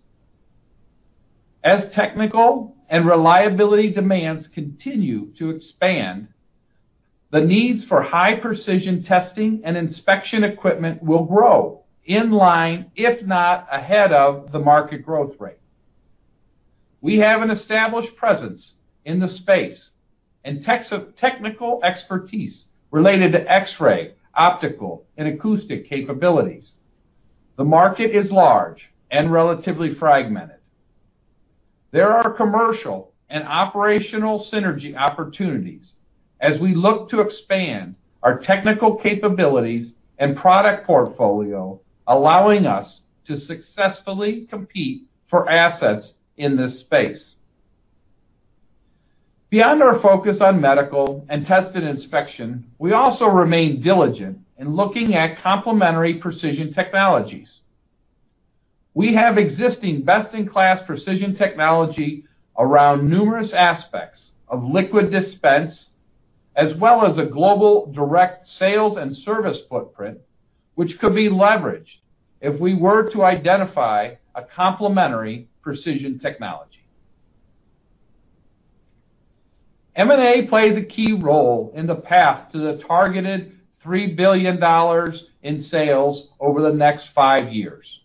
As technical and reliability demands continue to expand, the needs for high-precision testing and inspection equipment will grow in line, if not ahead of, the market growth rate. We have an established presence in the space and technical expertise related to X-ray, optical, and acoustic capabilities. The market is large and relatively fragmented. There are commercial and operational synergy opportunities as we look to expand our technical capabilities and product portfolio, allowing us to successfully compete for assets in this space. Beyond our focus on medical and test and inspection, we also remain diligent in looking at complementary precision technologies. We have existing best-in-class precision technology around numerous aspects of liquid dispense, as well as a global direct sales and service footprint, which could be leveraged if we were to identify a complementary precision technology. M&A plays a key role in the path to the targeted $3 billion in sales over the next five years.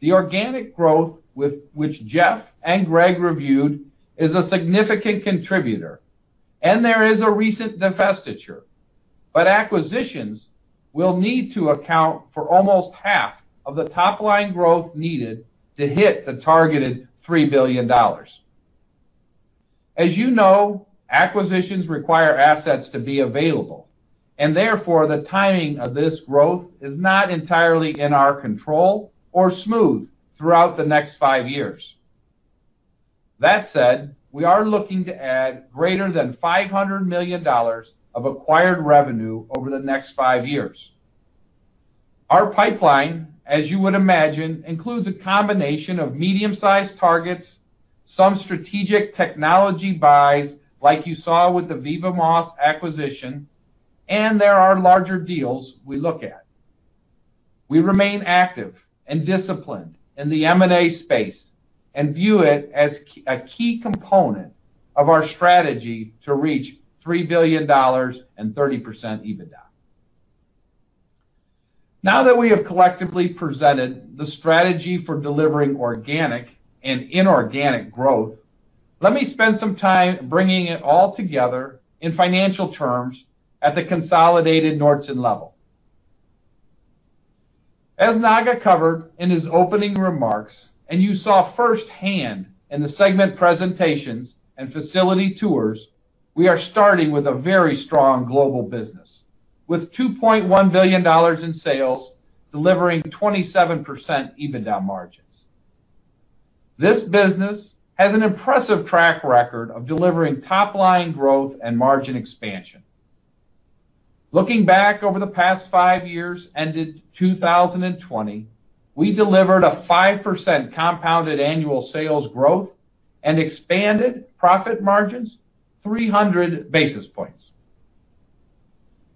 The organic growth, which Jeff and Greg reviewed, is a significant contributor, and there is a recent divestiture, but acquisitions will need to account for almost half of the top-line growth needed to hit the targeted $3 billion. As you know, acquisitions require assets to be available, and therefore, the timing of this growth is not entirely in our control or smooth throughout the next five years. That said, we are looking to add greater than $500 million of acquired revenue over the next five years. Our pipeline, as you would imagine, includes a combination of medium-sized targets, some strategic technology buys, like you saw with the vivaMOS acquisition, and there are larger deals we look at. We remain active and disciplined in the M&A space and view it as a key component of our strategy to reach $3 billion and 30% EBITDA. Now that we have collectively presented the strategy for delivering organic and inorganic growth, let me spend some time bringing it all together in financial terms at the consolidated Nordson level. As Naga covered in his opening remarks, and you saw firsthand in the segment presentations and facility tours, we are starting with a very strong global business, with $2.1 billion in sales, delivering 27% EBITDA margins. This business has an impressive track record of delivering top-line growth and margin expansion. Looking back over the past five years, ended 2020, we delivered a 5% compounded annual sales growth and expanded profit margins 300 basis points.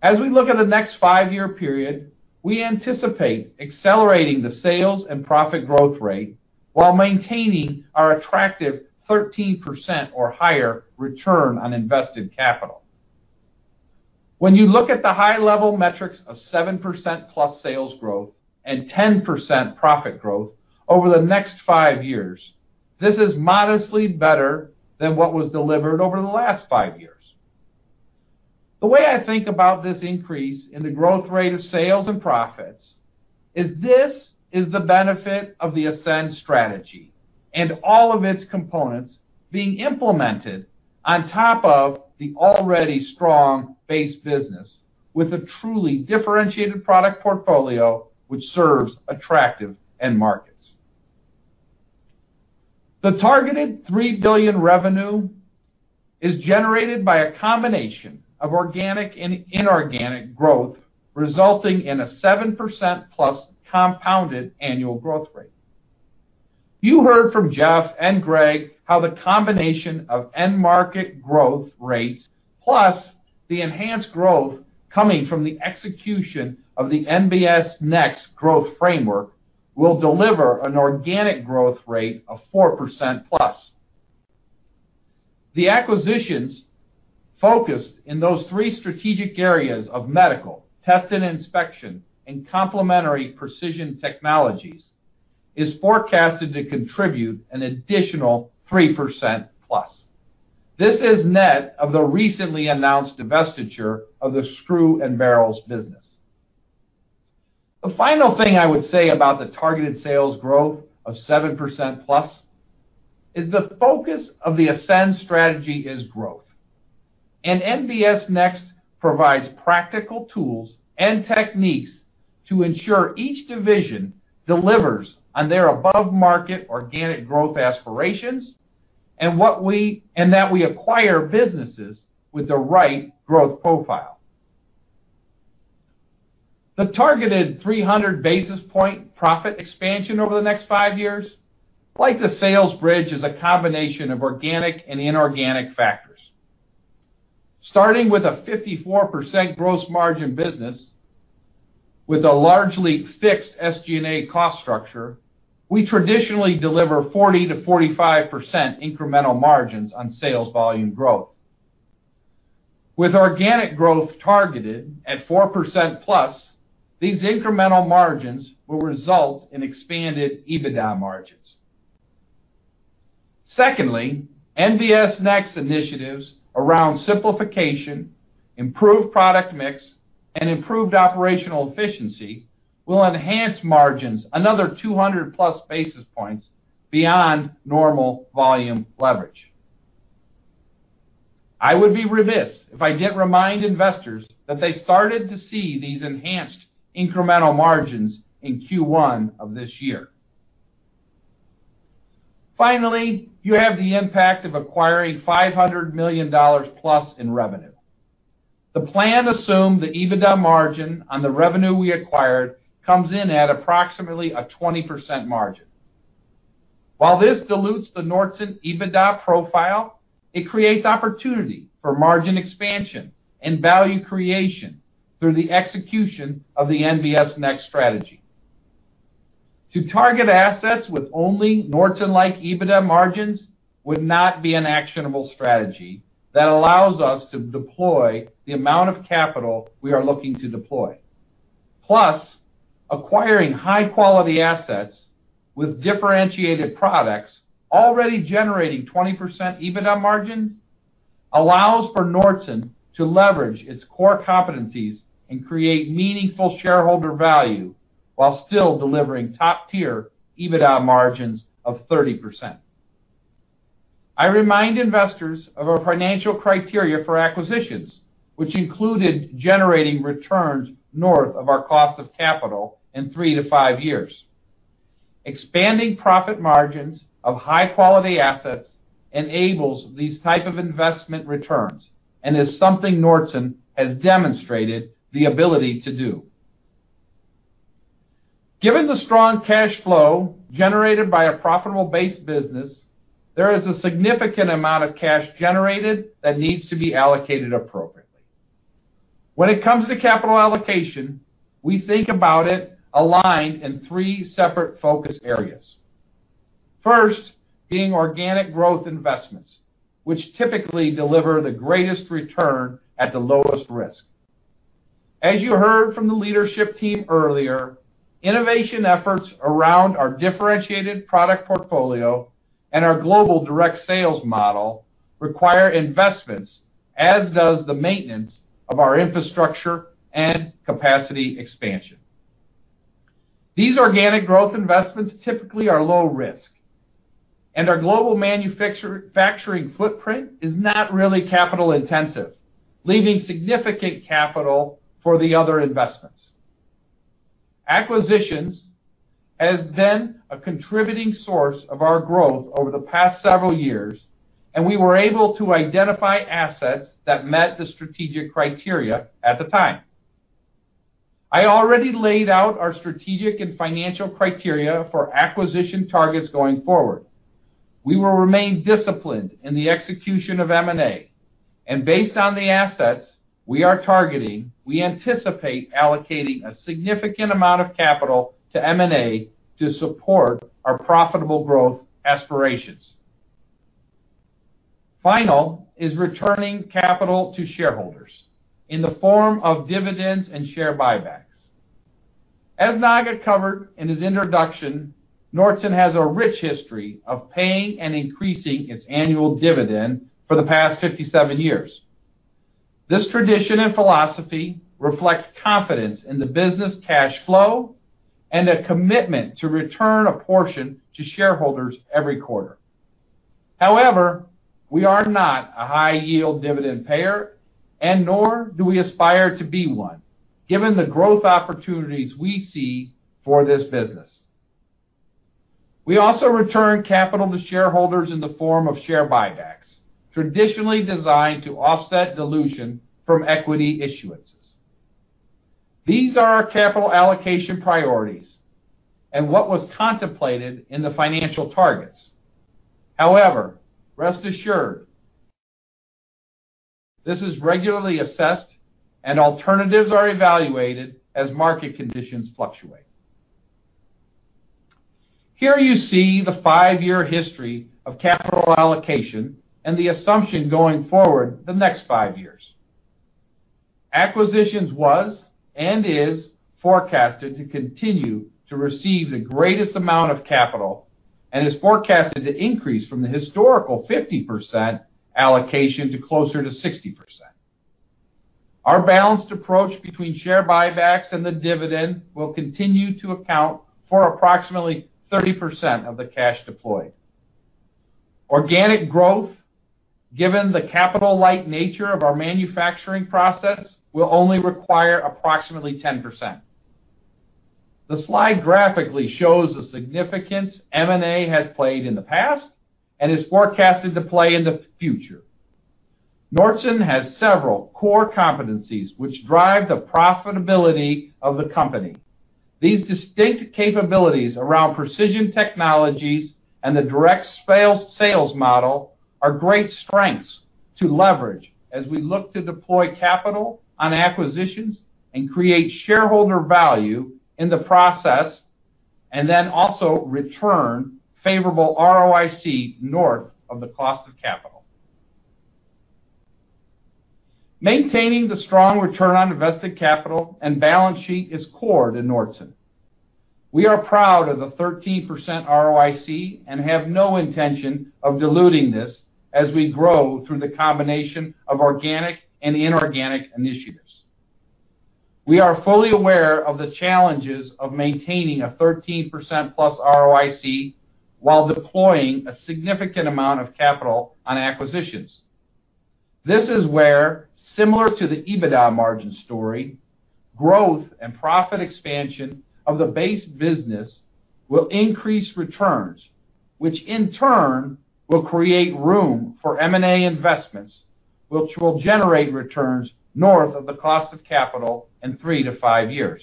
As we look at the next five-year period, we anticipate accelerating the sales and profit growth rate while maintaining our attractive 13% or higher return on invested capital. When you look at the high-level metrics of 7% plus sales growth and 10% profit growth over the next five years, this is modestly better than what was delivered over the last five years. The way I think about this increase in the growth rate of sales and profits is this is the benefit of the ASCEND strategy and all of its components being implemented on top of the already strong base business, with a truly differentiated product portfolio, which serves attractive end markets. The targeted $3 billion revenue is generated by a combination of organic and inorganic growth, resulting in a 7%+ compounded annual growth rate. You heard from Jeff and Greg how the combination of end market growth rates, plus the enhanced growth coming from the execution of the NBS Next growth framework, will deliver an organic growth rate of 4%+. The acquisitions focused in those three strategic areas of Medical, Test & Inspection, and complementary precision technologies, is forecasted to contribute an additional 3%+. This is net of the recently announced divestiture of the screw and barrels business. The final thing I would say about the targeted sales growth of 7%+ is the focus of the ASCEND strategy is growth. NBS Next provides practical tools and techniques to ensure each division delivers on their above-market organic growth aspirations, and that we acquire businesses with the right growth profile. The targeted 300 basis point profit expansion over the next five years, like the sales bridge, is a combination of organic and inorganic factors. Starting with a 54% gross margin business with a largely fixed SG&A cost structure, we traditionally deliver 40%-45% incremental margins on sales volume growth. With organic growth targeted at 4% plus, these incremental margins will result in expanded EBITDA margins. Secondly, NBS Next initiatives around simplification, improved product mix, and improved operational efficiency will enhance margins another 200-plus basis points beyond normal volume leverage. I would be remiss if I didn't remind investors that they started to see these enhanced incremental margins in Q1 of this year. Finally, you have the impact of acquiring $500 million plus in revenue. The plan assumed the EBITDA margin on the revenue we acquired comes in at approximately a 20% margin. While this dilutes the Nordson EBITDA profile, it creates opportunity for margin expansion and value creation through the execution of the NBS Next strategy. To target assets with only Nordson-like EBITDA margins would not be an actionable strategy that allows us to deploy the amount of capital we are looking to deploy. Plus, acquiring high-quality assets with differentiated products already generating 20% EBITDA margins allows for Nordson to leverage its core competencies and create meaningful shareholder value while still delivering top-tier EBITDA margins of 30%. I remind investors of our financial criteria for acquisitions, which included generating returns north of our cost of capital in three to five years. Expanding profit margins of high-quality assets enables these type of investment returns and is something Nordson has demonstrated the ability to do. Given the strong cash flow generated by a profitable base business, there is a significant amount of cash generated that needs to be allocated appropriately. When it comes to capital allocation, we think about it aligned in three separate focus areas. First, being organic growth investments, which typically deliver the greatest return at the lowest risk. As you heard from the leadership team earlier, innovation efforts around our differentiated product portfolio and our global direct sales model require investments, as does the maintenance of our infrastructure and capacity expansion. These organic growth investments typically are low risk, and our global manufacturing footprint is not really capital-intensive, leaving significant capital for the other investments. Acquisitions has been a contributing source of our growth over the past several years, and we were able to identify assets that met the strategic criteria at the time. I already laid out our strategic and financial criteria for acquisition targets going forward. We will remain disciplined in the execution of M&A. Based on the assets we are targeting, we anticipate allocating a significant amount of capital to M&A to support our profitable growth aspirations. Final is returning capital to shareholders in the form of dividends and share buybacks. As Naga covered in his introduction, Nordson has a rich history of paying and increasing its annual dividend for the past 57 years. This tradition and philosophy reflects confidence in the business cash flow and a commitment to return a portion to shareholders every quarter. However, we are not a high-yield dividend payer and nor do we aspire to be one, given the growth opportunities we see for this business. We also return capital to shareholders in the form of share buybacks, traditionally designed to offset dilution from equity issuances. These are our capital allocation priorities and what was contemplated in the financial targets. However, rest assured, this is regularly assessed and alternatives are evaluated as market conditions fluctuate. Here you see the five-year history of capital allocation and the assumption going forward the next five years. Acquisitions was and is forecasted to continue to receive the greatest amount of capital and is forecasted to increase from the historical 50% allocation to closer to 60%. Our balanced approach between share buybacks and the dividend will continue to account for approximately 30% of the cash deployed. Organic growth, given the capital-light nature of our manufacturing process, will only require approximately 10%. The Slide graphically shows the significance M&A has played in the past and is forecasted to play in the future. Nordson has several core competencies which drive the profitability of the company. These distinct capabilities around precision technologies and the direct sales model are great strengths to leverage as we look to deploy capital on acquisitions and create shareholder value in the process, and then also return favorable ROIC north of the cost of capital. Maintaining the strong return on invested capital and balance sheet is core to Nordson. We are proud of the 13% ROIC and have no intention of diluting this as we grow through the combination of organic and inorganic initiatives. We are fully aware of the challenges of maintaining a 13% plus ROIC while deploying a significant amount of capital on acquisitions. This is where, similar to the EBITDA margin story, growth and profit expansion of the base business will increase returns, which in turn will create room for M&A investments, which will generate returns north of the cost of capital in three to five years.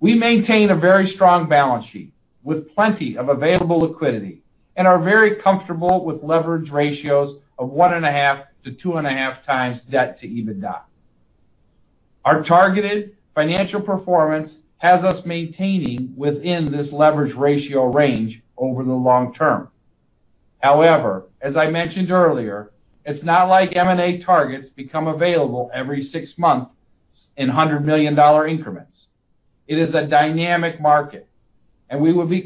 We maintain a very strong balance sheet with plenty of available liquidity and are very comfortable with leverage ratios of 1.5-2.5 times debt to EBITDA. Our targeted financial performance has us maintaining within this leverage ratio range over the long term. However, as I mentioned earlier, it's not like M&A targets become available every six months in $100 million increments. It is a dynamic market, and we would be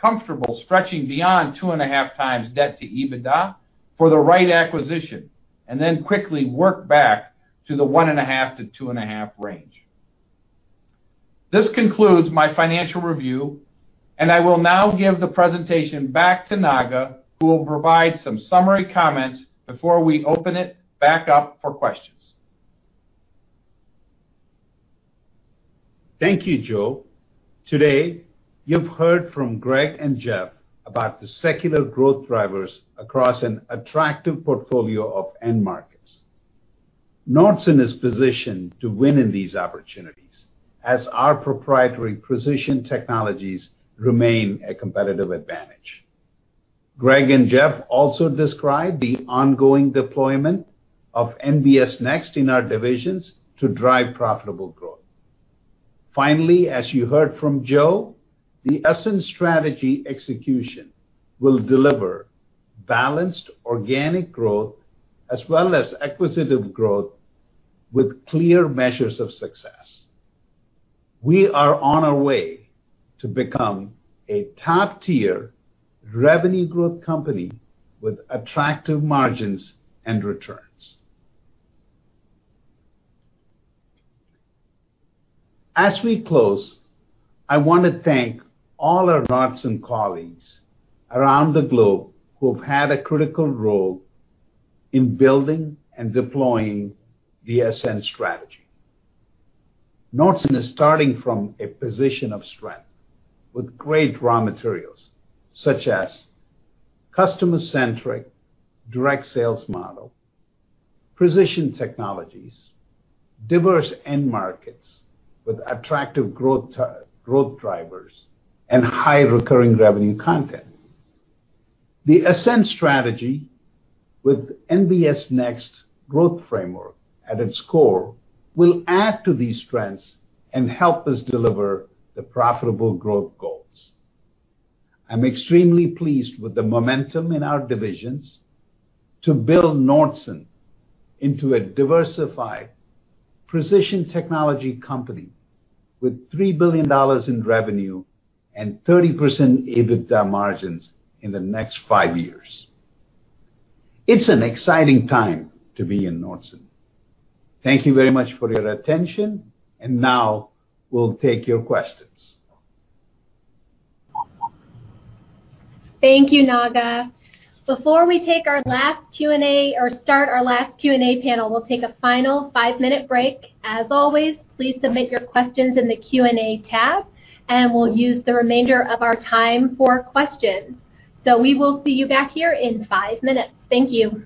comfortable stretching beyond 2.5 times debt to EBITDA for the right acquisition, and then quickly work back to the 1.5-2.5 range. This concludes my financial review, and I will now give the presentation back to Naga, who will provide some summary comments before we open it back up for questions. Thank you, Joe. Today, you've heard from Greg and Jeff about the secular growth drivers across an attractive portfolio of end markets. Nordson is positioned to win in these opportunities as our proprietary precision technologies remain a competitive advantage. Greg and Jeff also described the ongoing deployment of NBS Next in our divisions to drive profitable growth. Finally, as you heard from Joe, the ASCEND strategy execution will deliver balanced organic growth as well as acquisitive growth with clear measures of success. We are on our way to become a top-tier revenue growth company with attractive margins and returns. As we close, I want to thank all our Nordson colleagues around the globe who have had a critical role in building and deploying the ASCEND strategy. Nordson is starting from a position of strength with great raw materials such as customer-centric direct sales model, precision technologies, diverse end markets with attractive growth drivers, and high recurring revenue content. The ASCEND strategy with NBS Next growth framework at its core will add to these strengths and help us deliver the profitable growth goals. I'm extremely pleased with the momentum in our divisions to build Nordson into a diversified precision technology company with $3 billion in revenue and 30% EBITDA margins in the next five years. It's an exciting time to be in Nordson. Thank you very much for your attention, Now we'll take your questions. Thank you, Naga. Before we start our last Q&A panel, we'll take a final five-minute break. As always, please submit your questions in the Q&A tab. We'll use the remainder of our time for questions. We will see you back here in five minutes. Thank you.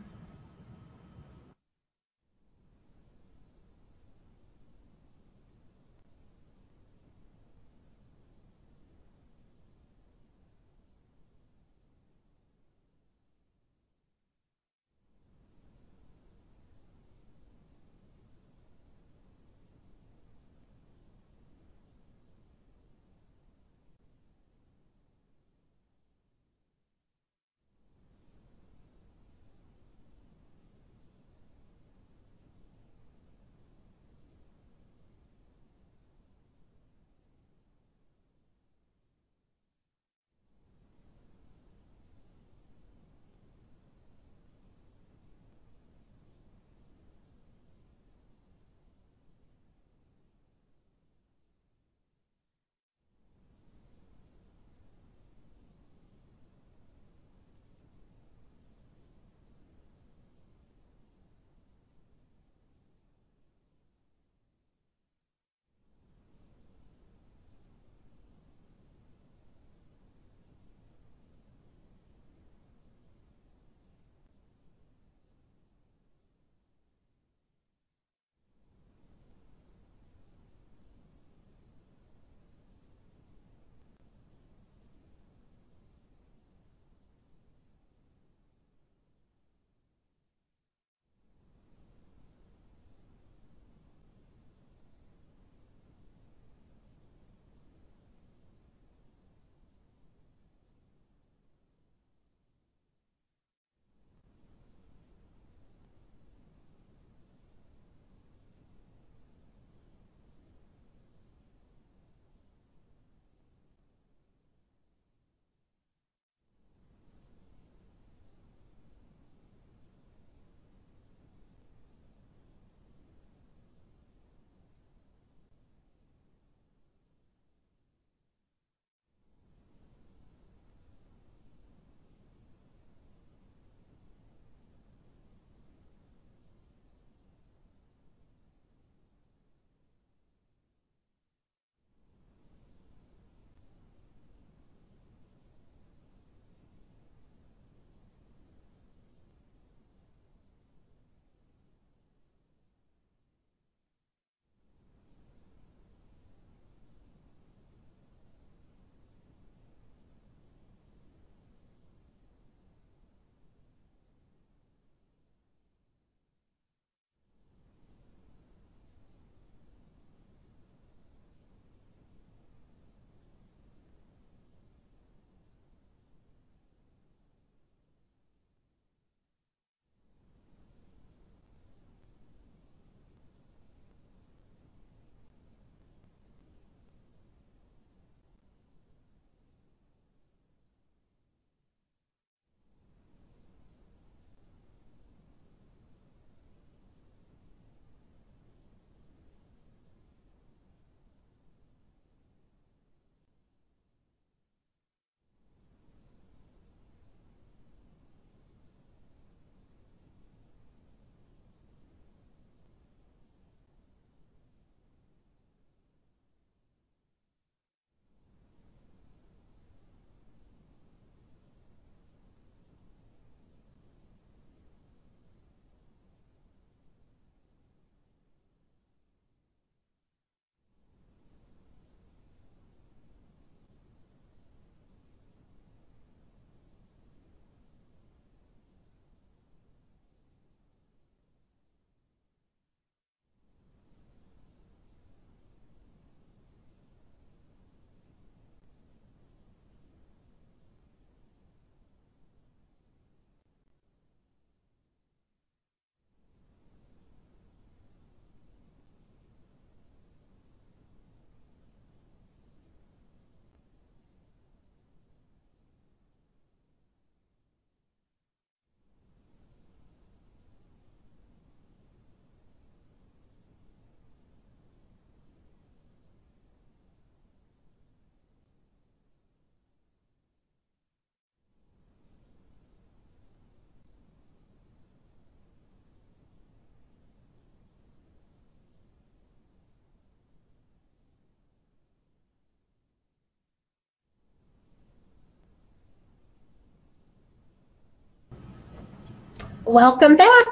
Welcome back.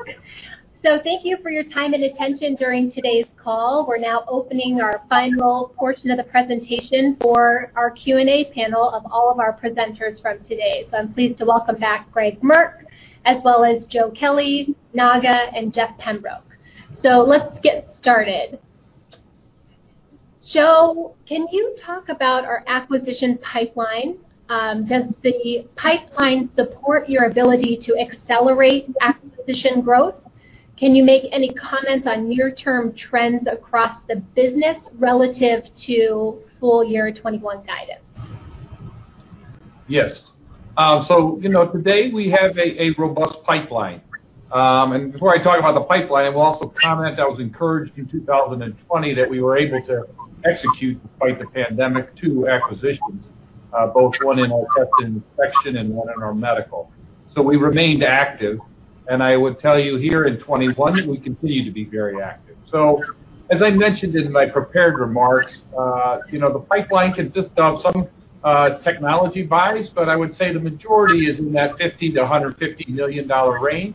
Thank you for your time and attention during today's call. We're now opening our final portion of the presentation for our Q&A panel of all of our presenters from today. I'm pleased to welcome back Greg Merk, as well as Joe Kelley, Naga, and Jeff Pembroke. Let's get started. Joe, can you talk about our acquisition pipeline? Does the pipeline support your ability to accelerate acquisition growth? Can you make any comments on near-term trends across the business relative to full year 2021 guidance? Yes. Today we have a robust pipeline. Before I talk about the pipeline, I will also comment that was encouraged in 2020 that we were able to execute, despite the pandemic, two acquisitions, both one in our Test & Inspection and one in our Medical. We remained active, and I would tell you here in 2021, we continue to be very active. As I mentioned in my prepared remarks, the pipeline consists of some technology buys. I would say the majority is in that $50 million-$150 million range,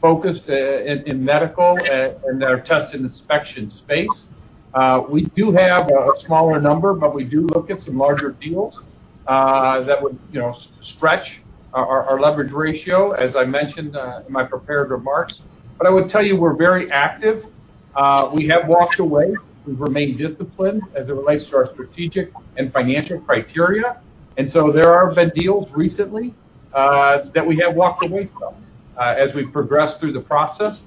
focused in Medical and our Test & Inspection space. We do have a smaller number, but we do look at some larger deals that would stretch our leverage ratio, as I mentioned in my prepared remarks. I would tell you we're very active. We have walked away. We've remained disciplined as it relates to our strategic and financial criteria. There have been deals recently that we have walked away from as we progress through the process.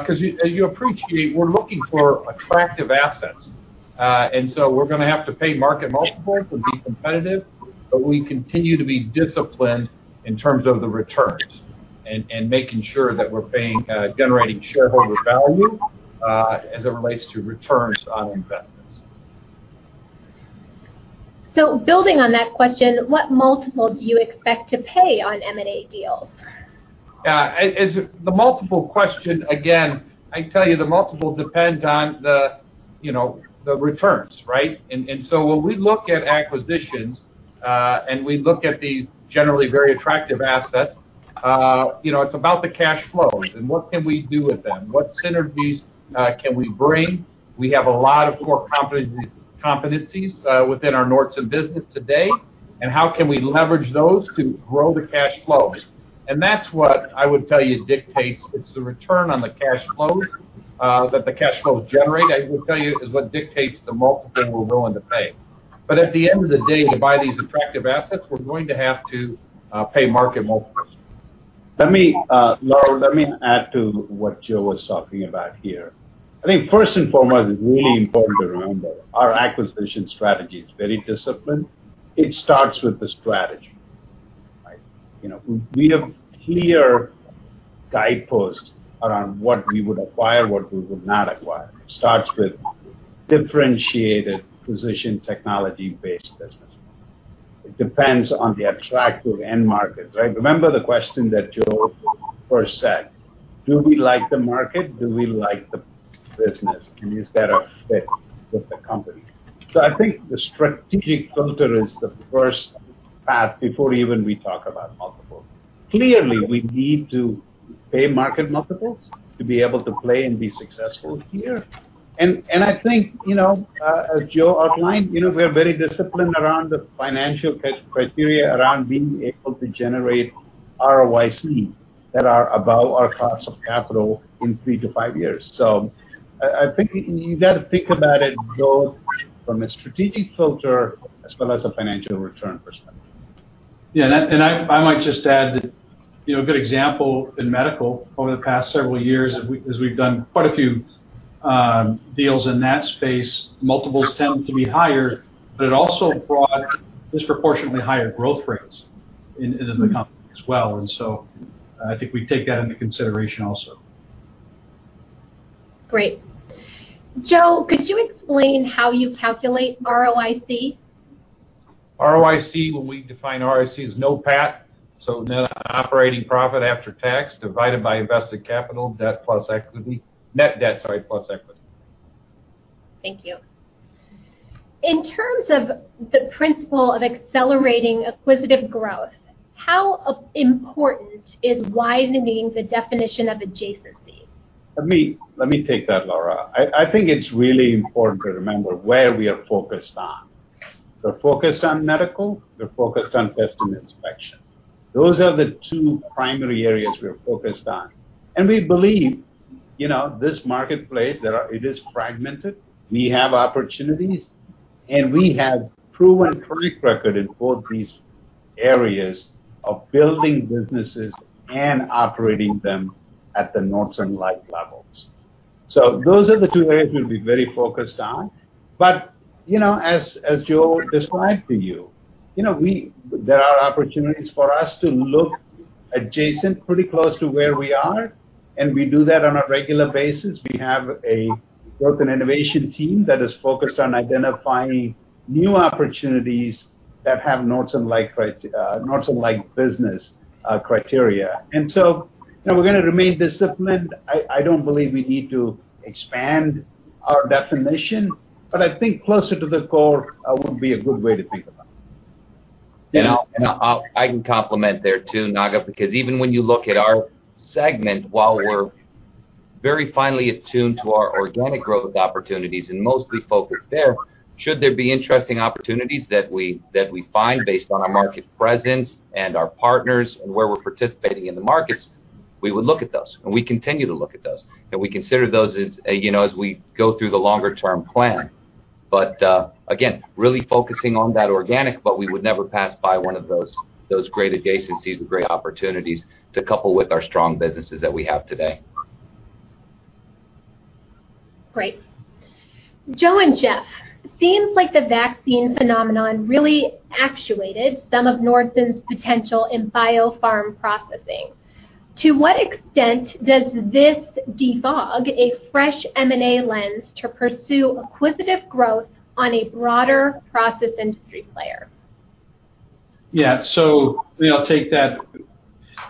Because you appreciate we're looking for attractive assets. We're going to have to pay market multiples and be competitive, but we continue to be disciplined in terms of the returns and making sure that we're generating shareholder value as it relates to returns on investments. Building on that question, what multiple do you expect to pay on M&A deals? The multiple question, again, I tell you the multiple depends on the returns, right? When we look at acquisitions, and we look at these generally very attractive assets, it's about the cash flows and what can we do with them. What synergies can we bring? We have a lot of core competencies within our Nordson business today, and how can we leverage those to grow the cash flows? That's what I would tell you dictates, it's the return on the cash flows that the cash flows generate, I will tell you, is what dictates the multiple we're willing to pay. At the end of the day, to buy these attractive assets, we're going to have to pay market multiples. Laurel, let me add to what Joe was talking about here. I think first and foremost, it's really important to remember our acquisition strategy is very disciplined. It starts with the strategy, right? We have a clear guidepost around what we would acquire, what we would not acquire. It starts with differentiated position technology-based businesses. It depends on the attractive end market, right? Remember the question that Joe first said, do we like the market? Do we like the business? Is that a fit with the company? I think the strategic filter is the first path before even we talk about multiple. Clearly, we need to pay market multiples to be able to play and be successful here. I think, as Joe outlined, we are very disciplined around the financial criteria around being able to generate ROIC that are above our cost of capital in three to five years. I think you got to think about it both from a strategic filter as well as a financial return perspective. Yeah. I might just add that a good example in medical over the past several years, as we've done quite a few deals in that space, multiples tend to be higher, but it also brought disproportionately higher growth rates into the company as well. I think we take that into consideration also. Great. Joe, could you explain how you calculate ROIC? ROIC, well, we define ROIC as NOPAT, so net operating profit after tax, divided by invested capital, debt plus equity. Net debt, sorry, plus equity. Thank you. In terms of the principle of accelerating acquisitive growth, how important is widening the definition of adjacent? Let me take that, Lara. I think it's really important to remember where we are focused on. We're focused on medical, we're focused on Test & Inspection. Those are the two primary areas we're focused on. We believe this marketplace, it is fragmented. We have opportunities, and we have proven track record in both these areas of building businesses and operating them at the Nordson-like levels. Those are the two areas we'll be very focused on. As Joe described to you, there are opportunities for us to look adjacent pretty close to where we are, and we do that on a regular basis. We have a growth and innovation team that is focused on identifying new opportunities that have Nordson-like business criteria. We're going to remain disciplined. I don't believe we need to expand our definition, but I think closer to the core would be a good way to think about it. I can complement there, too, Naga, because even when you look at our segment, while we're very finely attuned to our organic growth opportunities and mostly focused there, should there be interesting opportunities that we find based on our market presence and our partners and where we're participating in the markets, we would look at those, and we continue to look at those. We consider those as we go through the longer term plan. Again, really focusing on that organic, but we would never pass by one of those great adjacencies and great opportunities to couple with our strong businesses that we have today. Great. Joe and Jeff, seems like the vaccine phenomenon really actuated some of Nordson's potential in biopharm processing. To what extent does this defog a fresh M&A lens to pursue acquisitive growth on a broader process industry player? Yeah. I'll take that.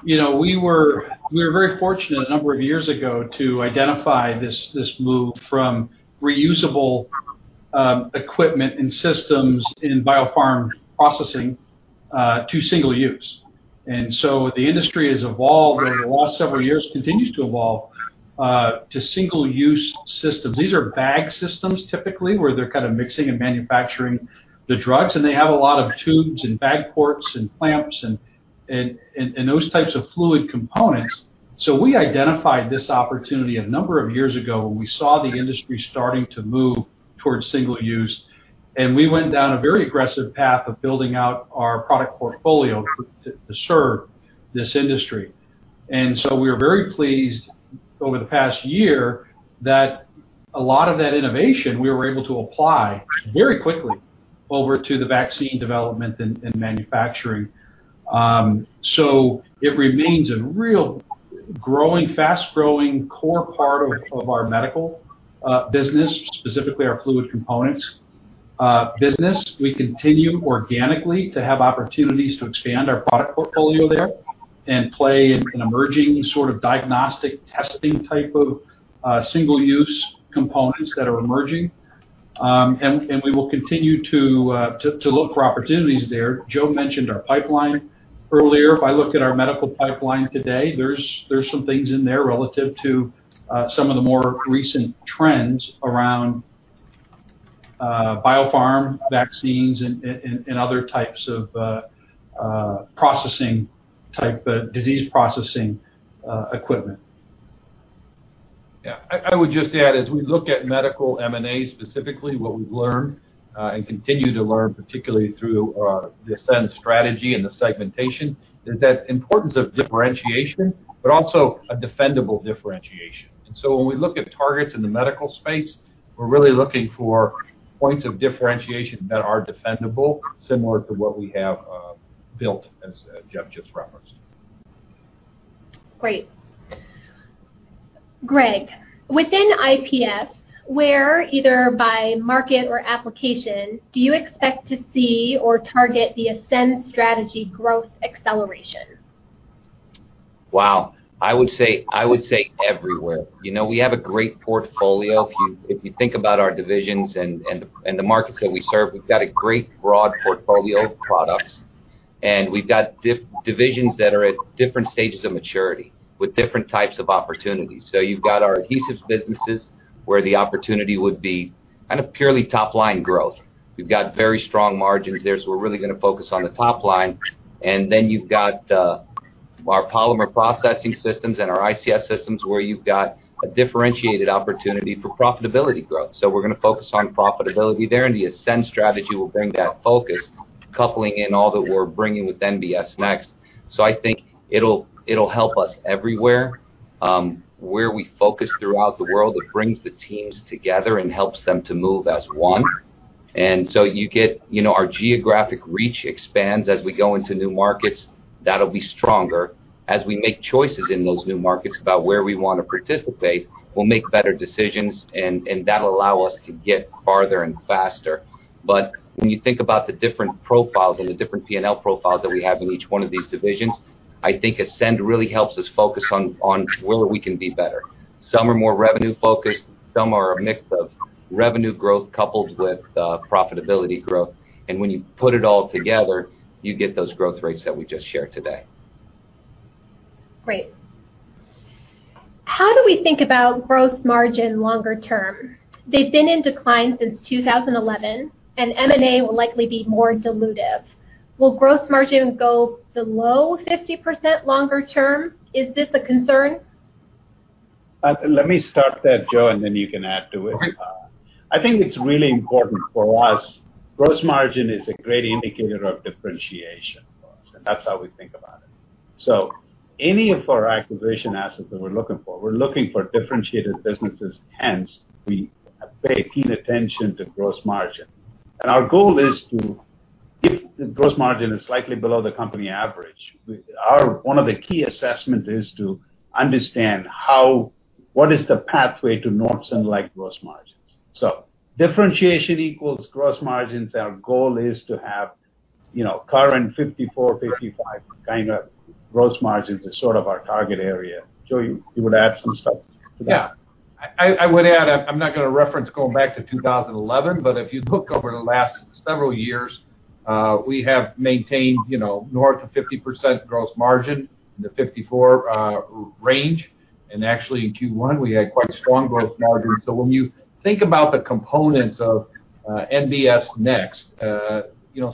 We were very fortunate a number of years ago to identify this move from reusable equipment and systems in biopharm processing to single use. The industry has evolved over the last several years, continues to evolve, to single use systems. These are bag systems, typically, where they're kind of mixing and manufacturing the drugs, and they have a lot of tubes and bag ports and clamps, and those types of fluid components. We identified this opportunity a number of years ago when we saw the industry starting to move towards single use, and we went down a very aggressive path of building out our product portfolio to serve this industry. We are very pleased over the past year that a lot of that innovation we were able to apply very quickly over to the vaccine development and manufacturing. It remains a real fast-growing core part of our Medical business, specifically our Fluid Components business. We continue organically to have opportunities to expand our product portfolio there and play in emerging sort of diagnostic testing type of single use components that are emerging. We will continue to look for opportunities there. Joe mentioned our pipeline earlier. If I look at our Medical pipeline today, there's some things in there relative to some of the more recent trends around biopharm vaccines and other types of disease processing equipment. Yeah. I would just add, as we look at medical M&A specifically, what we've learned, and continue to learn, particularly through the ASCEND strategy and the segmentation, is that importance of differentiation, but also a defendable differentiation. When we look at targets in the medical space, we're really looking for points of differentiation that are defendable, similar to what we have built as Jeff just referenced. Great. Greg, within IPS, where, either by market or application, do you expect to see or target the ASCEND strategy growth acceleration? Wow. I would say everywhere. We have a great portfolio. If you think about our divisions and the markets that we serve, we've got a great broad portfolio of products, and we've got divisions that are at different stages of maturity with different types of opportunities. You've got our adhesives businesses, where the opportunity would be kind of purely top line growth. We've got very strong margins there, we're really going to focus on the top line. You've got our Polymer Processing Systems and our ICS systems, where you've got a differentiated opportunity for profitability growth. We're going to focus on profitability there, and the ASCEND strategy will bring that focus, coupling in all that we're bringing with NBS Next. I think it'll help us everywhere. Where we focus throughout the world, it brings the teams together and helps them to move as one. Our geographic reach expands as we go into new markets. That'll be stronger. As we make choices in those new markets about where we want to participate, we'll make better decisions, and that'll allow us to get farther and faster. When you think about the different profiles and the different P&L profiles that we have in each one of these divisions, I think ASCEND really helps us focus on where we can be better. Some are more revenue focused, some are a mix of revenue growth coupled with profitability growth. When you put it all together, you get those growth rates that we just shared today. Great. How do we think about gross margin longer term? They've been in decline since 2011, and M&A will likely be more dilutive. Will gross margin go below 50% longer term? Is this a concern? Let me start that, Joe, and then you can add to it. Okay. I think it's really important for us, gross margin is a great indicator of differentiation for us, and that's how we think about it. Any of our acquisition assets that we're looking for, we're looking for differentiated businesses, hence we pay keen attention to gross margin. Our goal is to, if the gross margin is slightly below the company average, one of the key assessment is to understand what is the pathway to Nordson-like gross margins. Differentiation equals gross margins. Our goal is to have current 54%, 55% kind of gross margins as sort of our target area. Joe, you would add some stuff to that? Yeah. I would add, I'm not going to reference going back to 2011, but if you look over the last several years, we have maintained north of 50% gross margin, in the 54% range. Actually, in Q1, we had quite strong gross margin. When you think about the components of NBS Next,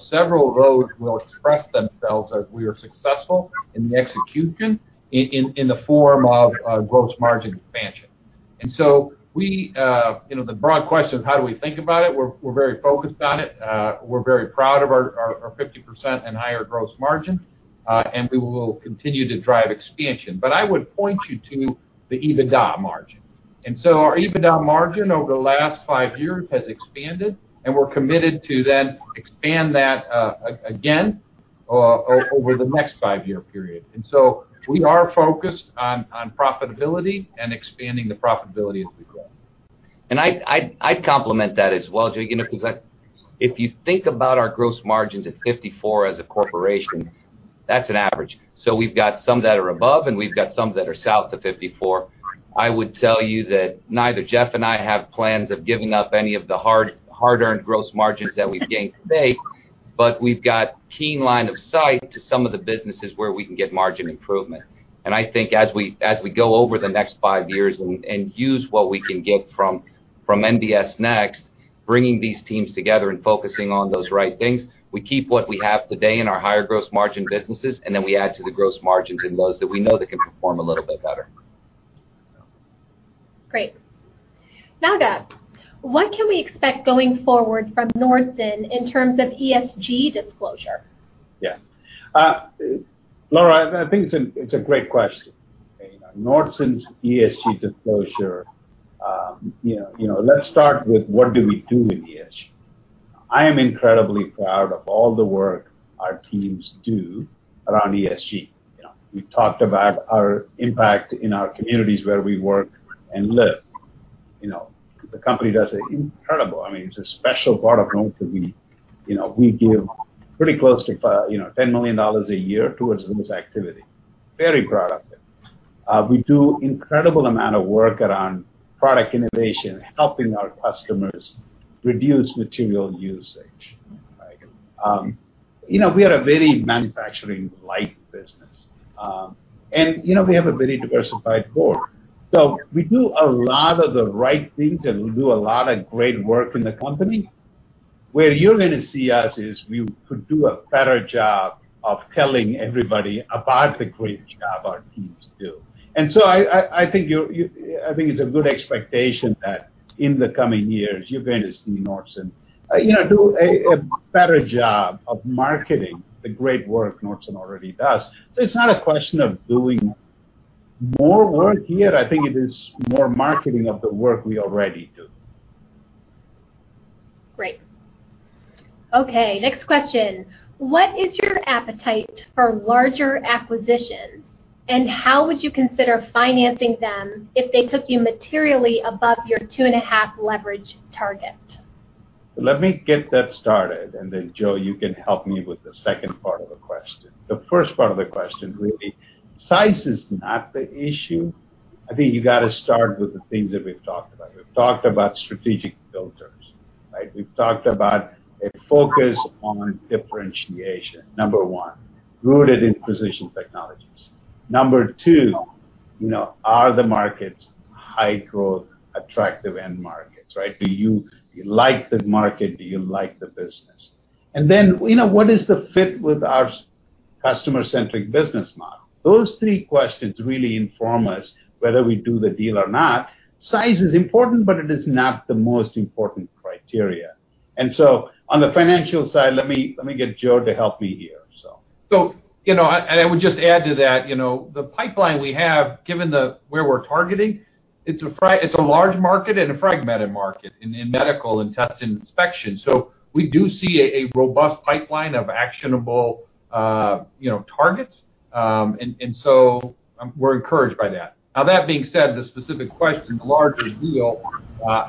several roads will express themselves as we are successful in the execution in the form of gross margin expansion. The broad question of how do we think about it, we're very focused on it. We're very proud of our 50% and higher gross margin. We will continue to drive expansion. I would point you to the EBITDA margin. Our EBITDA margin over the last 5 years has expanded, and we're committed to then expand that again over the next 5-year period. We are focused on profitability and expanding the profitability as we grow. I'd complement that as well, Joe, because if you think about our gross margins at 54 as a corporation, that's an average. We've got some that are above, and we've got some that are south of 54. I would tell you that neither Jeff and I have plans of giving up any of the hard-earned gross margins that we've gained today, but we've got keen line of sight to some of the businesses where we can get margin improvement. I think as we go over the next five years and use what we can get from NBS Next, bringing these teams together and focusing on those right things, we keep what we have today in our higher gross margin businesses, and then we add to the gross margins in those that we know that can perform a little bit better. Great. Naga, what can we expect going forward from Nordson in terms of ESG disclosure? Yeah. Lara, I think it's a great question. Nordson's ESG disclosure, let's start with what do we do in ESG. I am incredibly proud of all the work our teams do around ESG. We've talked about our impact in our communities where we work and live. The company does incredible. It's a special part of Nordson. We give pretty close to $10 million a year towards this activity. Very proud of it. We do incredible amount of work around product innovation, helping our customers reduce material usage. We are a very manufacturing-light business. We have a very diversified board. We do a lot of the right things, and we do a lot of great work in the company. Where you're going to see us is we could do a better job of telling everybody about the great job our teams do. I think it's a good expectation that in the coming years, you're going to see Nordson do a better job of marketing the great work Nordson already does. It's not a question of doing more work here. I think it is more marketing of the work we already do. Great. Okay, next question. What is your appetite for larger acquisitions, and how would you consider financing them if they took you materially above your 2.5 leverage target? Let me get that started, and then Joe, you can help me with the second part of the question. The first part of the question, really, size is not the issue. I think you got to start with the things that we've talked about. We've talked about strategic filters. We've talked about a focus on differentiation, number one, rooted in precision technologies. Number two, are the markets high growth, attractive end markets? Do you like the market? Do you like the business? What is the fit with our customer-centric business model? Those three questions really inform us whether we do the deal or not. Size is important, it is not the most important criteria. On the financial side, let me get Joe to help me here. I would just add to that, the pipeline we have, given where we're targeting, it's a large market and a fragmented market in Medical and Test & Inspection. We do see a robust pipeline of actionable targets. We're encouraged by that. That being said, the specific question, larger deal,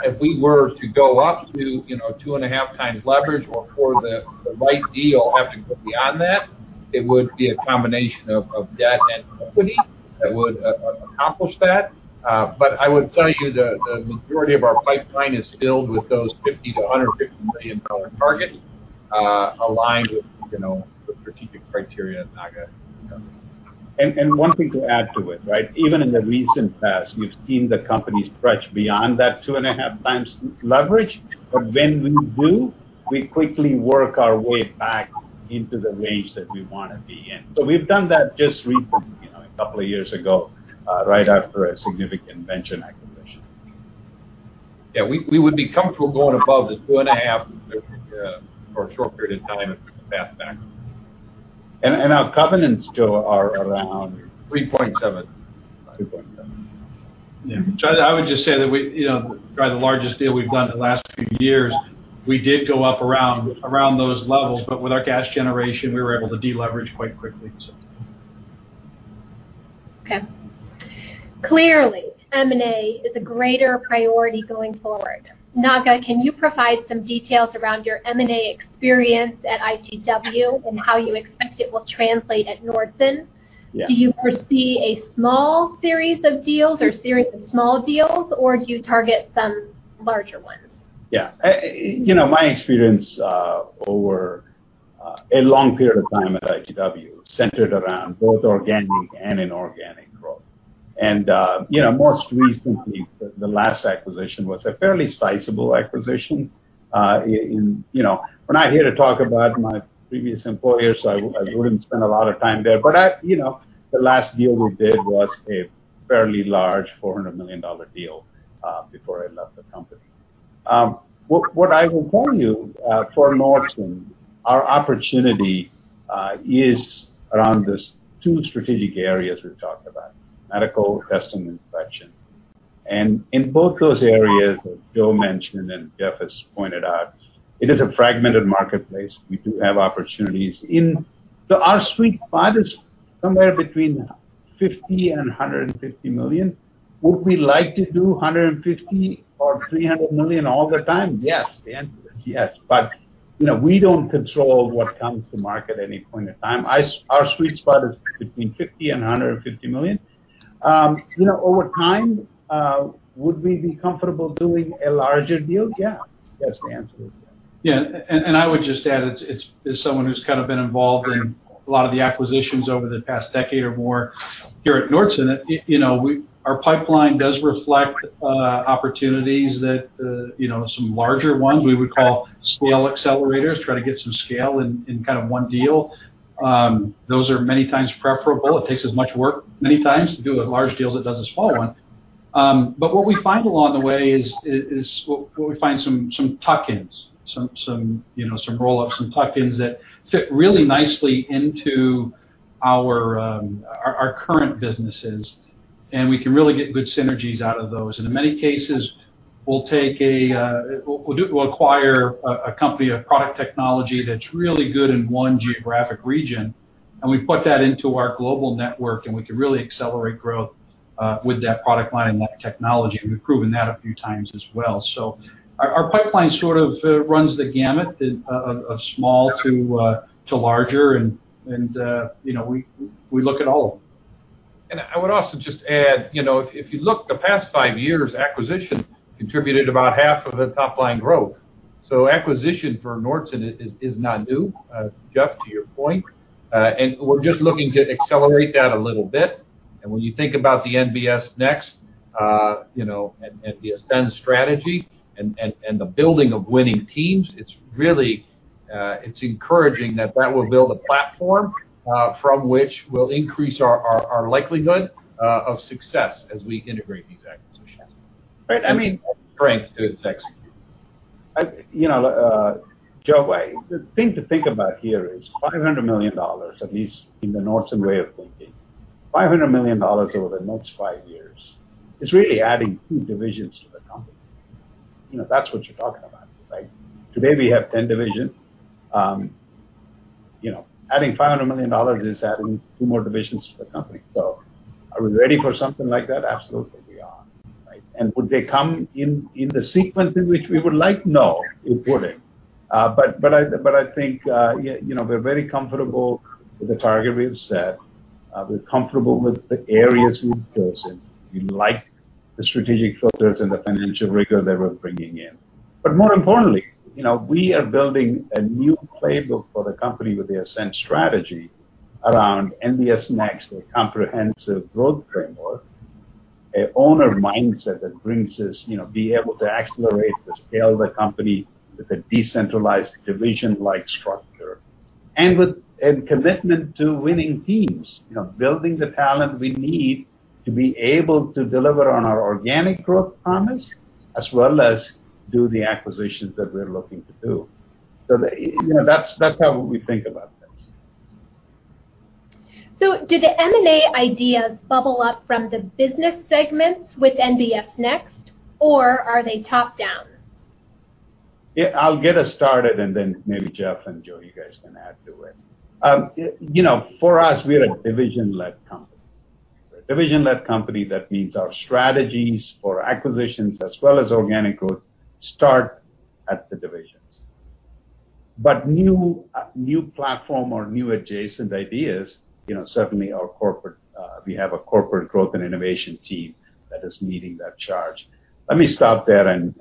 if we were to go up to 2.5 times leverage or for the right deal, have to go beyond that It would be a combination of debt and equity that would accomplish that. I would tell you the majority of our pipeline is filled with those $50 million-$150 million targets, aligned with the strategic criteria, Naga. One thing to add to it. Even in the recent past, we've seen the company stretch beyond that two and a half times leverage. When we do, we quickly work our way back into the range that we want to be in. We've done that just recently, a couple of years ago, right after a significant venture acquisition. Yeah. We would be comfortable going above the two and a half for a short period of time and pay it back. Our covenants, Joe, are around. 3.7. 3.7. Yeah. I would just say that probably the largest deal we've done in the last few years, we did go up around those levels. With our cash generation, we were able to de-leverage quite quickly. Okay. Clearly, M&A is a greater priority going forward. Naga, can you provide some details around your M&A experience at ITW and how you expect it will translate at Nordson? Yeah. Do you foresee a small series of deals or series of small deals, or do you target some larger ones? Yeah. My experience over a long period of time at ITW centered around both organic and inorganic growth. Most recently, the last acquisition was a fairly sizable acquisition. We're not here to talk about my previous employer, so I wouldn't spend a lot of time there. The last deal we did was a fairly large $400 million deal, before I left the company. What I will tell you, for Nordson, our opportunity is around these two strategic areas we've talked about, medical, custom, and production. In both those areas, as Joe mentioned and Jeff has pointed out, it is a fragmented marketplace. We do have opportunities in. Our sweet spot is somewhere between $50 million and $150 million. Would we like to do $150 million or $300 million all the time? Yes. The answer is yes. We don't control what comes to market any point in time. Our sweet spot is between $50 million and $150 million. Over time, would we be comfortable doing a larger deal? Yeah. Yes, the answer is yes. Yeah. I would just add, as someone who's kind of been involved in a lot of the acquisitions over the past decade or more here at Nordson, our pipeline does reflect opportunities that some larger ones we would call scale accelerators, try to get some scale in kind of one deal. Those are many times preferable. It takes as much work many times to do a large deal as it does a small one. What we find along the way is we find some tuck-ins, some roll-ups and tuck-ins that fit really nicely into our current businesses, and we can really get good synergies out of those. In many cases, we'll acquire a company, a product technology that's really good in one geographic region, and we put that into our global network, and we can really accelerate growth with that product line and that technology. We've proven that a few times as well. Our pipeline sort of runs the gamut of small to larger, and we look at all of them. I would also just add, if you look the past five years, acquisition contributed about half of the top-line growth. Acquisition for Nordson is not new, Jeff, to your point, and we're just looking to accelerate that a little bit. When you think about the NBS Next, and the ASCEND strategy and the building of winning teams, it's encouraging that that will build a platform from which we'll increase our likelihood of success as we integrate these acquisitions. Right. The strengths to execute. Joe, the thing to think about here is $500 million, at least in the Nordson way of thinking, $500 million over the next five years is really adding two divisions to the company. That's what you're talking about. Today, we have 10 divisions. Adding $500 million is adding two more divisions to the company. Are we ready for something like that? Absolutely, we are. Would they come in the sequence in which we would like? No, it wouldn't. I think we're very comfortable with the target we have set. We're comfortable with the areas we've chosen. We like the strategic filters and the financial rigor that we're bringing in. More importantly, we are building a new playbook for the company with the ASCEND strategy around NBS Next, a comprehensive growth framework, an owner mindset that brings us be able to accelerate the scale of the company with a decentralized division-like structure, and commitment to winning teams. Building the talent we need to be able to deliver on our organic growth promise, as well as do the acquisitions that we're looking to do. That's how we think about this. Did the M&A ideas bubble up from the business segments with NBS Next, or are they top-down? Yeah, I'll get us started, and then maybe Jeff and Joe, you guys can add to it. For us, we're a division-led company. That means our strategies for acquisitions as well as organic growth start at the divisions. New platform or new adjacent ideas, certainly our corporate, we have a corporate growth and innovation team that is meeting that charge. Let me stop there, and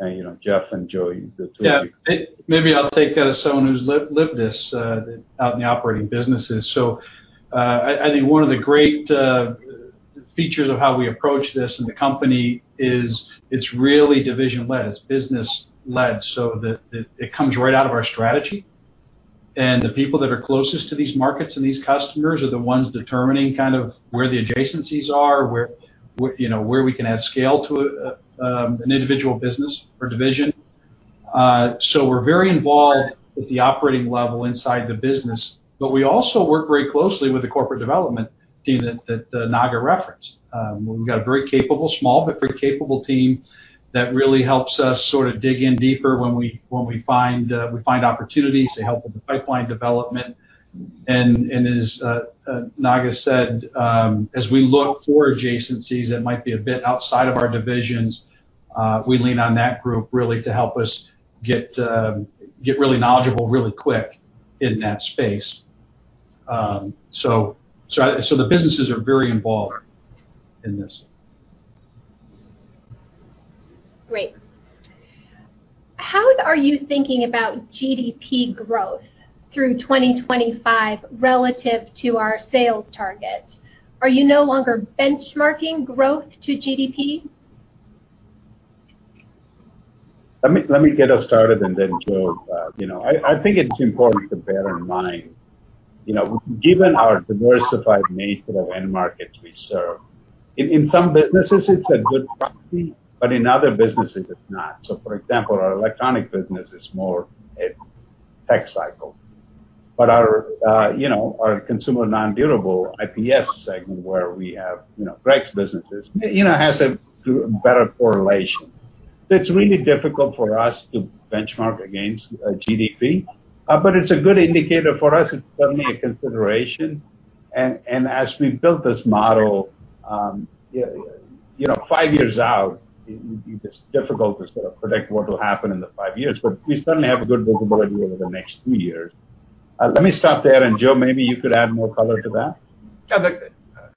Jeff and Joe, the two of you. Yeah. Maybe I'll take that as someone who's lived this out in the operating businesses. I think one of the great features of how we approach this in the company is it's really division-led, it's business-led, so it comes right out of our strategy. The people that are closest to these markets and these customers are the ones determining kind of where the adjacencies are, where we can add scale to an individual business or division. We're very involved at the operating level inside the business. We also work very closely with the corporate development team that Naga referenced. We've got a very capable, small but very capable team that really helps us sort of dig in deeper when we find opportunities, they help with the pipeline development. As Naga said, as we look for adjacencies that might be a bit outside of our divisions, we lean on that group really to help us get really knowledgeable really quick in that space. The businesses are very involved in this. Great. How are you thinking about GDP growth through 2025 relative to our sales target? Are you no longer benchmarking growth to GDP? Let me get us started and then Joe. I think it's important to bear in mind, given our diversified nature of end markets we serve, in some businesses it's a good proxy, but in other businesses it's not. For example, our electronic business is more a tech cycle. Our consumer non-durable IPS segment where we have Greg's businesses, has a better correlation. It's really difficult for us to benchmark against GDP, but it's a good indicator for us. It's certainly a consideration, and as we built this model five years out, it's difficult to sort of predict what will happen in the five years, but we certainly have a good bookability over the next two years. Let me stop there, and Joe, maybe you could add more color to that. Yeah.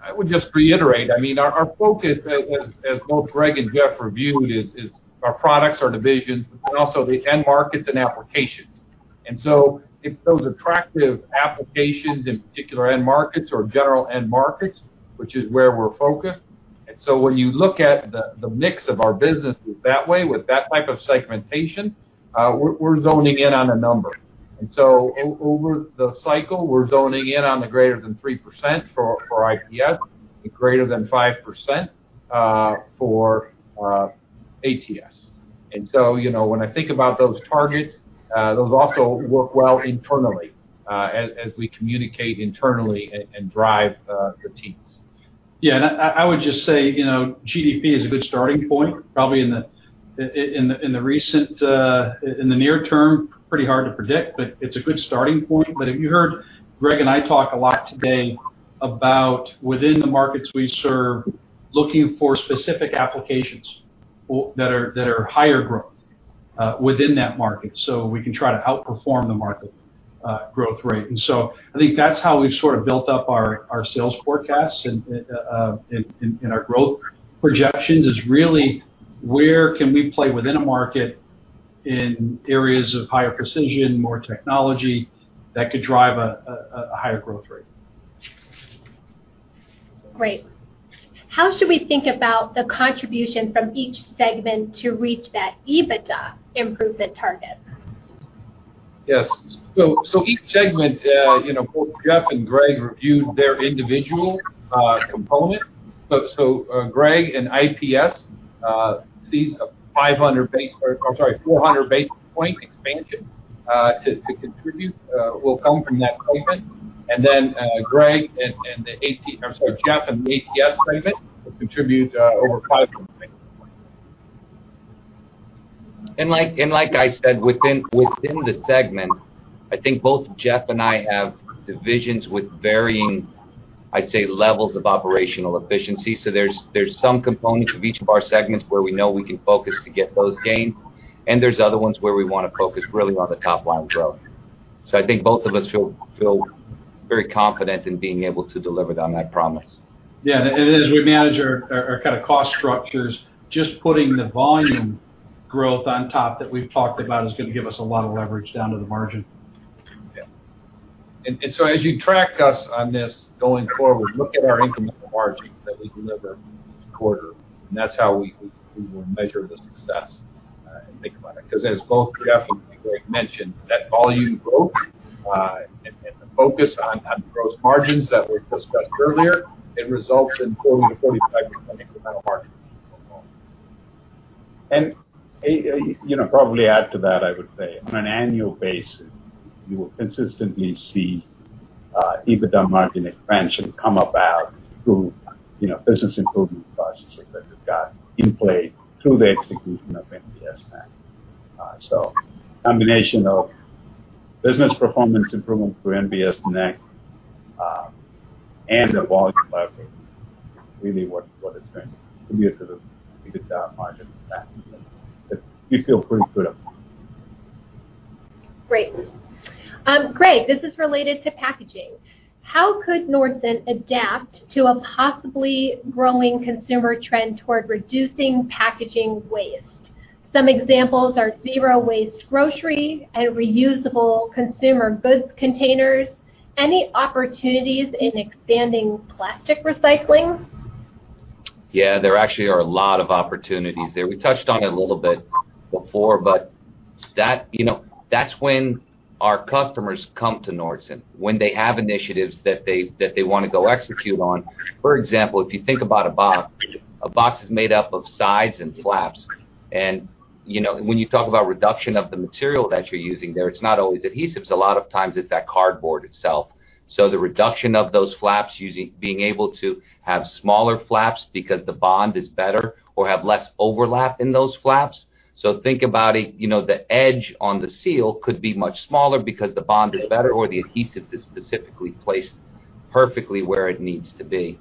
I would just reiterate, I mean, our focus as both Greg and Jeff reviewed is our products, our divisions, but also the end markets and applications. It's those attractive applications in particular end markets or general end markets, which is where we're focused. When you look at the mix of our businesses that way, with that type of segmentation, we're zoning in on a number. Over the cycle, we're zoning in on the greater than 3% for IPS, and greater than 5% for ATS. When I think about those targets, those also work well internally, as we communicate internally and drive the teams. Yeah, I would just say, GDP is a good starting point. Probably in the near term, pretty hard to predict, it's a good starting point. If you heard Greg and I talk a lot today about within the markets we serve, looking for specific applications that are higher growth within that market, we can try to outperform the market growth rate. I think that's how we've sort of built up our sales forecasts and our growth projections, is really where can we play within a market in areas of higher precision, more technology that could drive a higher growth rate. Great. How should we think about the contribution from each segment to reach that EBITDA improvement target? Yes. Each segment, both Jeff and Greg reviewed their individual component. Greg in IPS sees a 500 base, or I'm sorry, 400 basis point expansion to contribute will come from that segment. Jeff in the ATS segment will contribute over 500 basis points. Like I said, within the segment, I think both Jeff and I have divisions with varying, I'd say, levels of operational efficiency. There's some components of each of our segments where we know we can focus to get those gains, and there's other ones where we want to focus really on the top line growth. I think both of us feel very confident in being able to deliver on that promise. Yeah. As we manage our kind of cost structures, just putting the volume growth on top that we've talked about is going to give us a lot of leverage down to the margin. Yeah. As you track us on this going forward, look at our incremental margins that we deliver each quarter, and that's how we will measure the success and think about it. Because as both Jeff and Greg mentioned, that volume growth, and the focus on the gross margins that were discussed earlier, it results in 40%-45% incremental margin overall. Probably add to that, I would say, on an annual basis, you will consistently see EBITDA margin expansion come about through business improvement processes that we've got in play through the execution of NPS. Combination of business performance improvement through NBS Next, and the volume leverage, really what it's going to do, to be able to beat the Dow market. We feel pretty good about it. Great. Greg, this is related to packaging. How could Nordson adapt to a possibly growing consumer trend toward reducing packaging waste? Some examples are zero-waste grocery and reusable consumer goods containers. Any opportunities in expanding plastic recycling? Yeah, there actually are a lot of opportunities there. We touched on it a little bit before, but that's when our customers come to Nordson, when they have initiatives that they want to go execute on. For example, if you think about a box, a box is made up of sides and flaps, and when you talk about reduction of the material that you're using there, it's not always adhesives. A lot of times it's that cardboard itself. The reduction of those flaps, being able to have smaller flaps because the bond is better or have less overlap in those flaps. Think about it, the edge on the seal could be much smaller because the bond is better or the adhesive is specifically placed perfectly where it needs to be.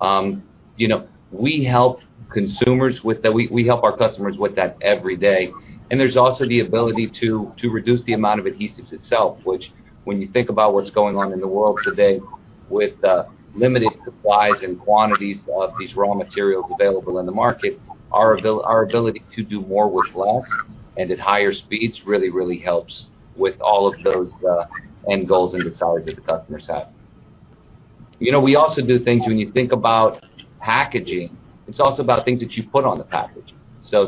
We help our customers with that every day. There's also the ability to reduce the amount of adhesives itself, which when you think about what's going on in the world today with limited supplies and quantities of these raw materials available in the market, our ability to do more with less and at higher speeds really helps with all of those end goals and desires that the customers have. We also do things when you think about packaging, it's also about things that you put on the package.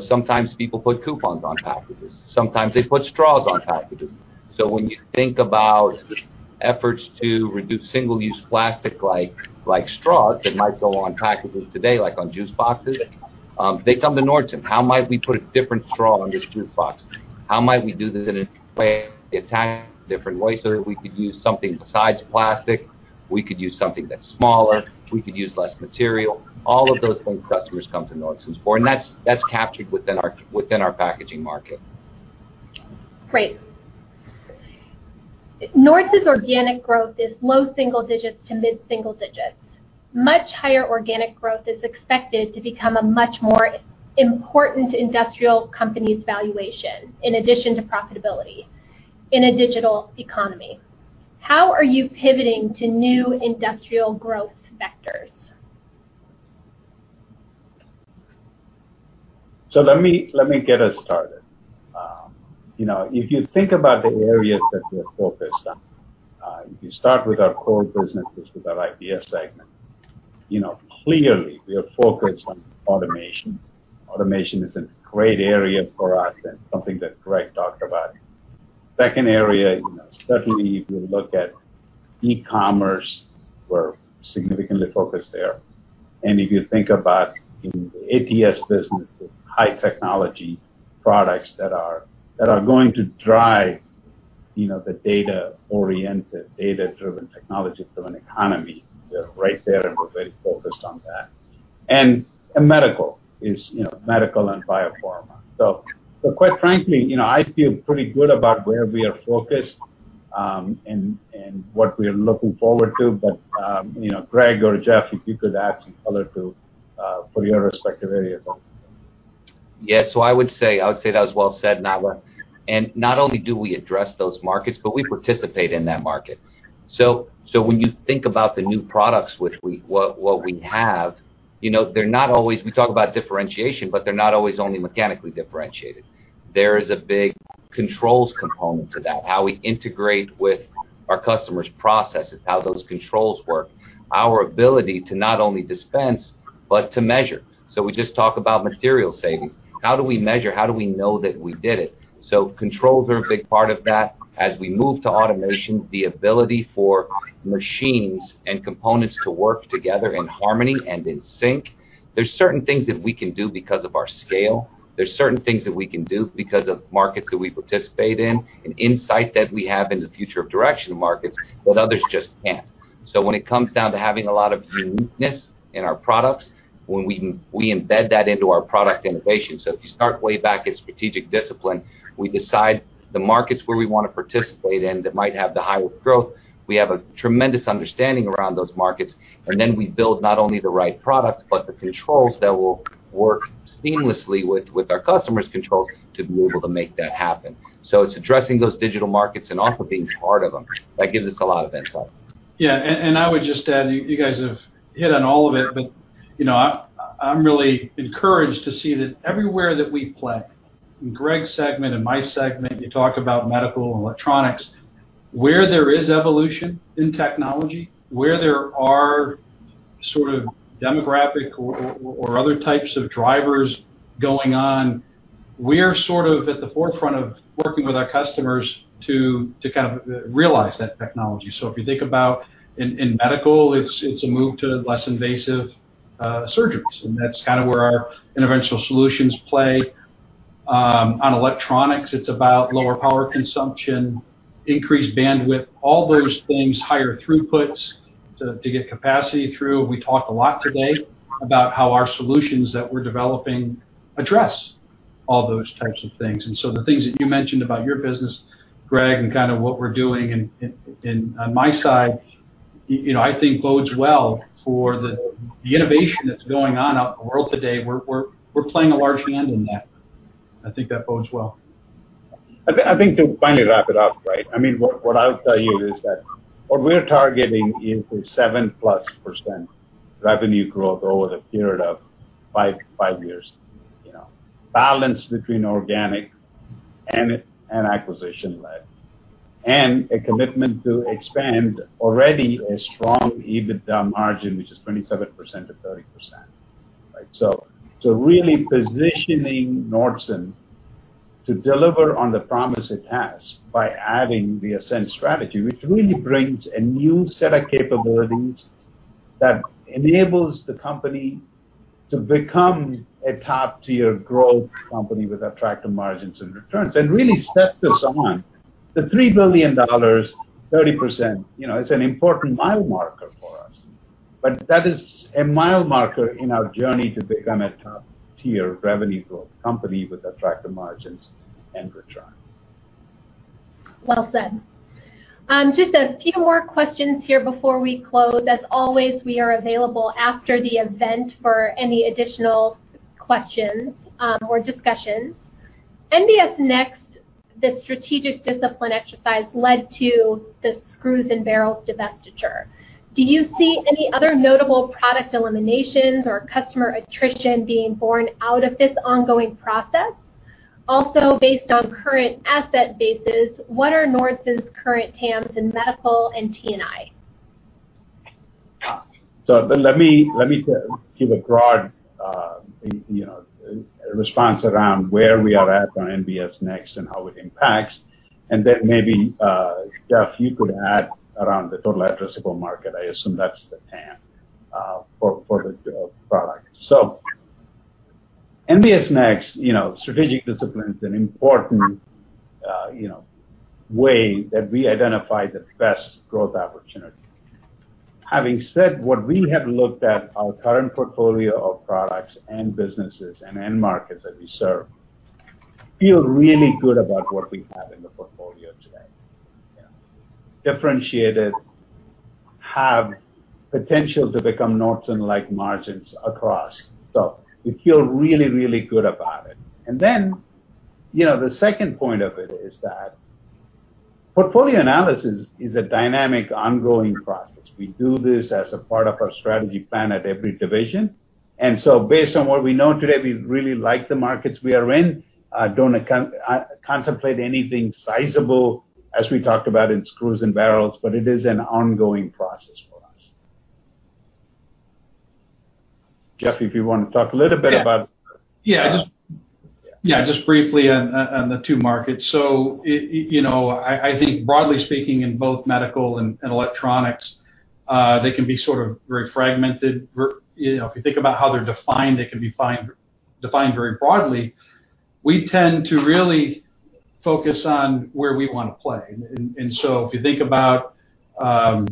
Sometimes people put coupons on packages, sometimes they put straws on packages. When you think about efforts to reduce single-use plastic like straws that might go on packages today, like on juice boxes, they come to Nordson. How might we put a different straw on this juice box? How might we do this in a way, attach it a different way? We could use something besides plastic, we could use something that's smaller, we could use less material. All of those things customers come to Nordson for, and that's captured within our packaging market. Great. Nordson's organic growth is low single digits to mid single digits. Much higher organic growth is expected to become a much more important industrial company's valuation, in addition to profitability in a digital economy. How are you pivoting to new industrial growth vectors? Let me get us started. If you think about the areas that we're focused on, if you start with our core businesses, with our IPS segment, clearly we are focused on automation. Automation is a great area for us and something that Greg talked about. Second area, certainly if you look at e-commerce, we're significantly focused there. If you think about in the ATS business with high technology products that are going to drive the data-oriented, data-driven technology driven economy, we are right there and we're very focused on that. Medical and biopharma. Quite frankly, I feel pretty good about where we are focused, and what we are looking forward to. Greg or Jeff, if you could add some color too, for your respective areas also. Yeah. I would say that was well said, Naga. Not only do we address those markets, but we participate in that market. When you think about the new products, what we have, we talk about differentiation, but they're not always only mechanically differentiated. There is a big controls component to that. How we integrate with our customers' processes, how those controls work, our ability to not only dispense but to measure. We just talk about material savings. How do we measure? How do we know that we did it? Controls are a big part of that. As we move to automation, the ability for machines and components to work together in harmony and in sync. There's certain things that we can do because of our scale. There's certain things that we can do because of markets that we participate in, and insight that we have in the future of direction of markets that others just can't. When it comes down to having a lot of uniqueness in our products, we embed that into our product innovation. If you start way back at strategic discipline, we decide the markets where we want to participate in that might have the highest growth. We have a tremendous understanding around those markets. Then we build not only the right products, but the controls that will work seamlessly with our customers' controls to be able to make that happen. It's addressing those digital markets and also being part of them, that gives us a lot of insight. Yeah. I would just add, you guys have hit on all of it, but I'm really encouraged to see that everywhere that we play, in Greg's segment, in my segment, you talk about medical and electronics. Where there is evolution in technology, where there are sort of demographic or other types of drivers going on, we are sort of at the forefront of working with our customers to kind of realize that technology. If you think about in medical, it's a move to less invasive surgeries, and that's kind of where our Interventional Solutions play. On electronics, it's about lower power consumption, increased bandwidth, all those things, higher throughputs to get capacity through. We talked a lot today about how our solutions that we're developing address all those types of things. The things that you mentioned about your business, Greg, and what we're doing on my side, I think bodes well for the innovation that's going on out in the world today. We're playing a large hand in that. I think that bodes well. I think to finally wrap it up. What I'll tell you is that what we're targeting is a 7-plus percent revenue growth over the period of 5 years. Balance between organic and acquisition-led, and a commitment to expand already a strong EBITDA margin, which is 27%-30%. Really positioning Nordson to deliver on the promise it has by adding the ASCEND strategy, which really brings a new set of capabilities that enables the company to become a top-tier growth company with attractive margins and returns, and really step this on. The $3 billion, 30%, is an important mile marker for us. That is a mile marker in our journey to become a top-tier revenue growth company with attractive margins and return. Well said. Just a few more questions here before we close. As always, we are available after the event for any additional questions or discussions. NBS Next, the strategic discipline exercise led to the screws and barrels divestiture. Do you see any other notable product eliminations or customer attrition being born out of this ongoing process? Also, based on current asset bases, what are Nordson's current TAMs in medical and T&I? Let me give a broad response around where we are at on NBS Next and how it impacts, and then maybe, Jeff, you could add around the total addressable market. I assume that's the TAM for the product. NBS Next, strategic discipline is an important way that we identify the best growth opportunity. Having said what we have looked at, our current portfolio of products and businesses and end markets that we serve, feel really good about what we have in the portfolio today. Differentiated, have potential to become Nordson-like margins across. We feel really, really good about it. Then, the second point of it is that portfolio analysis is a dynamic, ongoing process. We do this as a part of our strategy plan at every division. Based on what we know today, we really like the markets we are in. I don't contemplate anything sizable as we talked about in screws and barrels, but it is an ongoing process for us. Jeff, if you want to talk a little bit about. Just briefly on the two markets. I think broadly speaking, in both medical and electronics, they can be very fragmented. If you think about how they're defined, they can be defined very broadly. We tend to really focus on where we want to play. If you think about $300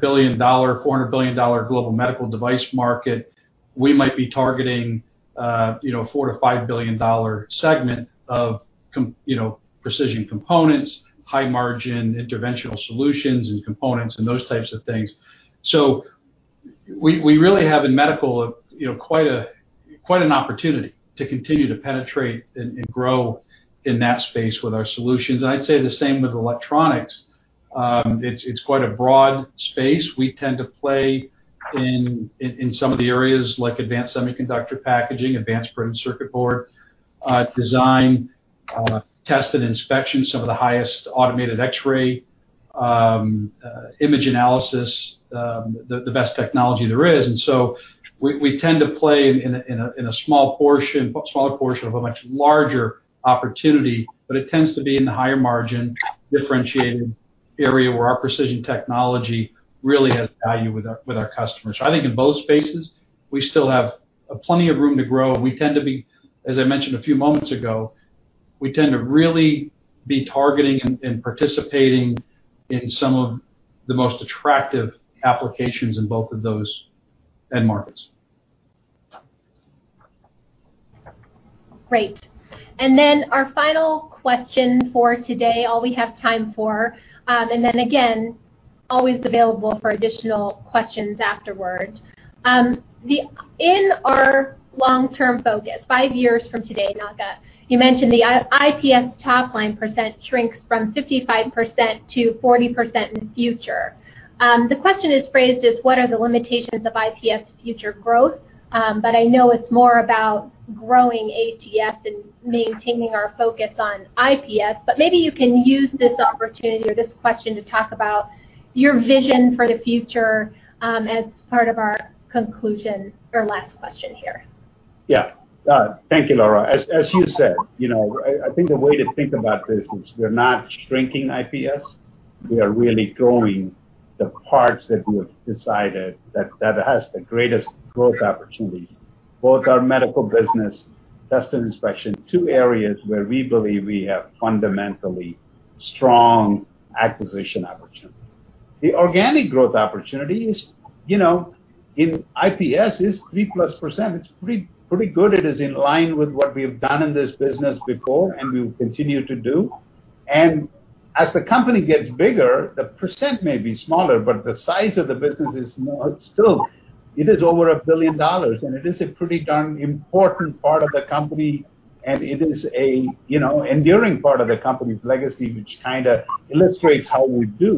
billion, $400 billion global medical device market, we might be targeting a $4 billion-$5 billion segment of precision components, high margin interventional solutions and components, and those types of things. We really have in medical, quite an opportunity to continue to penetrate and grow in that space with our solutions. I'd say the same with electronics. It's quite a broad space. We tend to play in some of the areas like advanced semiconductor packaging, advanced printed circuit board design, test and inspection, some of the highest automated X-ray image analysis, the best technology there is. We tend to play in a small portion of a much larger opportunity, but it tends to be in the higher margin, differentiated area where our precision technology really has value with our customers. I think in both spaces, we still have plenty of room to grow. As I mentioned a few moments ago, we tend to really be targeting and participating in some of the most attractive applications in both of those end markets. Great. Our final question for today, all we have time for, and then again, always available for additional questions afterwards. In our long-term focus, five years from today, Naga, you mentioned the IPS top-line % shrinks from 55% to 40% in the future. The question is phrased as, what are the limitations of IPS future growth? I know it's more about growing ATS and maintaining our focus on IPS, but maybe you can use this opportunity or this question to talk about your vision for the future, as part of our conclusion or last question here. Thank you, Lara. As you said, I think the way to think about this is we're not shrinking IPS. We are really growing the parts that we have decided that has the greatest growth opportunities, both our Medical business and Test & Inspection, two areas where we believe we have fundamentally strong acquisition opportunities. The organic growth opportunity is, in IPS, is 3+%. It's pretty good. It is in line with what we've done in this business before and we will continue to do. As the company gets bigger, the % may be smaller, but the size of the business is more. Still, it is over $1 billion, and it is a pretty darn important part of the company, and it is an enduring part of the company's legacy, which kind of illustrates how we do.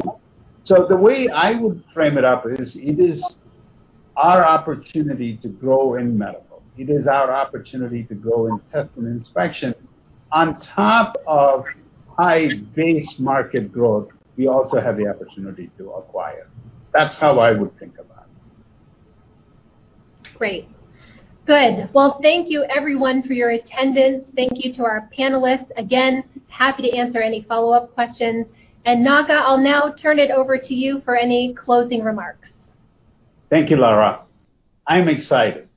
The way I would frame it up is, it is our opportunity to grow in medical. It is our opportunity to grow in test and inspection. On top of high base market growth, we also have the opportunity to acquire. That's how I would think about it. Great. Good. Well, thank you everyone for your attendance. Thank you to our panelists. Naga, I'll now turn it over to you for any closing remarks. Thank you, Lara. I'm excited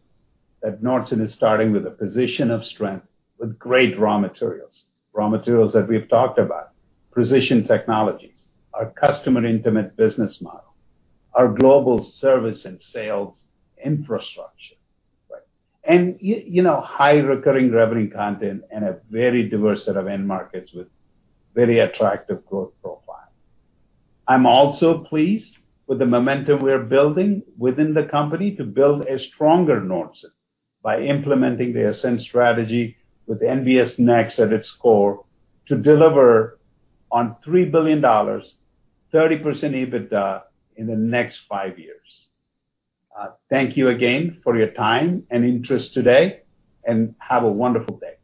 that Nordson is starting with a position of strength with great raw materials. Raw materials that we've talked about, precision technologies, our customer intimate business model, our global service and sales infrastructure. High recurring revenue content and a very diverse set of end markets with very attractive growth profile. I'm also pleased with the momentum we are building within the company to build a stronger Nordson by implementing the ASCEND strategy with NBS Next at its core to deliver on $3 billion, 30% EBITDA in the next five years. Thank you again for your time and interest today, and have a wonderful day.